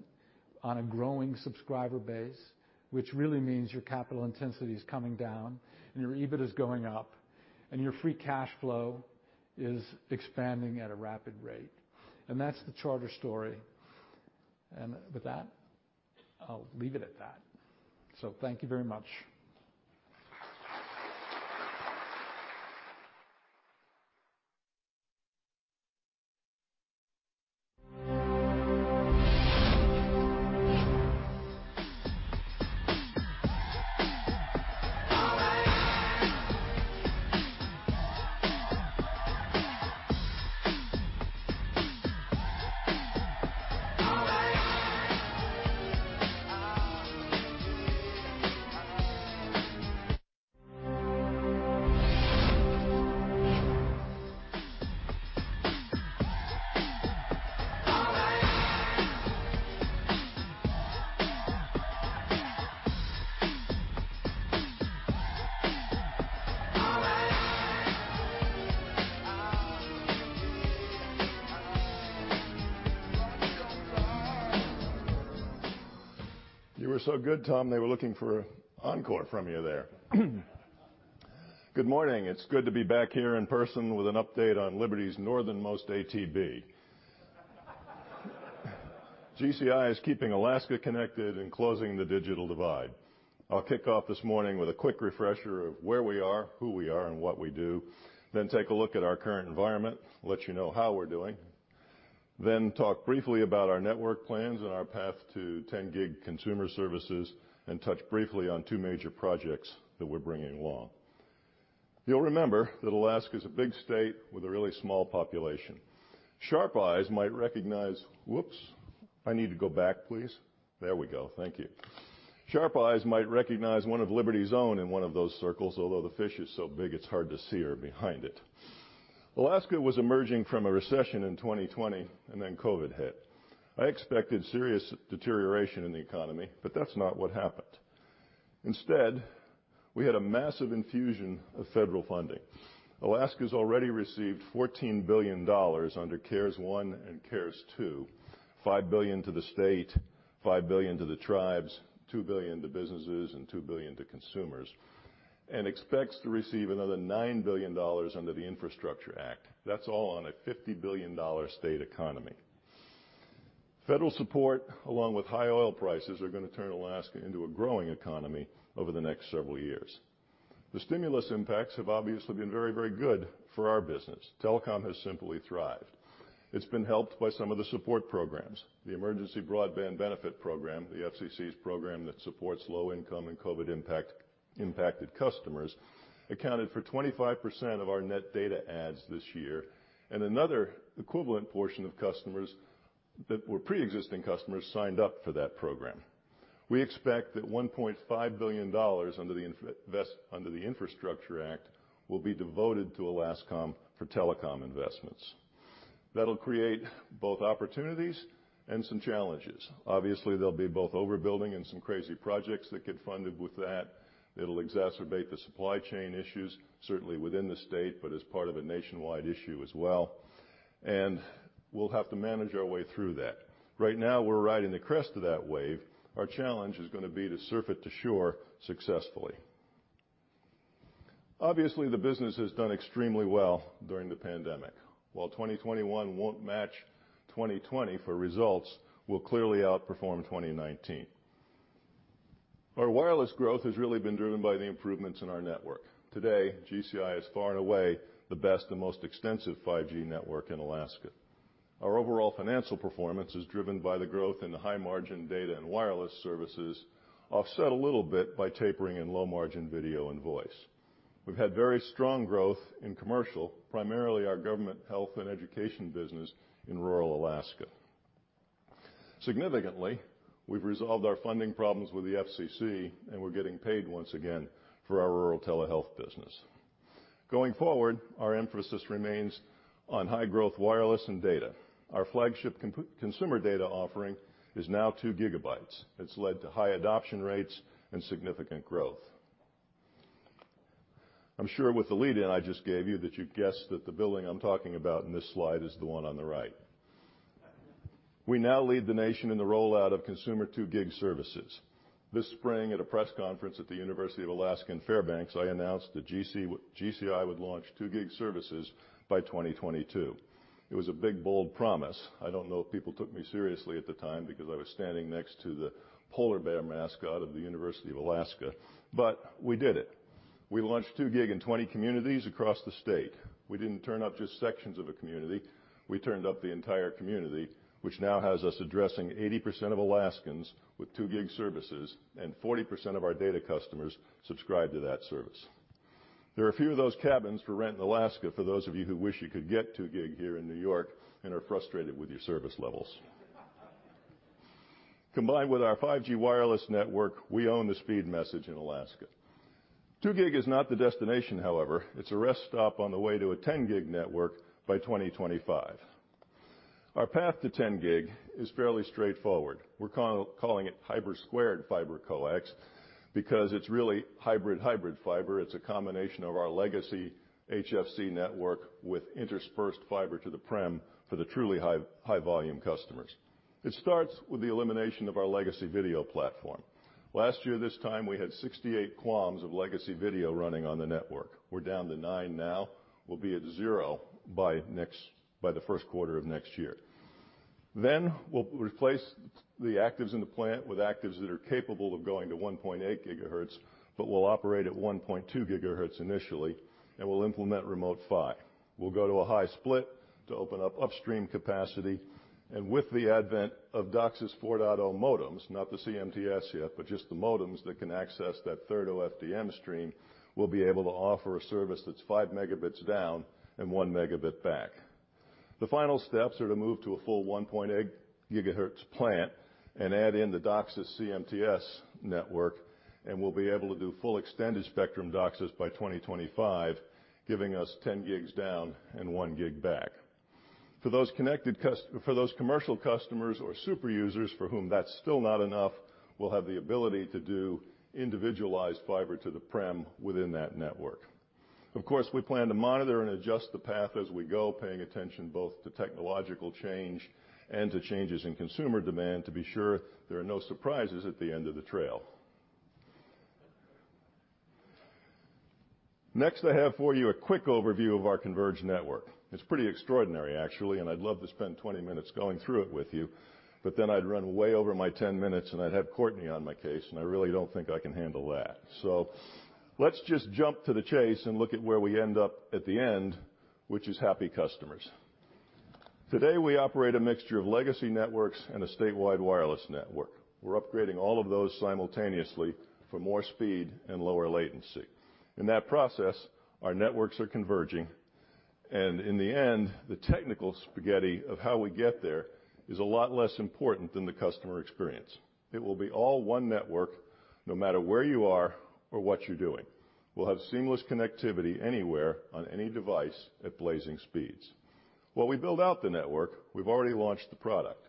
on a growing subscriber base, which really means your capital intensity is coming down and your EBIT is going up, and your free cash flow is expanding at a rapid rate. That's the Charter story. With that, I'll leave it at that. Thank you very much. You were so good, Tom, they were looking for an encore from you there. Good morning. It's good to be back here in person with an update on Liberty's northernmost ATB. GCI is keeping Alaska connected and closing the digital divide. I'll kick off this morning with a quick refresher of where we are, who we are, and what we do, then take a look at our current environment, let you know how we're doing. Talk briefly about our network plans and our path to 10 gig consumer services, and touch briefly on two major projects that we're bringing along. You'll remember that Alaska is a big state with a really small population. Sharp eyes might recognize. Sharp eyes might recognize one of Liberty's own in one of those circles, although the fish is so big it's hard to see her behind it. Alaska was emerging from a recession in 2020, and then COVID hit. I expected serious deterioration in the economy, that's not what happened. Instead, we had a massive infusion of federal funding. Alaska's already received $14 billion under CARES One and CARES Two, $5 billion to the state, $5 billion to the tribes, $2 billion to businesses, and $2 billion to consumers, and expects to receive another $9 billion under the Infrastructure Act. That's all on a $50 billion state economy. Federal support, along with high oil prices, are gonna turn Alaska into a growing economy over the next several years. The stimulus impacts have obviously been very, very good for our business. Telecom has simply thrived. It's been helped by some of the support programs, the Emergency Broadband Benefit program, the FCC's program that supports low-income and COVID-impacted customers, accounted for 25% of our net data adds this year, and another equivalent portion of customers that were pre-existing customers signed up for that program. We expect that $1.5 billion under the Infrastructure Act will be devoted to Alaska for telecom investments. That'll create both opportunities and some challenges. Obviously, there'll be both overbuilding and some crazy projects that get funded with that. It'll exacerbate the supply chain issues, certainly within the state, but as part of a nationwide issue as well. We'll have to manage our way through that. Right now, we're riding the crest of that wave. Our challenge is gonna be to surf it to shore successfully. Obviously, the business has done extremely well during the pandemic. While 2021 won't match 2020 for results, we'll clearly outperform 2019. Our wireless growth has really been driven by the improvements in our network. Today, GCI is far and away the best and most extensive 5G network in Alaska. Our overall financial performance is driven by the growth in the high-margin data and wireless services, offset a little bit by tapering and low-margin video and voice. We've had very strong growth in commercial, primarily our government health and education business in rural Alaska. Significantly, we've resolved our funding problems with the FCC, and we're getting paid once again for our rural telehealth business. Going forward, our emphasis remains on high-growth wireless and data. Our flagship consumer data offering is now 2 GB. It's led to high adoption rates and significant growth. I'm sure with the lead in I just gave you that you guessed that the building I'm talking about in this slide is the one on the right. We now lead the nation in the rollout of consumer 2 gig services. This spring, at a press conference at the University of Alaska in Fairbanks, I announced that GCI would launch 2 gig services by 2022. It was a big, bold promise. I don't know if people took me seriously at the time because I was standing next to the polar bear mascot of the University of Alaska, but we did it. We launched 2 gig in 20 communities across the state. We didn't turn up just sections of a community. We turned up the entire community, which now has us addressing 80% of Alaskans with 2 gig services and 40% of our data customers subscribed to that service. There are a few of those cabins for rent in Alaska for those of you who wish you could get 2 gig here in New York and are frustrated with your service levels. Combined with our 5G wireless network, we own the speed message in Alaska. 2 gig is not the destination, however. It's a rest stop on the way to a 10 gig network by 2025. Our path to 10 gig is fairly straightforward. We're calling it hybrid fiber-coax because it's really hybrid fiber. It's a combination of our legacy HFC network with interspersed fiber to the premises for the truly high-volume customers. It starts with the elimination of our legacy video platform. Last year, this time, we had 68 QAMs of legacy video running on the network. We're down to 9 now. We'll be at zero by the Q1 of next year. We'll replace the actives in the plant with actives that are capable of going to 1.8 GHz, but will operate at 1.2 GHz initially, and we'll implement remote PHY. We'll go to a high-split to open up upstream capacity, and with the advent of DOCSIS 4.0 modems, not the CMTS yet, but just the modems that can access that third OFDM stream, we'll be able to offer a service that's 5 Mbps down and 1 Mbps back. The final steps are to move to a full 1.8 GHz plant and add in the DOCSIS CMTS network, and we'll be able to do full extended spectrum DOCSIS by 2025, giving us 10 Gbps down and 1 Gbps back. For those commercial customers or super users for whom that's still not enough, we'll have the ability to do individualized fiber to the prem within that network. Of course, we plan to monitor and adjust the path as we go, paying attention both to technological change and to changes in consumer demand to be sure there are no surprises at the end of the trail. Next, I have for you a quick overview of our converged network. It's pretty extraordinary, actually, and I'd love to spend 20 minutes going through it with you, but then I'd run way over my 10 minutes and I'd have Courtney on my case, and I really don't think I can handle that. Let's just jump to the chase and look at where we end up at the end, which is happy customers. Today, we operate a mixture of legacy networks and a statewide wireless network. We're upgrading all of those simultaneously for more speed and lower latency. In that process, our networks are converging, and in the end, the technical spaghetti of how we get there is a lot less important than the customer experience. It will be all one network, no matter where you are or what you're doing. We'll have seamless connectivity anywhere on any device at blazing speeds. While we build out the network, we've already launched the product.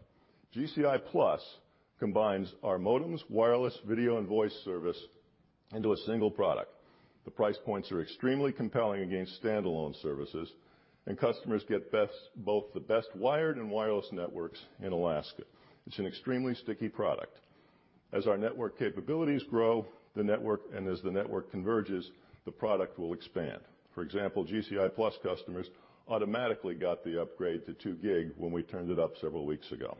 GCI Plus combines our modems, wireless video and voice service into a single product. The price points are extremely compelling against stand-alone services, and customers get both the best wired and wireless networks in Alaska. It's an extremely sticky product. As our network capabilities grow, and as the network converges, the product will expand. For example, GCI Plus customers automatically got the upgrade to 2 gig when we turned it up several weeks ago.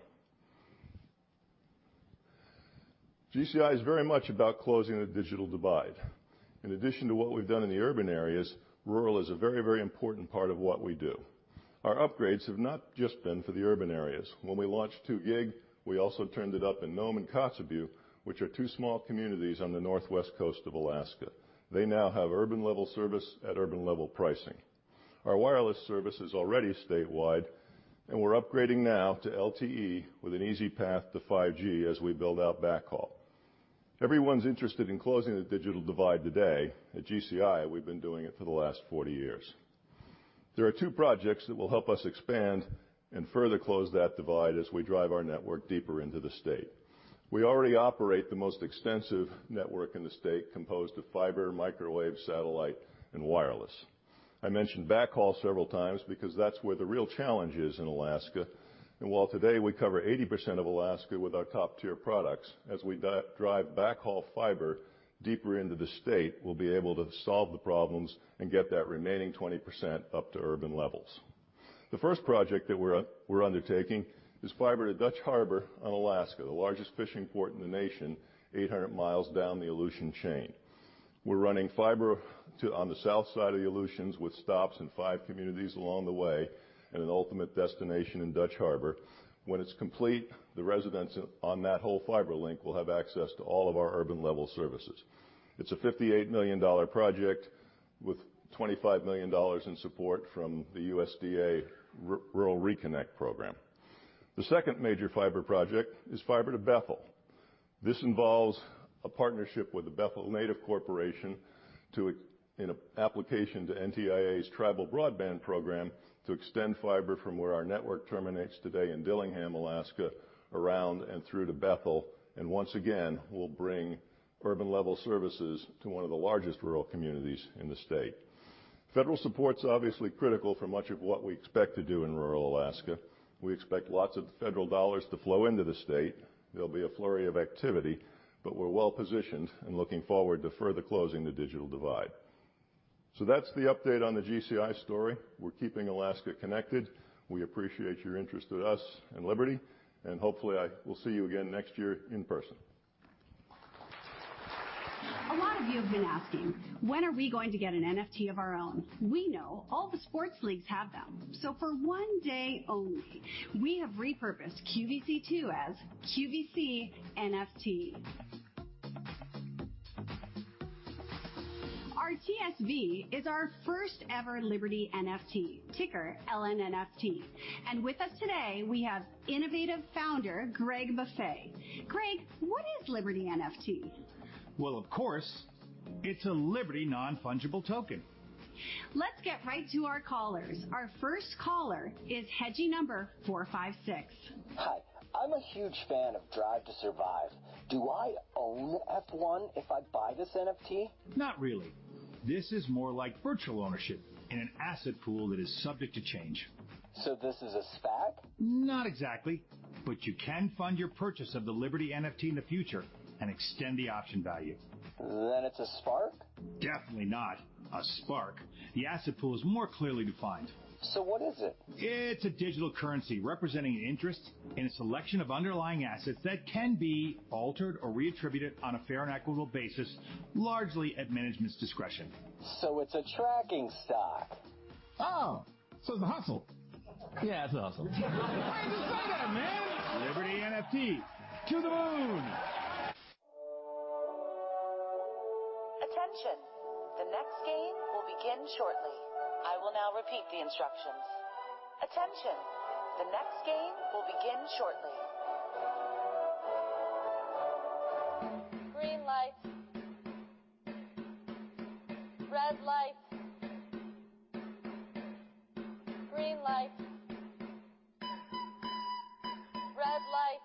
GCI is very much about closing the digital divide. In addition to what we've done in the urban areas, rural is a very, very important part of what we do. Our upgrades have not just been for the urban areas. When we launched 2 gig, we also turned it up in Nome and Kotzebue, which are 2 small communities on the northwest coast of Alaska. They now have urban-level service at urban-level pricing. Our wireless service is already statewide, and we're upgrading now to LTE with an easy path to 5G as we build out backhaul. Everyone's interested in closing the digital divide today. At GCI, we've been doing it for the last 40 years. There are two projects that will help us expand and further close that divide as we drive our network deeper into the state. We already operate the most extensive network in the state composed of fiber, microwave, satellite, and wireless. I mentioned backhaul several times because that's where the real challenge is in Alaska. While today we cover 80% of Alaska with our top-tier products, as we drive backhaul fiber deeper into the state, we'll be able to solve the problems and get that remaining 20% up to urban levels. The first project that we're undertaking is fiber to Dutch Harbor in Alaska, the largest fishing port in the nation, 800 miles down the Aleutian Chain. We're running fiber on the south side of the Aleutians, with stops in five communities along the way and an ultimate destination in Dutch Harbor. When it's complete, the residents on that whole fiber link will have access to all of our urban-level services. It's a $58 million project with $25 million in support from the USDA ReConnect program. The second major fiber project is fiber to Bethel. This involves a partnership with the Bethel Native Corporation to in an application to NTIA's Tribal Broadband Connectivity Program to extend fiber from where our network terminates today in Dillingham, Alaska, around and through to Bethel, and once again will bring urban-level services to one of the largest rural communities in the state. Federal support's obviously critical for much of what we expect to do in rural Alaska. We expect lots of federal dollars to flow into the state. There'll be a flurry of activity, but we're well-positioned and looking forward to further closing the digital divide. That's the update on the GCI story. We're keeping Alaska connected. We appreciate your interest with us and Liberty, and hopefully I will see you again next year in person. A lot of you have been asking, "When are we going to get an NFT of our own?" We know all the sports leagues have them. For one day only, we have repurposed QVC2 as QVC NFT. Our TSV is our first ever Liberty NFT, ticker LNNFT. With us today, we have innovative founder Greg Maffei. Greg, what is Liberty NFT? Well, of course, it's a Liberty non-fungible token. Let's get right to our callers. Our first caller is Hedgy number 456. Hi. I'm a huge fan of Drive to Survive. Do I own F1 if I buy this NFT? Not really. This is more like virtual ownership in an asset pool that is subject to change. This is a SPAC? Not exactly, but you can fund your purchase of the Liberty NFT in the future and extend the option value. It's a SPARC? Definitely not a SPARC. The asset pool is more clearly defined. What is it? It's a digital currency representing an interest in a selection of underlying assets that can be altered or reattributed on a fair and equitable basis, largely at management's discretion. It's a tracking stock. Oh, it's a hustle. Yeah, it's a hustle. Why'd you say that, man? Liberty NFT to the moon. Attention, the next game will begin shortly. I will now repeat the instructions. Attention, the next game will begin shortly. Green light. Red light. Green light. Red light.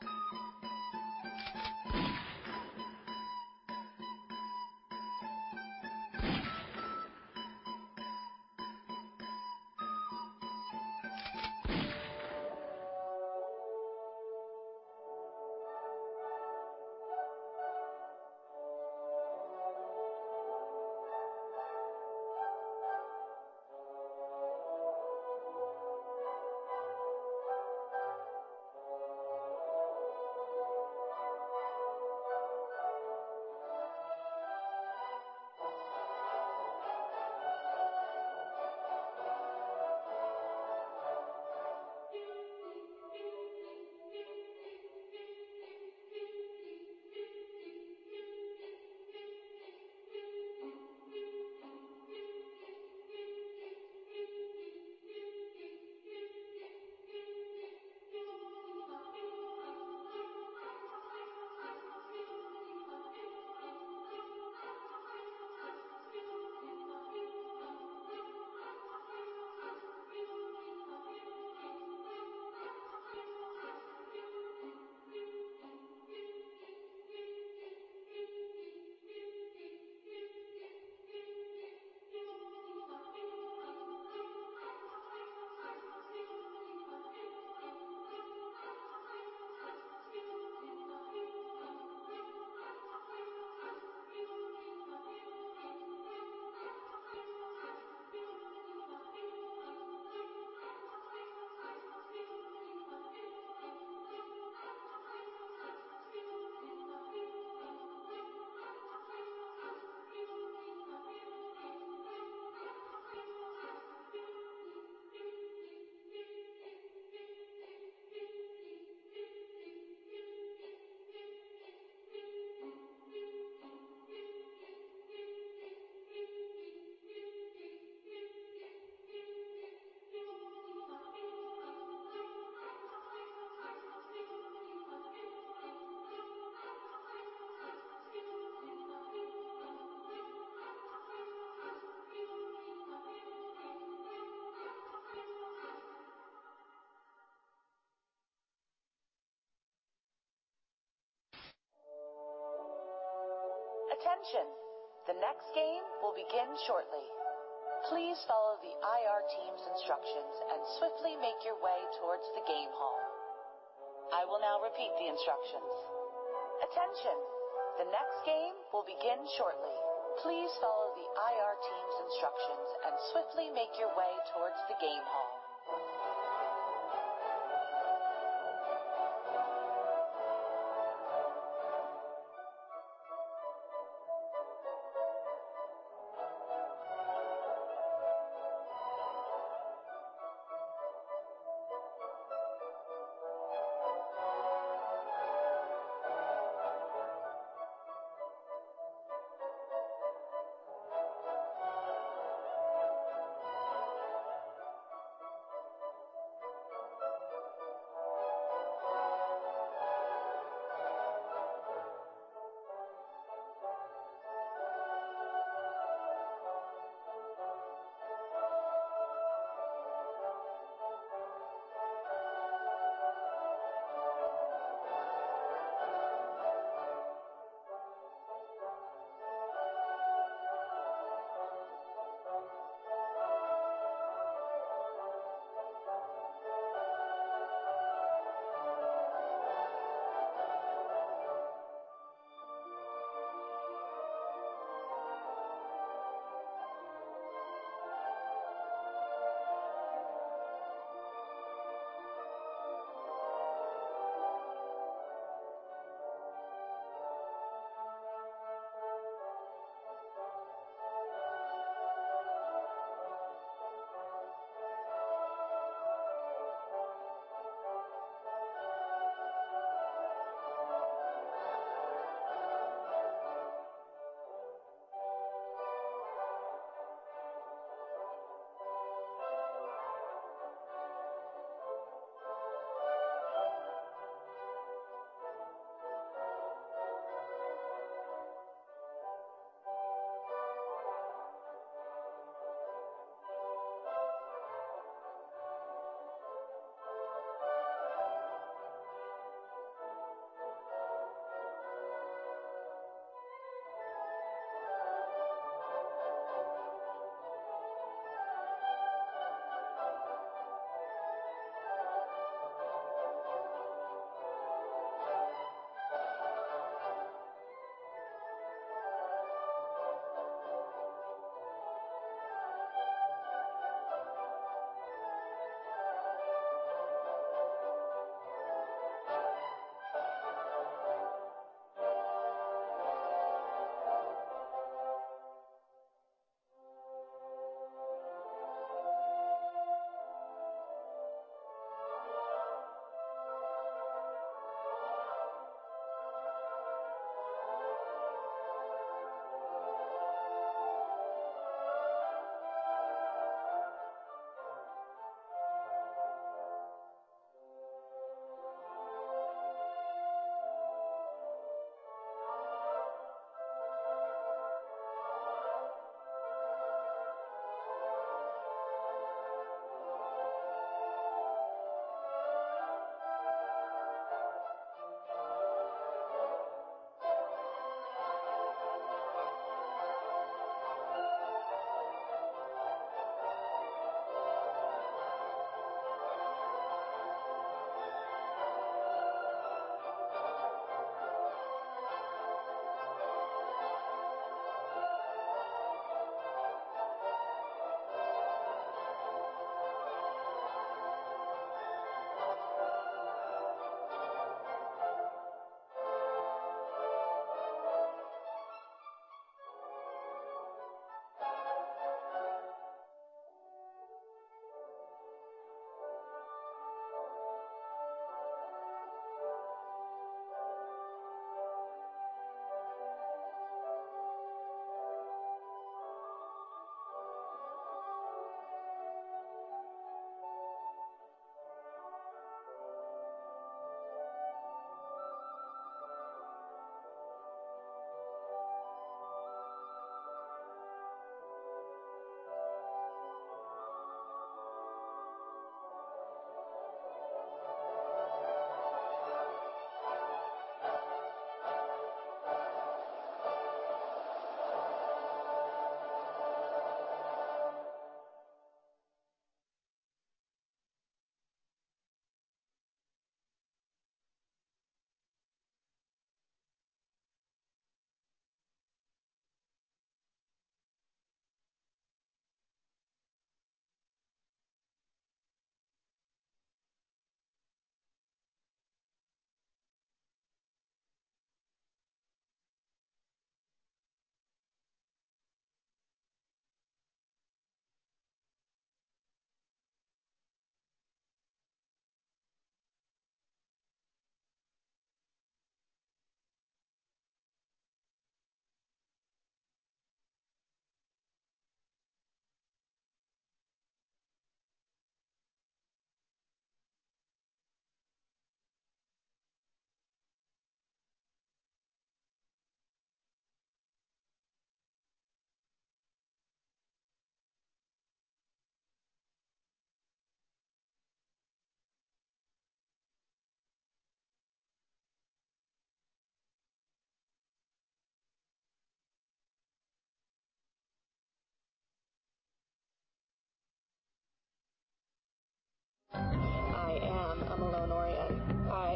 Attention, the next game will begin shortly. Please follow the IR team's instructions and swiftly make your way towards the game hall. I will now repeat the instructions. Attention, the next game will begin shortly. Please follow the IR team's instructions and swiftly make your way towards the game hall.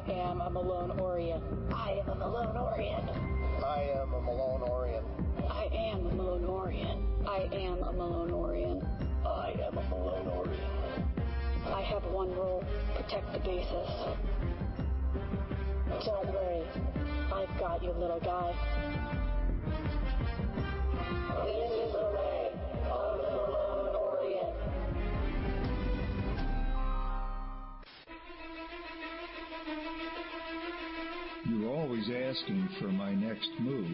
I am a Mandalorian. I have one rule, protect the bases. Don't worry. I've got you, little guy. This is the way of the Mandalorian. You're always asking for my next move.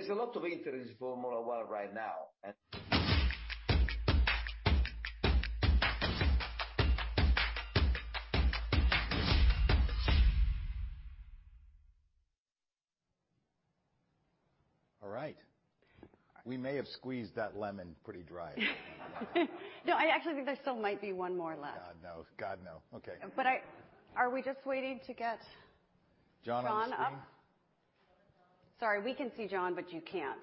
Well, there is a lot of interest for Formula One World right now and All right. We may have squeezed that lemon pretty dry. No, I actually think there still might be one more left. God, no. Okay. Are we just waiting to get- John on the screen? John up. Sorry, we can see John, but you can't.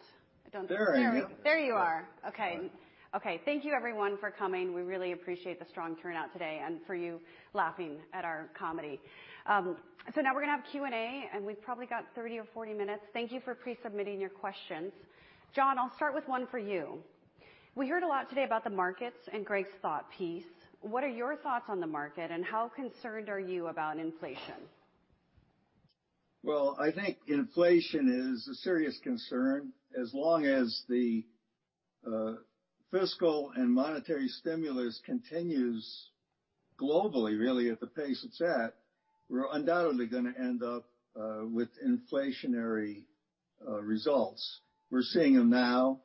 I don't know. There I am. There you are. Okay. Okay. Thank you everyone for coming. We really appreciate the strong turnout today and for you laughing at our comedy. So now we're gonna have Q&A, and we've probably got 30 or 40 minutes. Thank you for pre-submitting your questions. John, I'll start with one for you. We heard a lot today about the markets and Greg's thought piece. What are your thoughts on the market, and how concerned are you about inflation? Well, I think inflation is a serious concern. As long as the fiscal and monetary stimulus continues globally, really at the pace it's at, we're undoubtedly gonna end up with inflationary results. We're seeing them now.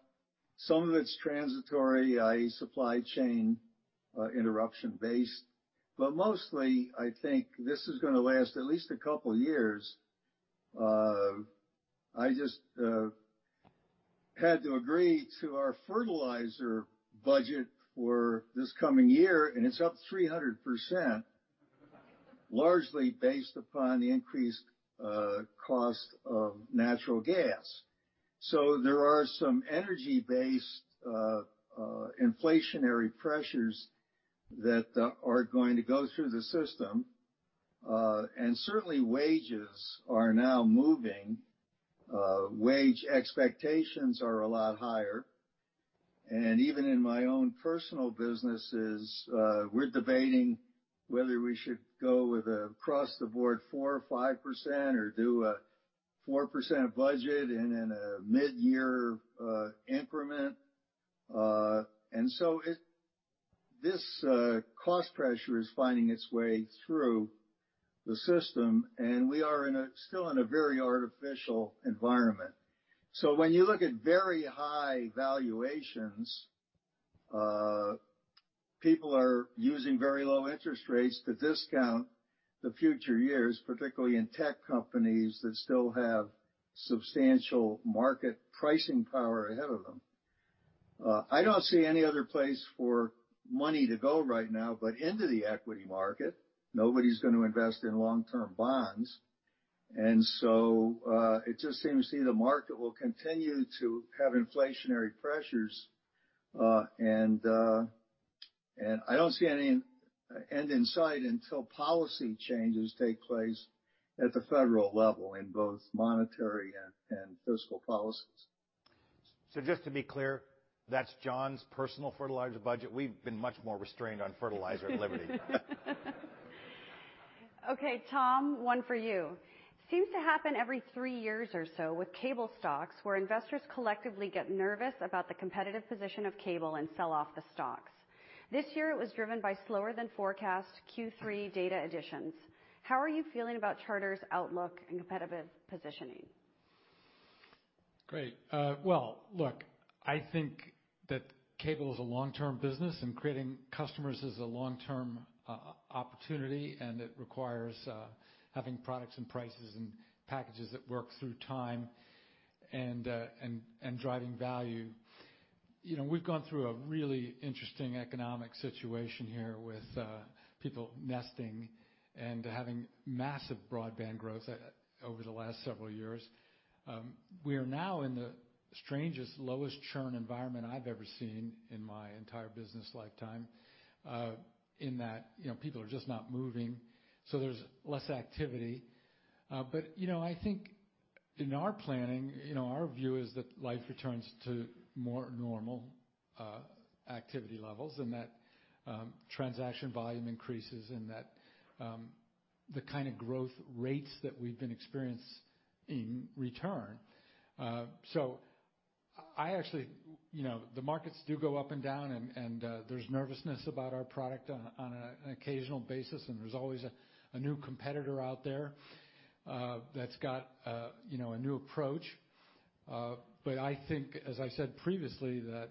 Some of it's transitory, i.e., supply chain interruption based. But mostly, I think this is gonna last at least a couple of years. I just had to agree to our fertilizer budget for this coming year, and it's up 300%, largely based upon the increased cost of natural gas. So there are some energy-based inflationary pressures that are going to go through the system. Certainly wages are now moving. Wage expectations are a lot higher. Even in my own personal businesses, we're debating whether we should go with across the board 4% or 5% or do a 4% budget and then a mid-year increment. This cost pressure is finding its way through the system, and we are still in a very artificial environment. When you look at very high valuations, people are using very low interest rates to discount the future years, particularly in tech companies that still have substantial market pricing power ahead of them. I don't see any other place for money to go right now, but into the equity market. Nobody's gonna invest in long-term bonds. It just seems to me the market will continue to have inflationary pressures. I don't see any end in sight until policy changes take place at the federal level in both monetary and fiscal policies. Just to be clear, that's John's personal fertilizer budget. We've been much more restrained on fertilizer at Liberty. Okay, Tom, one for you. Seems to happen every three years or so with cable stocks, where investors collectively get nervous about the competitive position of cable and sell off the stocks. This year, it was driven by slower than forecast Q3 data additions. How are you feeling about Charter's outlook and competitive positioning? Great. Well, look, I think that cable is a long-term business, and creating customers is a long-term opportunity, and it requires having products and prices and packages that work through time and driving value. You know, we've gone through a really interesting economic situation here with people nesting and having massive broadband growth over the last several years. We are now in the strangest, lowest churn environment I've ever seen in my entire business lifetime, in that, you know, people are just not moving, so there's less activity. You know, I think in our planning, you know, our view is that life returns to more normal activity levels and that transaction volume increases and that the kind of growth rates that we've been experiencing return. So I actually... You know, the markets do go up and down and there's nervousness about our product on an occasional basis, and there's always a new competitor out there that's got you know, a new approach. I think, as I said previously, that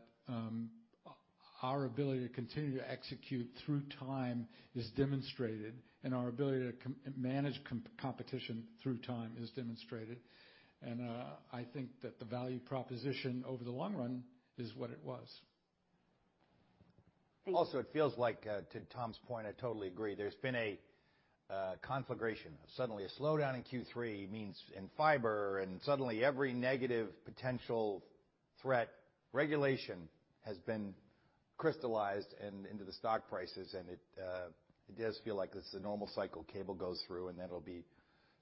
our ability to continue to execute through time is demonstrated, and our ability to manage competition through time is demonstrated. I think that the value proposition over the long run is what it was. Thank you. It feels like to Tom's point, I totally agree. There's been a conflagration. Suddenly a slowdown in Q3 in fiber, and suddenly every negative potential threat regulation has been crystallized into the stock prices. It does feel like this is a normal cycle cable goes through, and that'll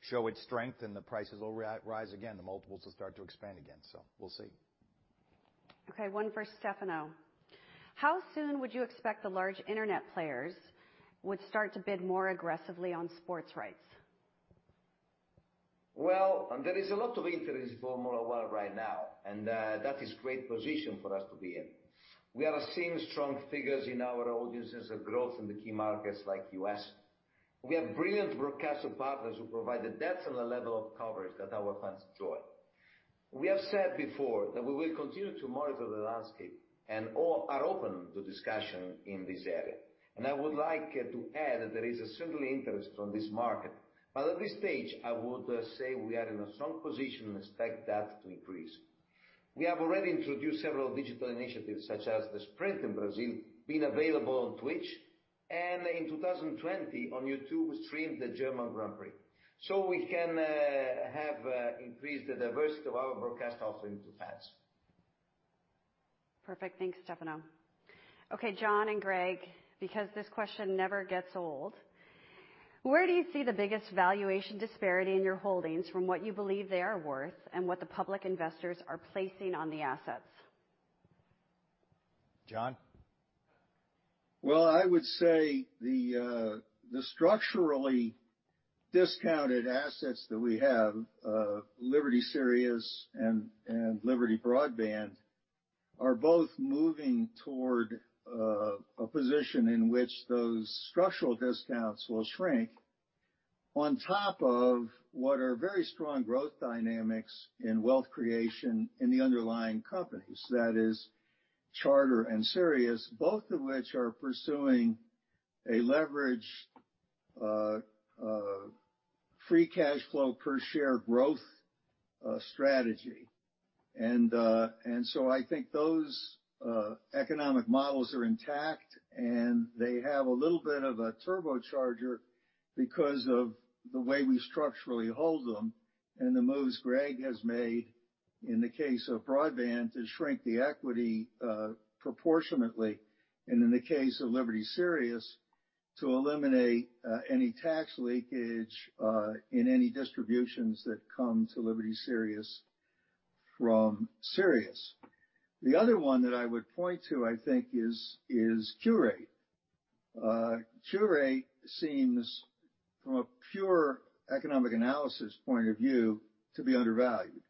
show its strength and the prices will rise again. The multiples will start to expand again. We'll see. Okay, one for Stefano. How soon would you expect the large internet players would start to bid more aggressively on sports rights? Well, there is a lot of interest for More World right now, and that is great position for us to be in. We are seeing strong figures in our audience growth in the key markets like U.S. We have brilliant broadcast partners who provide the depth and the level of coverage that our fans enjoy. We have said before that we will continue to monitor the landscape and we are all open to discussion in this area. I would like to add that there is a similar interest in this market. At this stage, I would say we are in a strong position and expect that to increase. We have already introduced several digital initiatives such as the Sprint in Brazil being available on Twitch, and in 2020 on YouTube, we streamed the German Grand Prix. We can have increased the diversity of our broadcast offering to fans. Perfect. Thanks, Stefano. Okay, John and Greg, because this question never gets old, where do you see the biggest valuation disparity in your holdings from what you believe they are worth and what the public investors are placing on the assets? John? Well, I would say the structurally discounted assets that we have, Liberty Sirius and Liberty Broadband, are both moving toward a position in which those structural discounts will shrink on top of what are very strong growth dynamics in wealth creation in the underlying companies, that is Charter and Sirius, both of which are pursuing a leverage free cash flow per share growth strategy. I think those economic models are intact, and they have a little bit of a turbocharger because of the way we structurally hold them and the moves Greg has made in the case of Broadband to shrink the equity proportionately, and in the case of Liberty Sirius to eliminate any tax leakage in any distributions that come to Liberty Sirius from Sirius. The other one that I would point to, I think, is Qurate. Qurate seems from a pure economic analysis point of view to be undervalued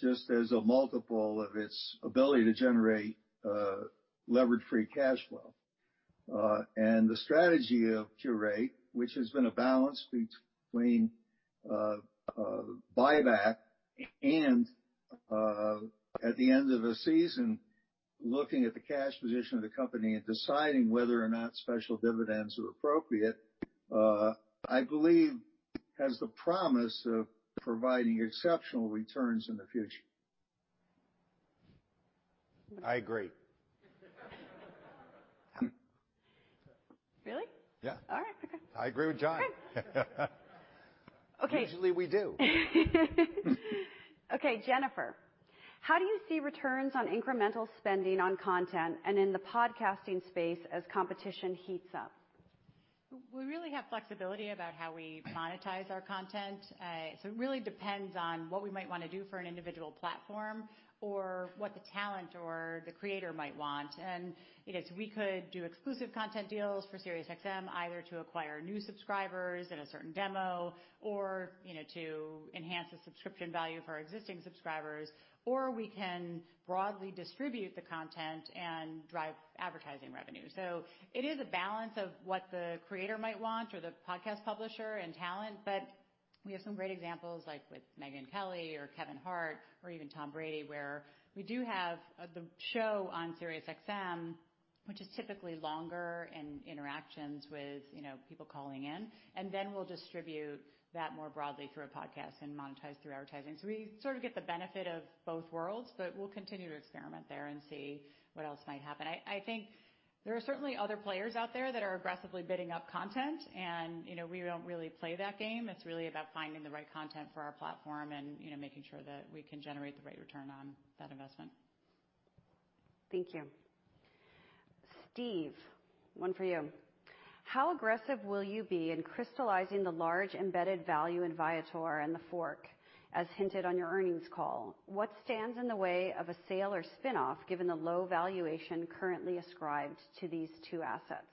just as a multiple of its ability to generate leverage free cash flow. The strategy of Qurate, which has been a balance between buyback and at the end of a season looking at the cash position of the company and deciding whether or not special dividends are appropriate, I believe has the promise of providing exceptional returns in the future. I agree. Really? Yeah. All right. Okay. I agree with John. Okay. Usually we do. Okay, Jennifer, how do you see returns on incremental spending on content and in the podcasting space as competition heats up? We really have flexibility about how we monetize our content. It really depends on what we might wanna do for an individual platform or what the talent or the creator might want. You know, so we could do exclusive content deals for SiriusXM, either to acquire new subscribers in a certain demo or, you know, to enhance the subscription value for our existing subscribers, or we can broadly distribute the content and drive advertising revenue. It is a balance of what the creator might want or the podcast publisher and talent. We have some great examples, like with Megyn Kelly or Kevin Hart or even Tom Brady, where we do have the show on SiriusXM, which is typically longer in interactions with, you know, people calling in. Then we'll distribute that more broadly through a podcast and monetize through advertising. We sort of get the benefit of both worlds, but we'll continue to experiment there and see what else might happen. I think there are certainly other players out there that are aggressively bidding up content and, you know, we don't really play that game. It's really about finding the right content for our platform and, you know, making sure that we can generate the right return on that investment. Thank you. Steve, one for you. How aggressive will you be in crystallizing the large embedded value in Viator and TheFork as hinted on your earnings call? What stands in the way of a sale or spin-off given the low valuation currently ascribed to these two assets?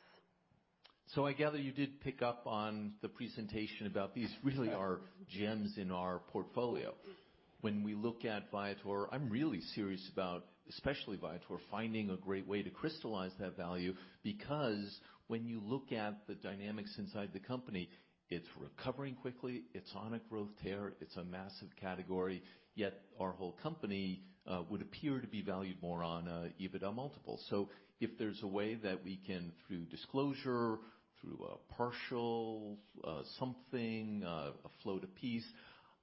I gather you did pick up on the presentation about these. Really are gems in our portfolio. When we look at Viator, I'm really serious about, especially Viator, finding a great way to crystallize that value because when you look at the dynamics inside the company, it's recovering quickly, it's on a growth tear, it's a massive category, yet our whole company would appear to be valued more on EBITDA multiple. If there's a way that we can through disclosure, through a partial, something, a float a piece,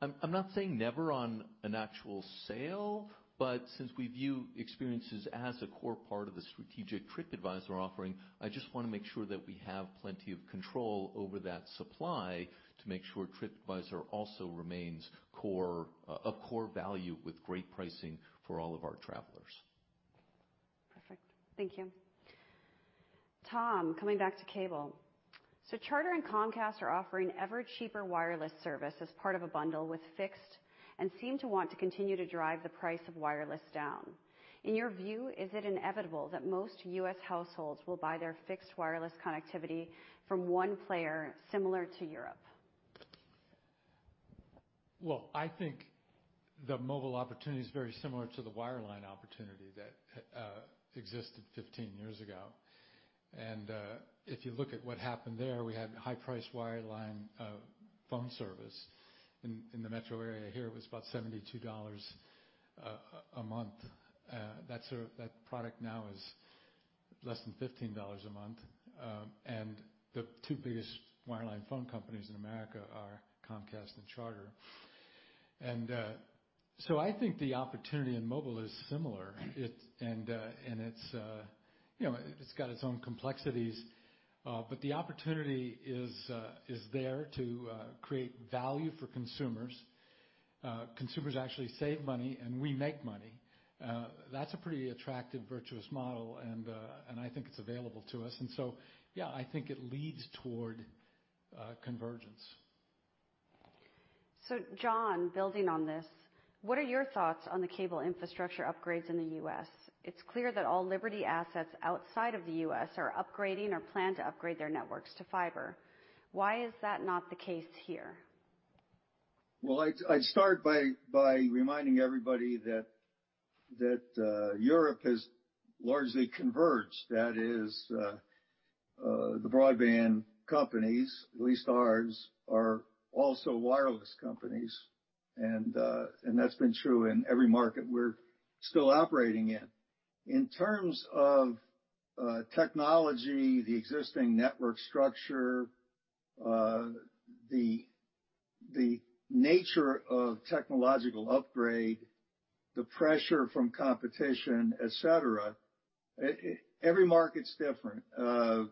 I'm not saying never on an actual sale, but since we view experiences as a core part of the strategic TripAdvisor offering, I just wanna make sure that we have plenty of control over that supply to make sure TripAdvisor also remains core, a core value with great pricing for all of our travelers. Perfect. Thank you. Tom, coming back to cable. Charter and Comcast are offering ever cheaper wireless service as part of a bundle with fixed, and seem to want to continue to drive the price of wireless down. In your view, is it inevitable that most U.S. households will buy their fixed wireless connectivity from one player similar to Europe? Well, I think the mobile opportunity is very similar to the wireline opportunity that existed 15 years ago. If you look at what happened there, we had high priced wireline phone service in the metro area here. It was about $72 a month. That product now is less than $15 a month. The two biggest wireline phone companies in America are Comcast and Charter. I think the opportunity in mobile is similar. It's, you know, got its own complexities. But the opportunity is there to create value for consumers. Consumers actually save money, and we make money. That's a pretty attractive virtuous model. I think it's available to us. Yeah, I think it leads toward convergence. John, building on this, what are your thoughts on the cable infrastructure upgrades in the U.S.? It's clear that all Liberty assets outside of the U.S. are upgrading or plan to upgrade their networks to fiber. Why is that not the case here? Well, I'd start by reminding everybody that Europe has largely converged. That is, the broadband companies, at least ours, are also wireless companies. That's been true in every market we're still operating in. In terms of technology, the existing network structure, the nature of technological upgrade, the pressure from competition, etc., every market's different. The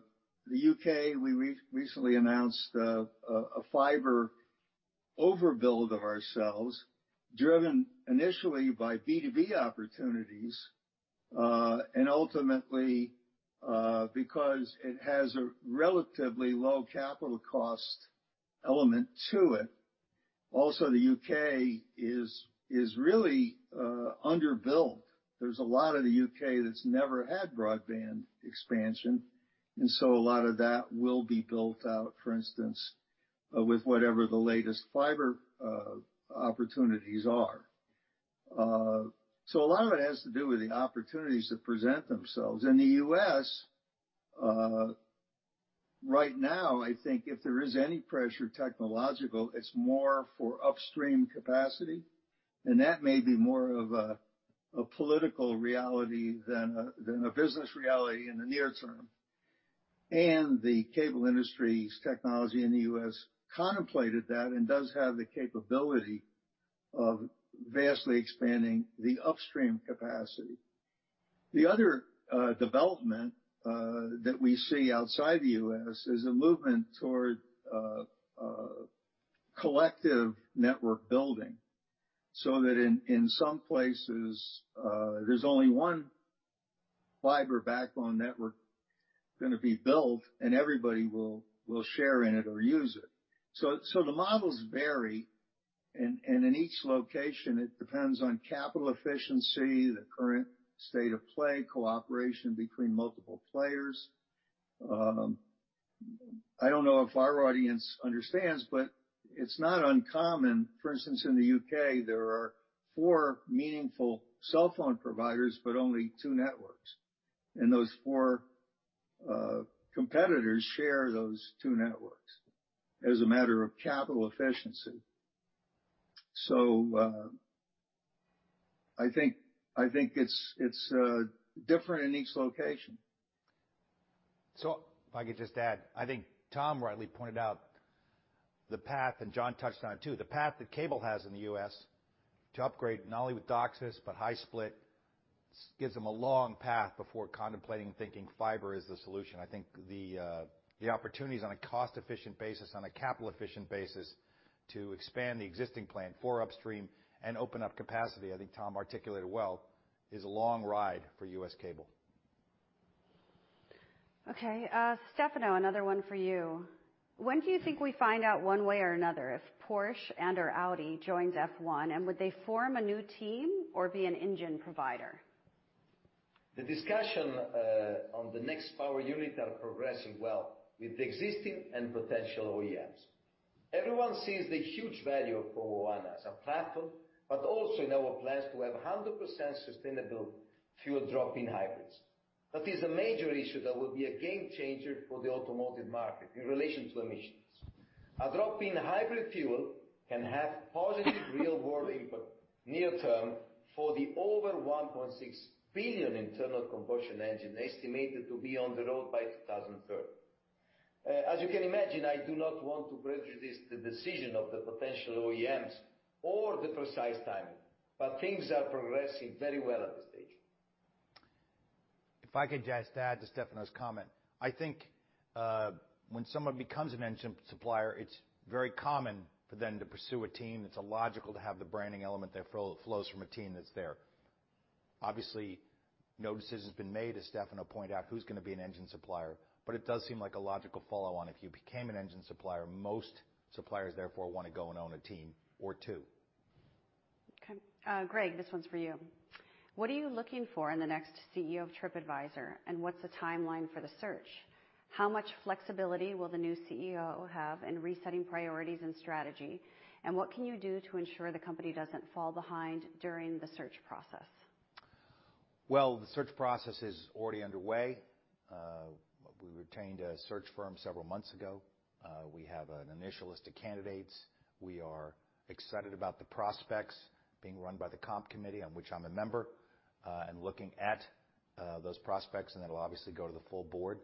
U.K. We recently announced a fiber overbuild of ourselves, driven initially by B2B opportunities, and ultimately, because it has a relatively low capital cost element to it. Also, the U.K. is really underbuilt. There's a lot of the U.K. that's never had broadband expansion, and so a lot of that will be built out, for instance, with whatever the latest fiber opportunities are. A lot of it has to do with the opportunities that present themselves. In the U.S., right now, I think if there is any pressure, technological, it's more for upstream capacity, and that may be more of a political reality than a business reality in the near term. The cable industry's technology in the U.S. contemplated that and does have the capability of vastly expanding the upstream capacity. The other development that we see outside the U.S. is a movement toward collective network building, so that in some places, there's only one fiber backbone network gonna be built, and everybody will share in it or use it. The models vary. In each location, it depends on capital efficiency, the current state of play, cooperation between multiple players. I don't know if our audience understands, but it's not uncommon. For instance, in the U.K., there are four meaningful cell phone providers but only two networks. Those four competitors share those two networks as a matter of capital efficiency. I think it's different in each location. If I could just add. I think Tom rightly pointed out the path, and John touched on it, too. The path that cable has in the U.S. to upgrade not only with DOCSIS, but high-split, gives them a long path before contemplating thinking fiber is the solution. I think the opportunities on a cost-efficient basis, on a capital-efficient basis to expand the existing plant for upstream and open up capacity, I think Tom articulated well, is a long ride for U.S. cable. Okay. Stefano, another one for you. When do you think we find out one way or another if Porsche and/or Audi joins F1, and would they form a new team or be an engine provider? The discussion on the next power unit are progressing well with the existing and potential OEMs. Everyone sees the huge value of F1 as a platform, but also in our plans to have 100% sustainable fuel drop-in hybrids. That is a major issue that will be a game changer for the automotive market in relation to emissions. A drop-in hybrid fuel can have positive real world input near-term for the over 1.6 billion internal combustion engine estimated to be on the road by 2030. As you can imagine, I do not want to prejudice the decision of the potential OEMs or the precise timing, but things are progressing very well at this stage. If I could just add to Stefano's comment. I think, when someone becomes an engine supplier, it's very common for them to pursue a team. It's illogical to have the branding element that flows from a team that's there. Obviously, no decision's been made, as Stefano pointed out, who's gonna be an engine supplier. It does seem like a logical follow-on if you became an engine supplier, most suppliers therefore wanna go and own a team or two. Okay. Greg, this one's for you. What are you looking for in the next CEO of TripAdvisor, and what's the timeline for the search? How much flexibility will the new CEO have in resetting priorities and strategy? What can you do to ensure the company doesn't fall behind during the search process? Well, the search process is already underway. We retained a search firm several months ago. We have an initial list of candidates. We are excited about the prospects being run by the comp committee, on which I'm a member. Looking at those prospects, it'll obviously go to the full board.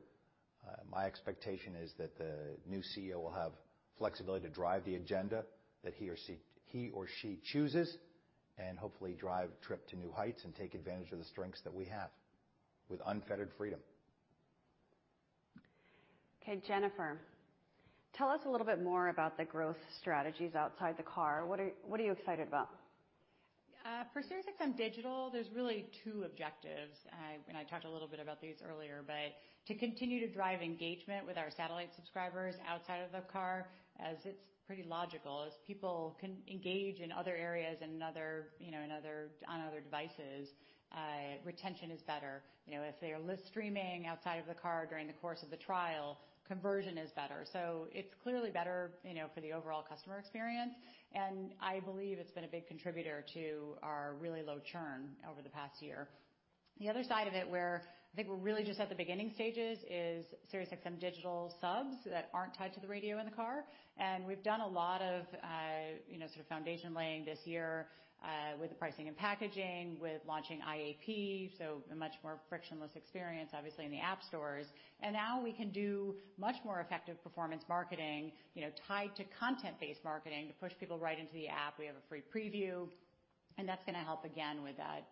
My expectation is that the new CEO will have flexibility to drive the agenda that he or she chooses, and hopefully drive Trip to new heights and take advantage of the strengths that we have with unfettered freedom. Okay. Jennifer, tell us a little bit more about the growth strategies outside the car. What are you excited about? For SiriusXM Digital, there's really two objectives. I talked a little bit about these earlier, but to continue to drive engagement with our satellite subscribers outside of the car, as it's pretty logical. As people can engage in other areas and other, you know, on other devices, retention is better. You know, if they are listening, streaming outside of the car during the course of the trial, conversion is better. It's clearly better, you know, for the overall customer experience, and I believe it's been a big contributor to our really low churn over the past year. The other side of it, where I think we're really just at the beginning stages, is SiriusXM Digital subs that aren't tied to the radio in the car. We've done a lot of, you know, sort of foundation laying this year, with the pricing and packaging, with launching IAP, so a much more frictionless experience, obviously, in the app stores. Now we can do much more effective performance marketing, you know, tied to content-based marketing to push people right into the app. We have a free preview, and that's gonna help again with that,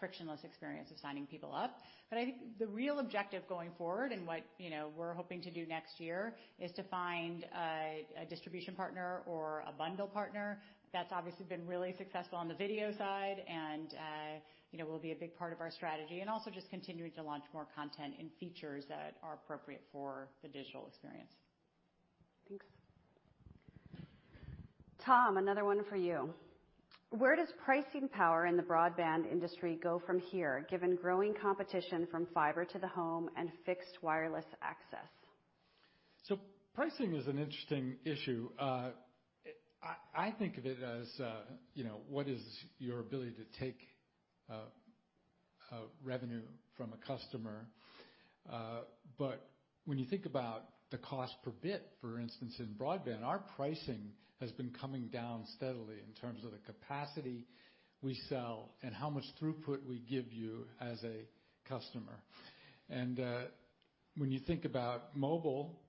frictionless experience of signing people up. I think the real objective going forward and what, you know, we're hoping to do next year is to find a distribution partner or a bundle partner that's obviously been really successful on the video side and, you know, will be a big part of our strategy. Also just continuing to launch more content and features that are appropriate for the digital experience. Thanks. Tom, another one for you. Where does pricing power in the broadband industry go from here, given growing competition from fiber to the home and fixed wireless access? Pricing is an interesting issue. I think of it as, you know, what is your ability to take revenue from a customer? When you think about the cost per bit, for instance, in broadband, our pricing has been coming down steadily in terms of the capacity we sell and how much throughput we give you as a customer. When you think about mobile,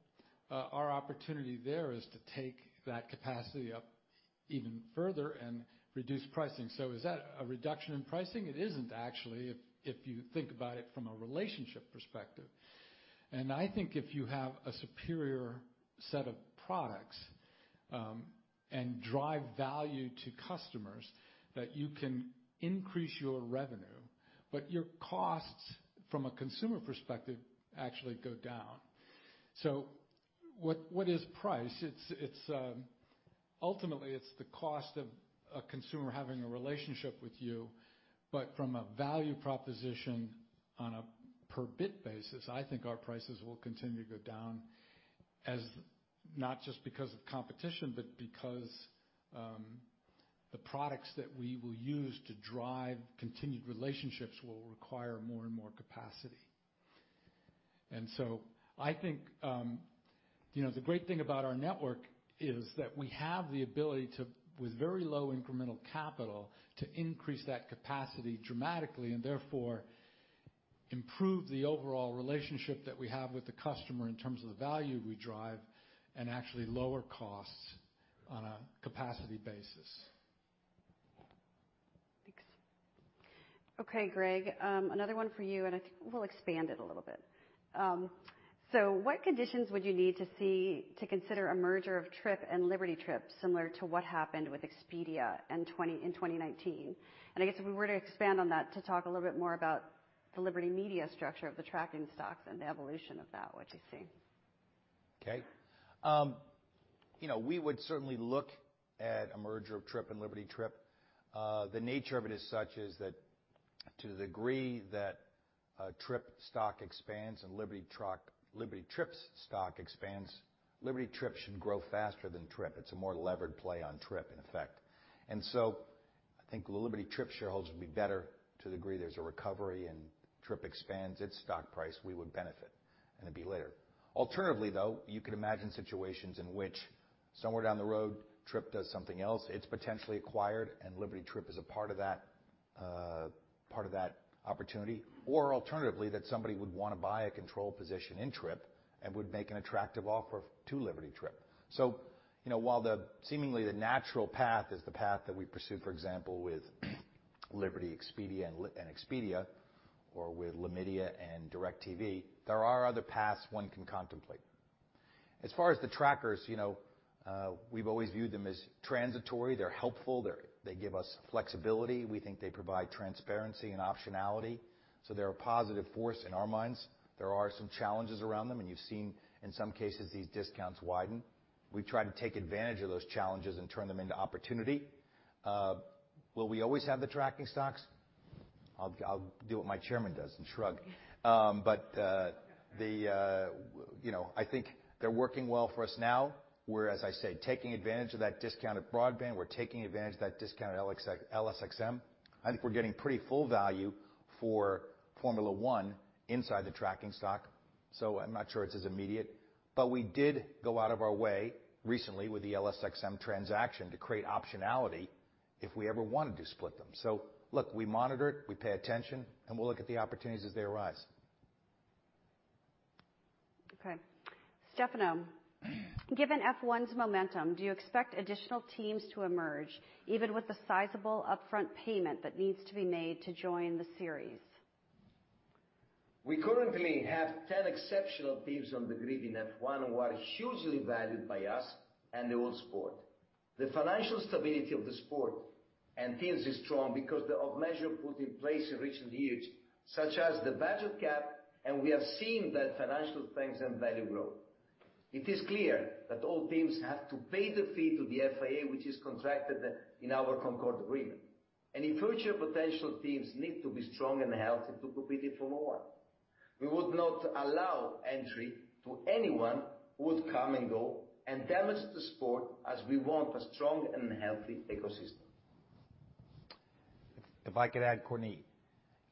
our opportunity there is to take that capacity up even further and reduce pricing. Is that a reduction in pricing? It isn't, actually, if you think about it from a relationship perspective. I think if you have a superior set of products and drive value to customers, that you can increase your revenue, but your costs from a consumer perspective actually go down. What is price? It's ultimately the cost of a consumer having a relationship with you. But from a value proposition on a per bit basis, I think our prices will continue to go down as not just because of competition, but because the products that we will use to drive continued relationships will require more and more capacity. I think you know the great thing about our network is that we have the ability to, with very low incremental capital, to increase that capacity dramatically, and therefore improve the overall relationship that we have with the customer in terms of the value we drive and actually lower costs on a capacity basis. Thanks. Okay, Greg, another one for you, and I think we'll expand it a little bit. So what conditions would you need to see to consider a merger of TripAdvisor and Liberty TripAdvisor, similar to what happened with Expedia in 2019? I guess if we were to expand on that, to talk a little bit more about the Liberty Media structure of the tracking stocks and the evolution of that, what you see. Okay. You know, we would certainly look at a merger of Trip and Liberty Trip. The nature of it is such that to the degree that a Trip stock expands and Liberty Trip's stock expands, Liberty Trip should grow faster than Trip. It's a more levered play on Trip, in effect. I think the Liberty Trip shareholders would be better to the degree there's a recovery and Trip expands its stock price, we would benefit and it'd be later. Alternatively, though, you could imagine situations in which somewhere down the road, Trip does something else, it's potentially acquired, and Liberty Trip is a part of that opportunity. Alternatively, that somebody would wanna buy a control position in Trip and would make an attractive offer to Liberty Trip. You know, while the seemingly natural path is the path that we pursue, for example, with Liberty, Expedia, and Liberty or with Liberty Media and DirecTV, there are other paths one can contemplate. As far as the trackers, you know, we've always viewed them as transitory. They're helpful. They give us flexibility. We think they provide transparency and optionality, so they're a positive force in our minds. There are some challenges around them, and you've seen, in some cases, these discounts widen. We try to take advantage of those challenges and turn them into opportunity. Will we always have the tracking stocks? I'll do what my chairman does and shrug. But you know, I think they're working well for us now. We're, as I said, taking advantage of that discounted broadband. We're taking advantage of that discounted LSXM. I think we're getting pretty full value for Formula One inside the tracking stock, so I'm not sure it's as immediate. We did go out of our way recently with the LSXM transaction to create optionality if we ever wanted to split them. Look, we monitor it, we pay attention, and we'll look at the opportunities as they arise. Okay. Stefano, given F1's momentum, do you expect additional teams to emerge even with the sizable upfront payment that needs to be made to join the series? We currently have 10 exceptional teams on the grid in F1 who are hugely valued by us and the whole sport. The financial stability of the sport and teams is strong because of measures put in place in recent years, such as the budget cap, and we have seen that financial strength and value grow. It is clear that all teams have to pay the fee to the FIA which is contracted in our Concorde Agreement. Any future potential teams need to be strong and healthy to compete in Formula One. We would not allow entry to anyone who would come and go and damage the sport, as we want a strong and healthy ecosystem. If I could add, Courtney.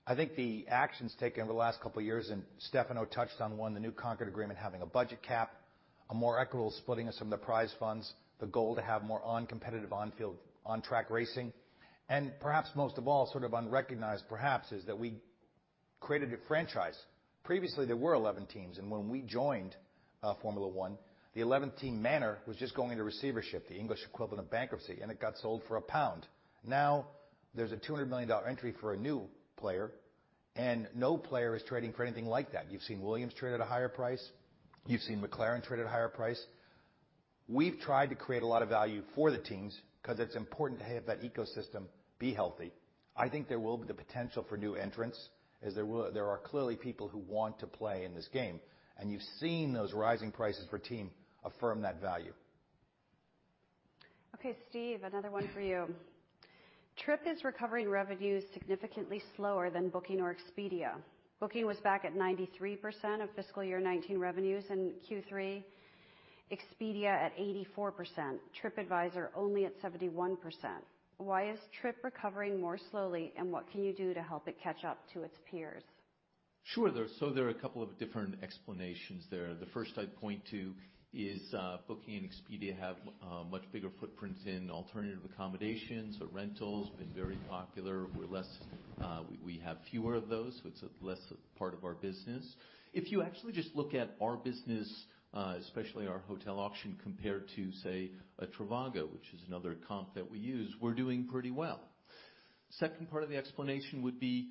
I think the actions taken over the last couple of years, and Stefano touched on one, the new Concorde Agreement, having a budget cap, a more equitable splitting of some of the prize funds, the goal to have more competitive, on-field, on-track racing, and perhaps most of all, sort of unrecognized, perhaps, is that we created a franchise. Previously, there were 11 teams, and when we joined Formula One, the 11th team, Manor, was just going into receivership, the English equivalent of bankruptcy, and it got sold for a pound. Now there's a $200 million entry for a new player, and no player is trading for anything like that. You've seen Williams trade at a higher price. You've seen McLaren trade at a higher price. We've tried to create a lot of value for the teams 'cause it's important to have that ecosystem be healthy. I think there will be the potential for new entrants, as there are clearly people who want to play in this game, and you've seen those rising prices for teams affirm that value. Okay, Steve, another one for you. TripAdvisor is recovering revenues significantly slower than Booking.com or Expedia. Booking.com was back at 93% of fiscal year 2019 revenues in Q3, Expedia at 84%, TripAdvisor only at 71%. Why is TripAdvisor recovering more slowly, and what can you do to help it catch up to its peers? There are a couple of different explanations there. The first I'd point to is booking.com and Expedia have much bigger footprints in alternative accommodations or rentals. They've been very popular. We're less, we have fewer of those, so it's a lesser part of our business. If you actually just look at our business, especially our hotel auction compared to, say, a trivago, which is another comp that we use, we're doing pretty well. Second part of the explanation would be,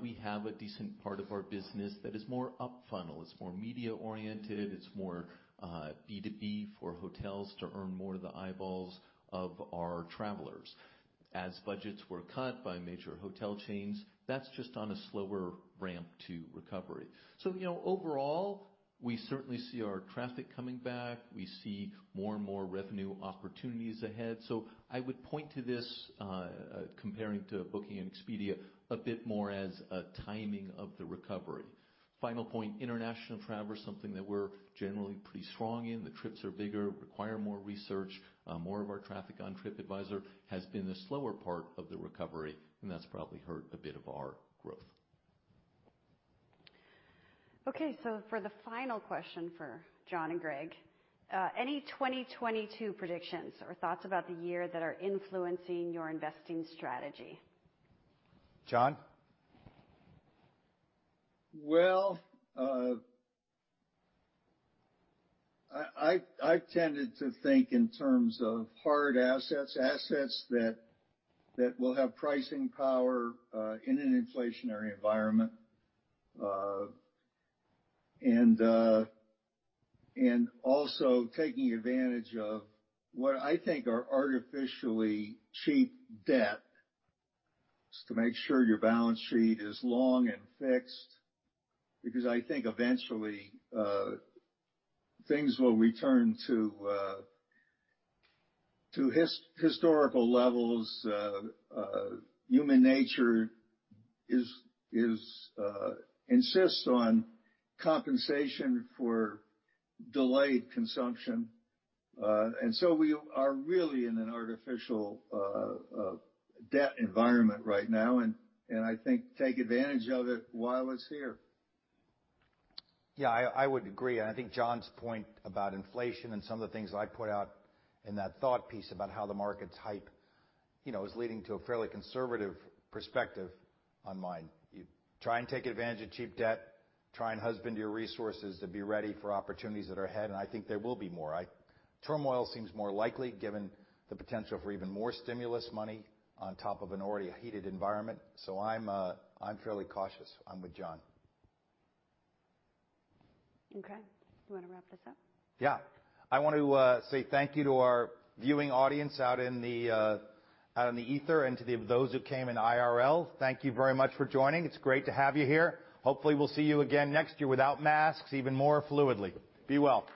we have a decent part of our business that is more up-funnel. It's more media oriented. It's more B2B for hotels to earn more of the eyeballs of our travelers. As budgets were cut by major hotel chains, that's just on a slower ramp to recovery. You know, overall, we certainly see our traffic coming back. We see more and more revenue opportunities ahead. I would point to this, comparing to Booking.com and Expedia a bit more as a timing of the recovery. Final point, international travel is something that we're generally pretty strong in. The trips are bigger, require more research. More of our traffic on TripAdvisor has been the slower part of the recovery, and that's probably hurt a bit of our growth. Okay. For the final question for John and Greg, any 2022 predictions or thoughts about the year that are influencing your investing strategy? John? I've tended to think in terms of hard assets that will have pricing power in an inflationary environment. Also taking advantage of what I think are artificially cheap debt just to make sure your balance sheet is long and fixed. Because I think eventually things will return to historical levels. Human nature insists on compensation for delayed consumption. We are really in an artificial debt environment right now, and I think take advantage of it while it's here. Yeah, I would agree. I think John's point about inflation and some of the things I put out in that thought piece about how the markets hype, you know, is leading to a fairly conservative perspective on mine. You try and take advantage of cheap debt, try and husband your resources to be ready for opportunities that are ahead, and I think there will be more. Turmoil seems more likely given the potential for even more stimulus money on top of an already heated environment. I'm fairly cautious. I'm with John. Okay. You wanna wrap this up? Yeah. I want to say thank you to our viewing audience out in the ether and to those who came in IRL. Thank you very much for joining. It's great to have you here. Hopefully, we'll see you again next year without masks even more fluidly. Be well.